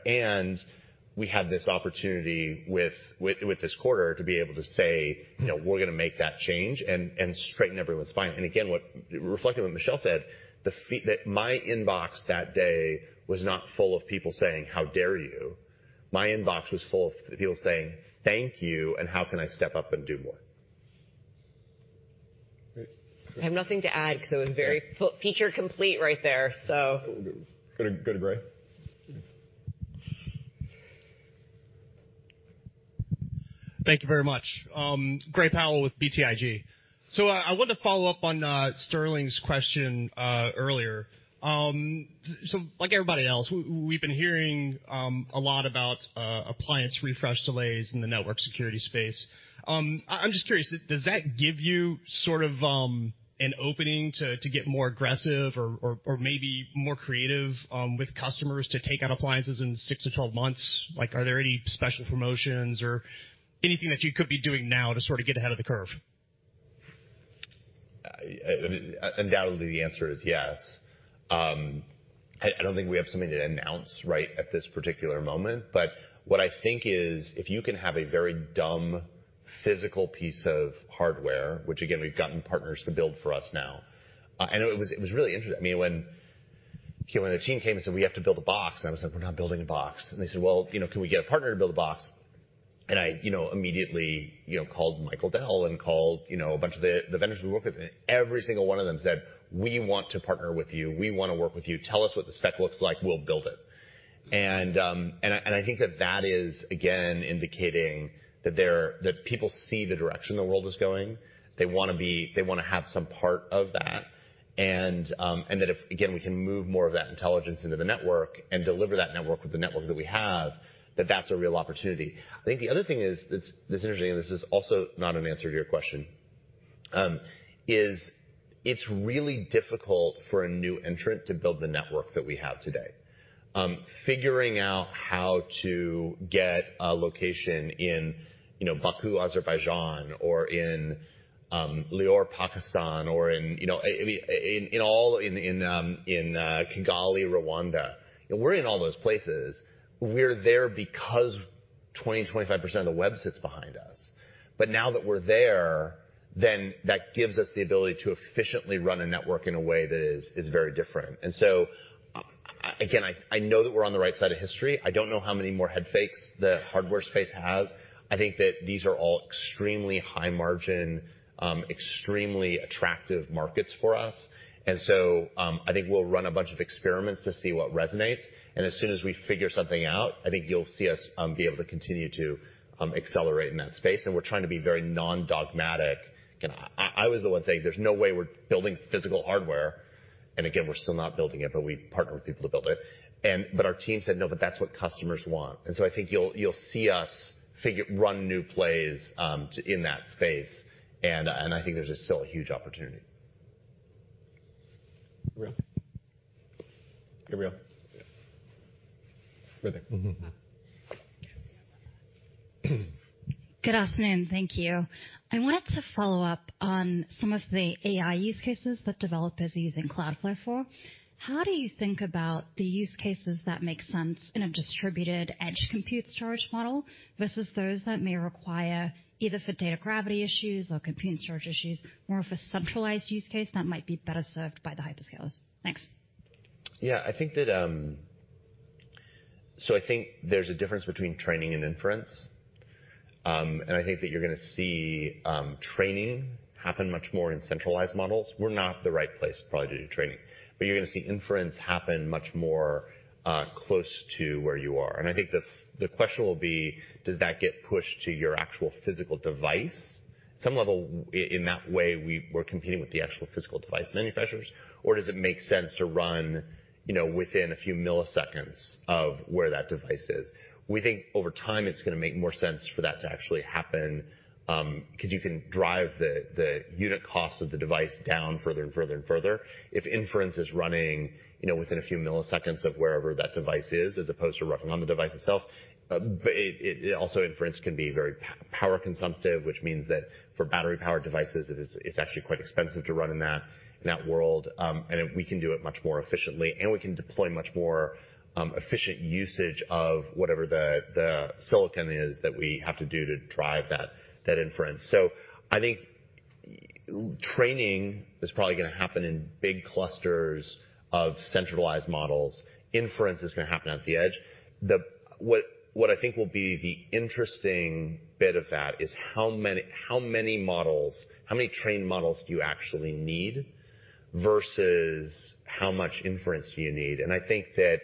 We had this opportunity with this quarter to be able to say, you know, we're gonna make that change and straighten everyone's spine. What reflecting what Michelle said, that my inbox that day was not full of people saying, "How dare you?" My inbox was full of people saying, "Thank you, and how can I step up and do more? Great. I have nothing to add because it was very feature complete right there. So. Go to Gray. Thank you very much. Gray Powell with BTIG. I want to follow up on Sterling's question earlier. Like everybody else, we've been hearing a lot about appliance refresh delays in the network security space. I'm just curious, does that give you sort of an opening to get more aggressive or maybe more creative with customers to take out appliances in six-12 months? Like, are there any special promotions or anything that you could be doing now to sort of get ahead of the curve? Undoubtedly, the answer is yes. I don't think we have something to announce right at this particular moment, but what I think is if you can have a very dumb physical piece of hardware, which again, we've gotten partners to build for us now. It was really interesting. I mean, when the team came and said, "We have to build a box," and I was like, "We're not building a box." They said, "Well, you know, can we get a partner to build a box?" I, you know, immediately, you know, called Michael Dell and called, you know, a bunch of the vendors we work with, and every single one of them said, "We want to partner with you. We wanna work with you. Tell us what the spec looks like, we'll build it." I think that that is again indicating that people see the direction the world is going. They wanna have some part of that. If, again, we can move more of that intelligence into the network and deliver that network with the network that we have, that that's a real opportunity. I think the other thing is, this is interesting, and this is also not an answer to your question, it's really difficult for a new entrant to build the network that we have today. Figuring out how to get a location in, you know, Baku, Azerbaijan, or in Lahore, Pakistan, or in, you know, I mean, in all, in Kigali, Rwanda. We're in all those places. We're there because 20%-25% of the web sits behind us. Now that we're there, then that gives us the ability to efficiently run a network in a way that is very different. Again, I know that we're on the right side of history. I don't know how many more head fakes the hardware space has. I think that these are all extremely high margin, extremely attractive markets for us. I think we'll run a bunch of experiments to see what resonates. As soon as we figure something out, I think you'll see us be able to continue to accelerate in that space. We're trying to be very non-dogmatic. You know, I was the one saying, "There's no way we're building physical hardware." Again, we're still not building it, but we partner with people to build it. Our team said, "No, but that's what customers want." I think you'll see us run new plays in that space. I think there's just still a huge opportunity. Gabrielle. Gabrielle. Right there. Mm-hmm. Good afternoon. Thank you. I wanted to follow up on some of the AI use cases that developers are using Cloudflare for. How do you think about the use cases that make sense in a distributed edge compute storage model versus those that may require either for data gravity issues or compute and storage issues, more of a centralized use case that might be better served by the hyperscalers? Thanks. I think that I think there's a difference between training and inference. I think that you're gonna see training happen much more in centralized models. We're not the right place probably to do training, but you're gonna see inference happen much more close to where you are. I think the question will be, does that get pushed to your actual physical device? Some level we're competing with the actual physical device manufacturers or does it make sense to run, you know, within a few milliseconds of where that device is? We think over time it's gonna make more sense for that to actually happen, 'cause you can drive the unit cost of the device down further and further and further. If inference is running, you know, within a few milliseconds of wherever that device is as opposed to running on the device itself. But also inference can be very power consumptive, which means that for battery power devices, it's actually quite expensive to run in that, in that world. And we can do it much more efficiently, and we can deploy much more efficient usage of whatever the silicon is that we have to do to drive that inference. I think training is probably gonna happen in big clusters of centralized models. Inference is gonna happen at the edge. What I think will be the interesting bit of that is how many models, how many trained models do you actually need versus how much inference do you need? I think that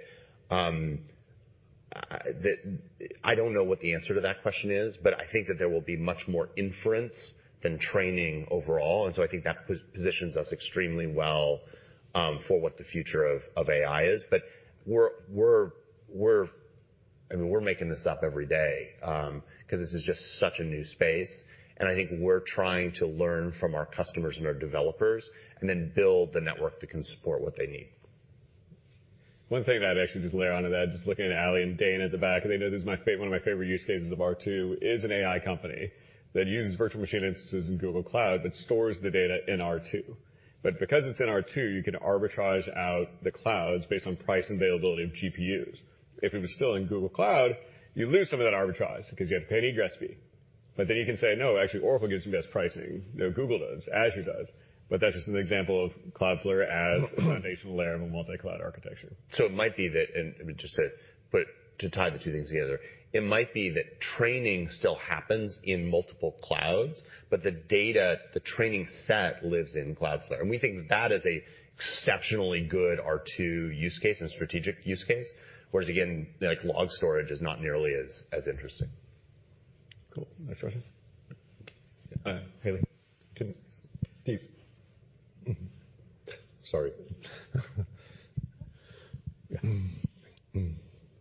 I don't know what the answer to that question is, but I think that there will be much more inference than training overall. I think that positions us extremely well for what the future of AI is. We're, I mean, we're making this up every day 'cause this is just such a new space. I think we're trying to learn from our customers and our developers and then build the network that can support what they need. One thing that I'd actually just layer onto that, just looking at Ali and Dane at the back, and they know this is my one of my favorite use cases of R2 is an AI company that uses virtual machine instances in Google Cloud but stores the data in R2. Because it's in R2, you can arbitrage out the clouds based on price and availability of GPUs. If it was still in Google Cloud, you lose some of that arbitrage because you have to pay egress fee. Then you can say, "No, actually Oracle gives you best pricing. You know, Google does, Azure does." That's just an example of Cloudflare as a foundational layer of a multi-cloud architecture. It might be that, and I mean, just to, but to tie the two things together, it might be that training still happens in multiple clouds, but the data, the training set lives in Cloudflare. We think that is a exceptionally good R2 use case and strategic use case. Whereas again, like, log storage is not nearly as interesting. Cool. Next question. Haley. Steve. Sorry.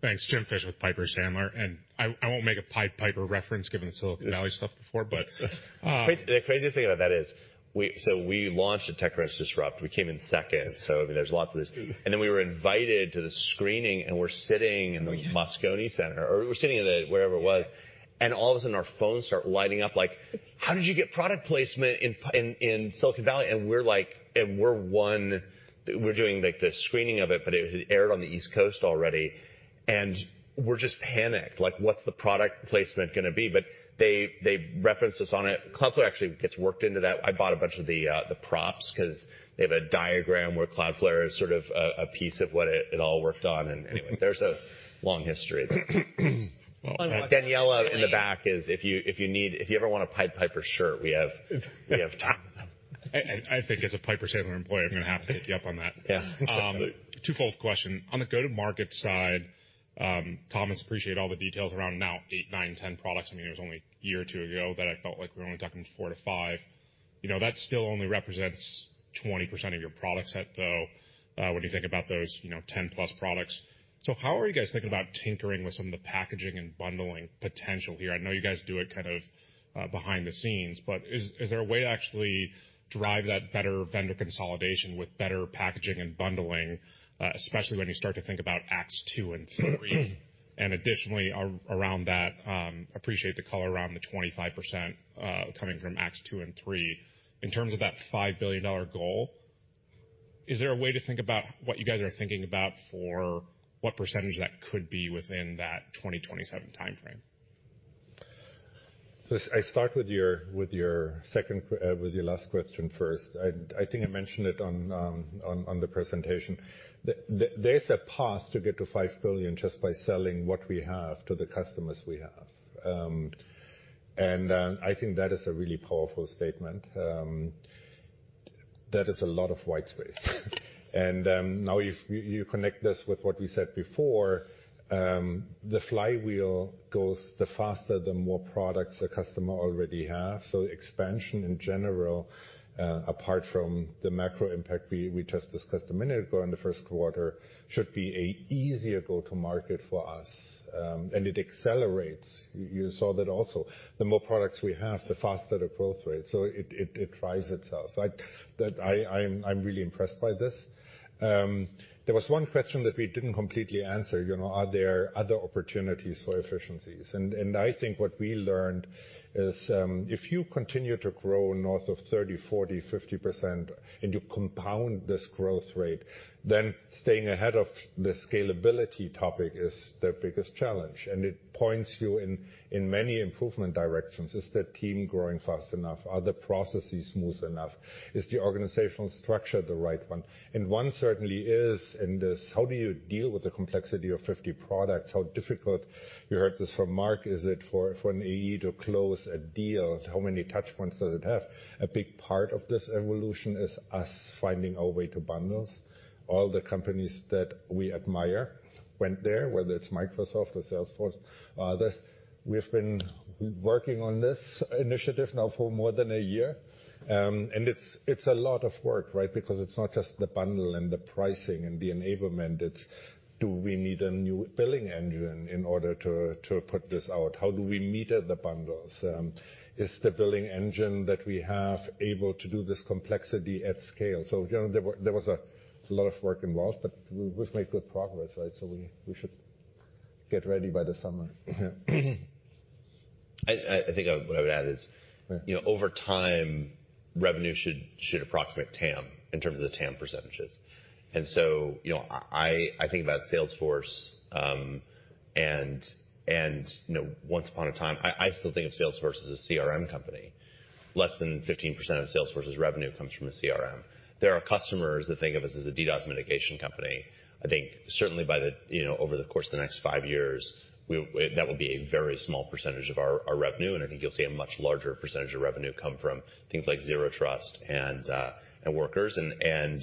Thanks. James Fish with Piper Sandler. I won't make a Pied Piper reference given the Silicon Valley stuff before. The crazy thing about that is we launched at TechCrunch Disrupt. We came in second, I mean, there's lots of this. We were invited to the screening, and we're sitting in the Moscone Center, or we're sitting in the wherever it was, and all of a sudden our phones start lighting up like, "How did you get product placement in Silicon Valley?" We're doing, like, the screening of it, but it had aired on the East Coast already. We're just panicked, like, what's the product placement gonna be? They referenced us on it. Cloudflare actually gets worked into that. I bought a bunch of the props 'cause they have a diagram where Cloudflare is sort of a piece of what it all worked on. Anyway, there's a long history there. Daniella in the back is, if you need, if you ever want a Pied Piper shirt, we have time. I think as a Piper Sandler employee, I'm gonna have to take you up on that. Yeah. Twofold question. On the go-to-market side, Thomas, appreciate all the details around now eight, nine, 10 products. I mean, it was only a year or two ago that I felt like we were only talking four to five. You know, that still only represents 20% of your product set, though, when you think about those, you know, 10+ products. How are you guys thinking about tinkering with some of the packaging and bundling potential here? I know you guys do it kind of, behind the scenes, but is there a way to actually drive that better vendor consolidation with better packaging and bundling, especially when you start to think about acts two and three? Additionally, around that, appreciate the color around the 25%, coming from acts two and three. In terms of that $5 billion goal, is there a way to think about what you guys are thinking about for what percentage that could be within that 2027 timeframe? I start with your last question first. I think I mentioned it on the presentation. There's a path to get to $5 billion just by selling what we have to the customers we have. I think that is a really powerful statement. That is a lot of white space. Now if you connect this with what we said before, the flywheel goes the faster, the more products the customer already have. Expansion in general, apart from the macro impact we just discussed a minute ago in the first quarter, should be a easier go-to-market for us. It accelerates. You saw that also. The more products we have, the faster the growth rate. It drives itself. That I'm really impressed by this. There was one question that we didn't completely answer, you know, are there other opportunities for efficiencies? I think what we learned is, if you continue to grow north of 30%, 40%, 50% and you compound this growth rate, staying ahead of the scalability topic is the biggest challenge. It points you in many improvement directions. Is the team growing fast enough? Are the processes smooth enough? Is the organizational structure the right one? One certainly is in this, how do you deal with the complexity of 50 products? How difficult, you heard this from Mark, is it for an AE to close a deal? How many touchpoints does it have? A big part of this evolution is us finding our way to bundles. All the companies that we admire went there, whether it's Microsoft or Salesforce. We've been working on this initiative now for more than a year. It's a lot of work, right? Because it's not just the bundle and the pricing and the enablement. It's do we need a new billing engine in order to put this out? How do we meter the bundles? Is the billing engine that we have able to do this complexity at scale? You know, there was a lot of work involved, but we've made good progress, right? We should get ready by the summer. I think what I would add is. Yeah. You know, over time, revenue should approximate TAM in terms of the TAM %. You know, I think about Salesforce, and, you know, once upon a time, I still think of Salesforce as a CRM company. Less than 15% of Salesforce's revenue comes from a CRM. There are customers that think of us as a DDoS mitigation company. I think certainly by the, you know, over the course of the next five years, that will be a very small % of our revenue, and I think you'll see a much larger % of revenue come from things like Zero Trust and Workers.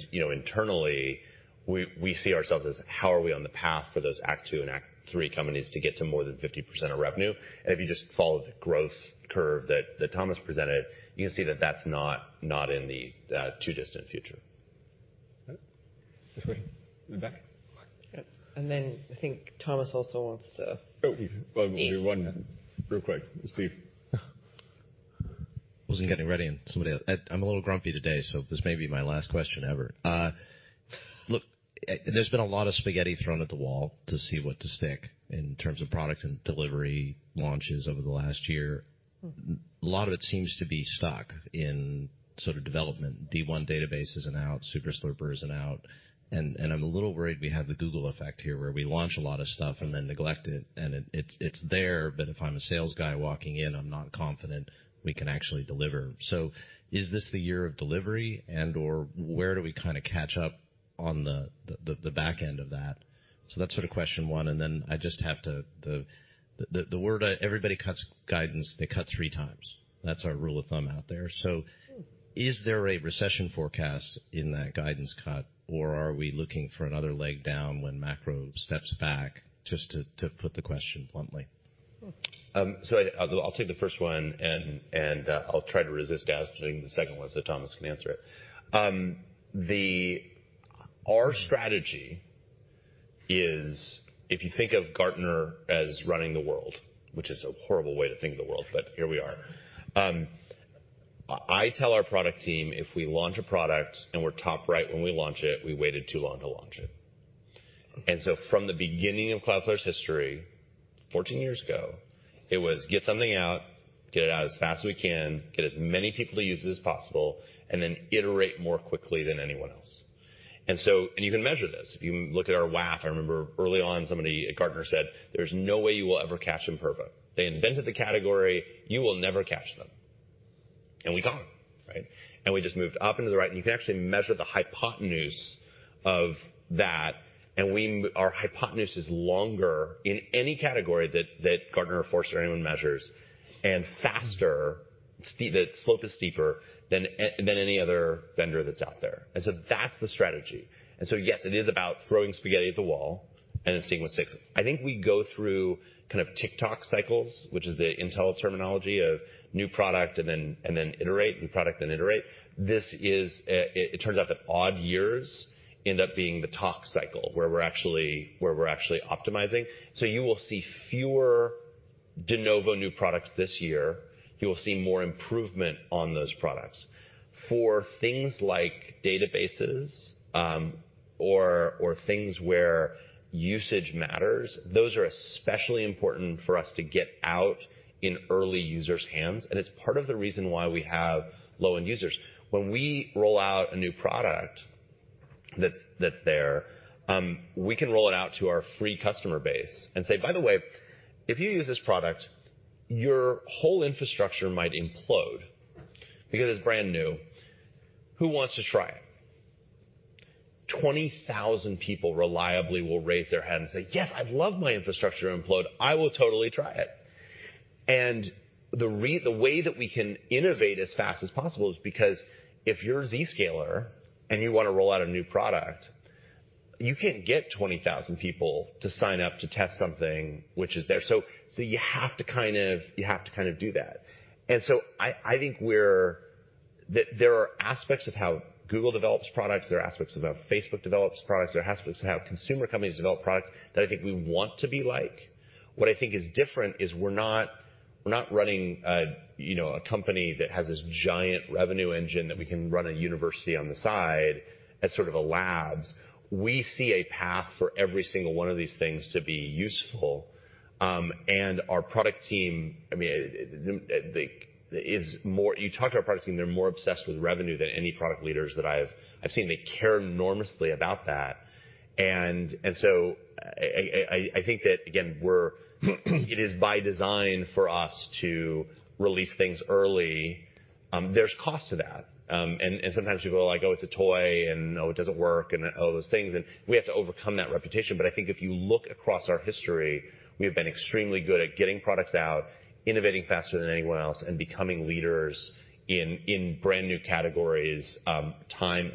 You know, internally, we see ourselves as how are we on the path for those act two and act three companies to get to more than 50% of revenue. If you just follow the growth curve that Thomas presented, you can see that that's not in the too distant future. Okay. In the back. I think Thomas also. Oh, we'll do one real quick. Steve. I wasn't getting ready. I'm a little grumpy today, so this may be my last question ever. Look, there's been a lot of spaghetti thrown at the wall to see what to stick in terms of product and delivery launches over the last year. A lot of it seems to be stuck in sort of development. D1 database isn't out, Super Slurper isn't out, and I'm a little worried we have the Google effect here, where we launch a lot of stuff and then neglect it. It's there, but if I'm a sales guy walking in, I'm not confident we can actually deliver. Is this the year of delivery and/or where do we kinda catch up on the back end of that? That's sort of question one. I just have to. The word everybody cuts guidance, they cut three times. That's our rule of thumb out there. Is there a recession forecast in that guidance cut, or are we looking for another leg down when macro steps back? Just to put the question bluntly. I'll take the first one, I'll try to resist answering the second one so Thomas can answer it. Our strategy is if you think of Gartner as running the world, which is a horrible way to think of the world, but here we are. I tell our product team, if we launch a product and we're top right when we launch it, we waited too long to launch it. From the beginning of Cloudflare's history, 14 years ago, it was get something out, get it out as fast as we can, get as many people to use it as possible, and then iterate more quickly than anyone else. You can measure this. If you look at our WAF, I remember early on, somebody at Gartner said, "There's no way you will ever catch Imperva. They invented the category. You will never catch them." We got 'em, right? We just moved up into the right. You can actually measure the hypotenuse of that. Our hypotenuse is longer in any category that Gartner, Forrester or anyone measures and faster. The slope is steeper than any other vendor that's out there. That's the strategy. Yes, it is about throwing spaghetti at the wall and then seeing what sticks. I think we go through kind of TikTok cycles, which is the Intel terminology of new product and then iterate, new product, then iterate. This is. It turns out that odd years end up being the talk cycle, where we're actually, where we're actually optimizing. You will see fewer de novo new products this year. You will see more improvement on those products. For things like databases, or things where usage matters, those are especially important for us to get out in early users' hands, and it's part of the reason why we have low-end users. When we roll out a new product that's there, we can roll it out to our free customer base and say, "By the way, if you use this product, your whole infrastructure might implode because it's brand new. Who wants to try it?" 20,000 people reliably will raise their hand and say, "Yes, I'd love my infrastructure to implode. I will totally try it." The way that we can innovate as fast as possible is because if you're a Zscaler and you want to roll out a new product, you can't get 20,000 people to sign up to test something which is there. You have to kind of do that. I think we're. That there are aspects of how Google develops products, there are aspects of how Facebook develops products, there are aspects of how consumer companies develop products that I think we want to be like. What I think is different is we're not, we're not running a, you know, a company that has this giant revenue engine that we can run a university on the side as sort of a labs. We see a path for every single one of these things to be useful, and our product team, I mean, you talk to our product team, they're more obsessed with revenue than any product leaders that I've seen. They care enormously about that. I, I think that, again, it is by design for us to release things early. There's cost to that. Sometimes people are like, "Oh, it's a toy," and, "Oh, it doesn't work," and all those things, and we have to overcome that reputation. I think if you look across our history, we have been extremely good at getting products out, innovating faster than anyone else, and becoming leaders in brand-new categories, time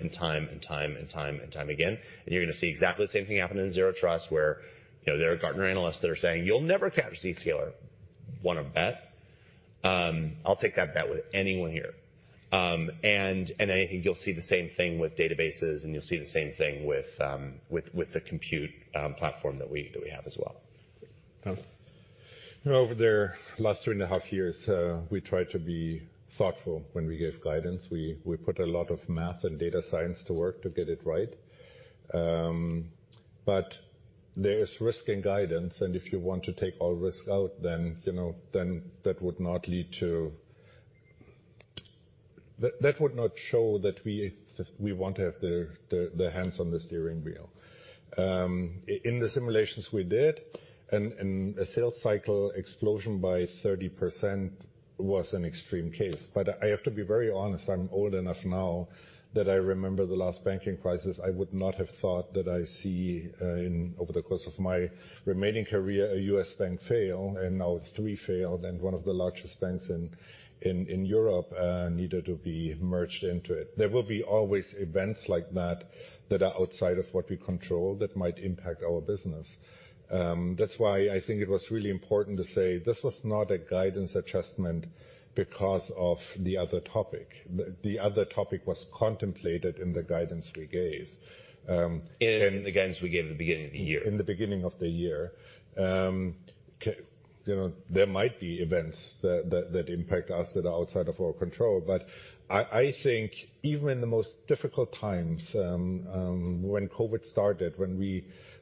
and time and time and time and time again. You're gonna see exactly the same thing happen in Zero Trust, where, you know, there are Gartner analysts that are saying, "You'll never catch Zscaler." Wanna bet? I'll take that bet with anyone here. I think you'll see the same thing with databases, and you'll see the same thing with the compute platform that we have as well. Over the last three and a half years, we tried to be thoughtful when we gave guidance. We put a lot of math and data science to work to get it right. There is risk in guidance, and if you want to take all risk out, then, you know, that would not show that we want to have the hands on the steering wheel. In the simulations we did, and a sales cycle explosion by 30% was an extreme case. I have to be very honest, I'm old enough now that I remember the last banking crisis. I would not have thought that I see, over the course of my remaining career, a U.S. bank fail, and now it's three failed, and one of the largest banks in Europe needed to be merged into it. There will be always events like that that are outside of what we control that might impact our business. That's why I think it was really important to say this was not a guidance adjustment because of the other topic. The other topic was contemplated in the guidance we gave. In the guidance we gave at the beginning of the year. In the beginning of the year. you know, there might be events that impact us that are outside of our control. I think even in the most difficult times, when COVID started,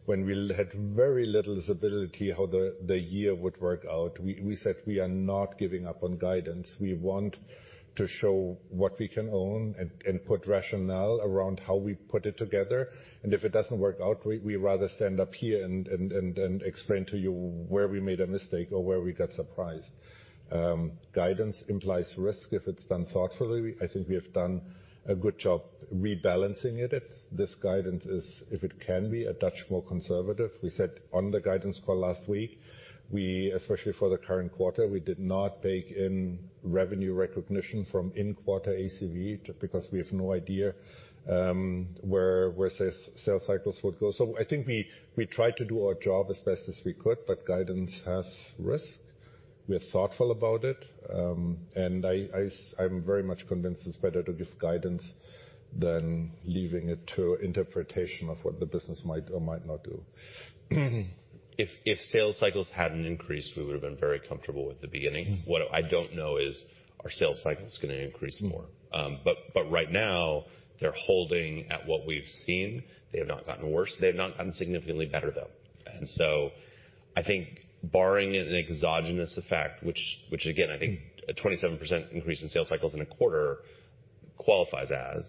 when we had very little visibility how the year would work out, we said we are not giving up on guidance. We want to show what we can own and put rationale around how we put it together. If it doesn't work out, we rather stand up here and explain to you where we made a mistake or where we got surprised. Guidance implies risk if it's done thoughtfully. I think we have done a good job rebalancing it. This guidance is, if it can be, a touch more conservative. We said on the guidance call last week, we, especially for the current quarter, we did not bake in revenue recognition from in-quarter ACV just because we have no idea where sale cycles would go. I think we tried to do our job as best as we could, but guidance has risk. We're thoughtful about it. I'm very much convinced it's better to give guidance than leaving it to interpretation of what the business might or might not do. If sales cycles hadn't increased, we would have been very comfortable with the beginning. Mm-hmm. What I don't know is our sales cycle is gonna increase more. Right now, they're holding at what we've seen. They have not gotten worse. They have not gotten significantly better, though. I think barring an exogenous effect, which again, I think a 27% increase in sales cycles in a quarter qualifies as,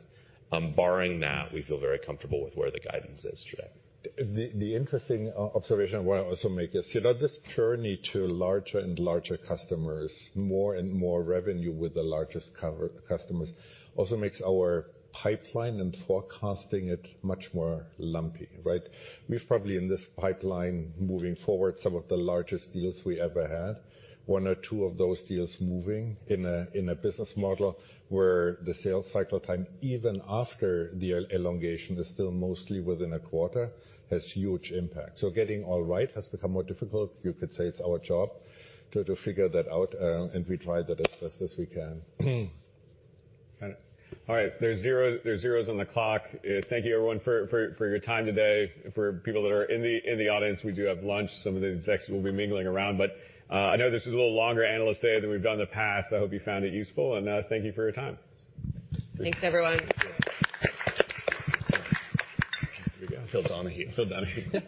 barring that, we feel very comfortable with where the guidance is today. The interesting observation I want to also make is, you know, this journey to larger and larger customers, more and more revenue with the largest customers, also makes our pipeline and forecasting it much more lumpy, right? We've probably in this pipeline moving forward, some of the largest deals we ever had. One or two of those deals moving in a, in a business model where the sales cycle time, even after the elongation, is still mostly within a quarter, has huge impact. Getting all right has become more difficult. You could say it's our job to figure that out, and we try that as best as we can. All right. There's zero, there's zeros on the clock. Thank you everyone for your time today. For people that are in the, in the audience, we do have lunch. Some of the execs will be mingling around. I know this is a little longer analyst day than we've done in the past. I hope you found it useful, thank you for your time. Thanks, everyone. Here we go. Feels downhill. Feels downhill.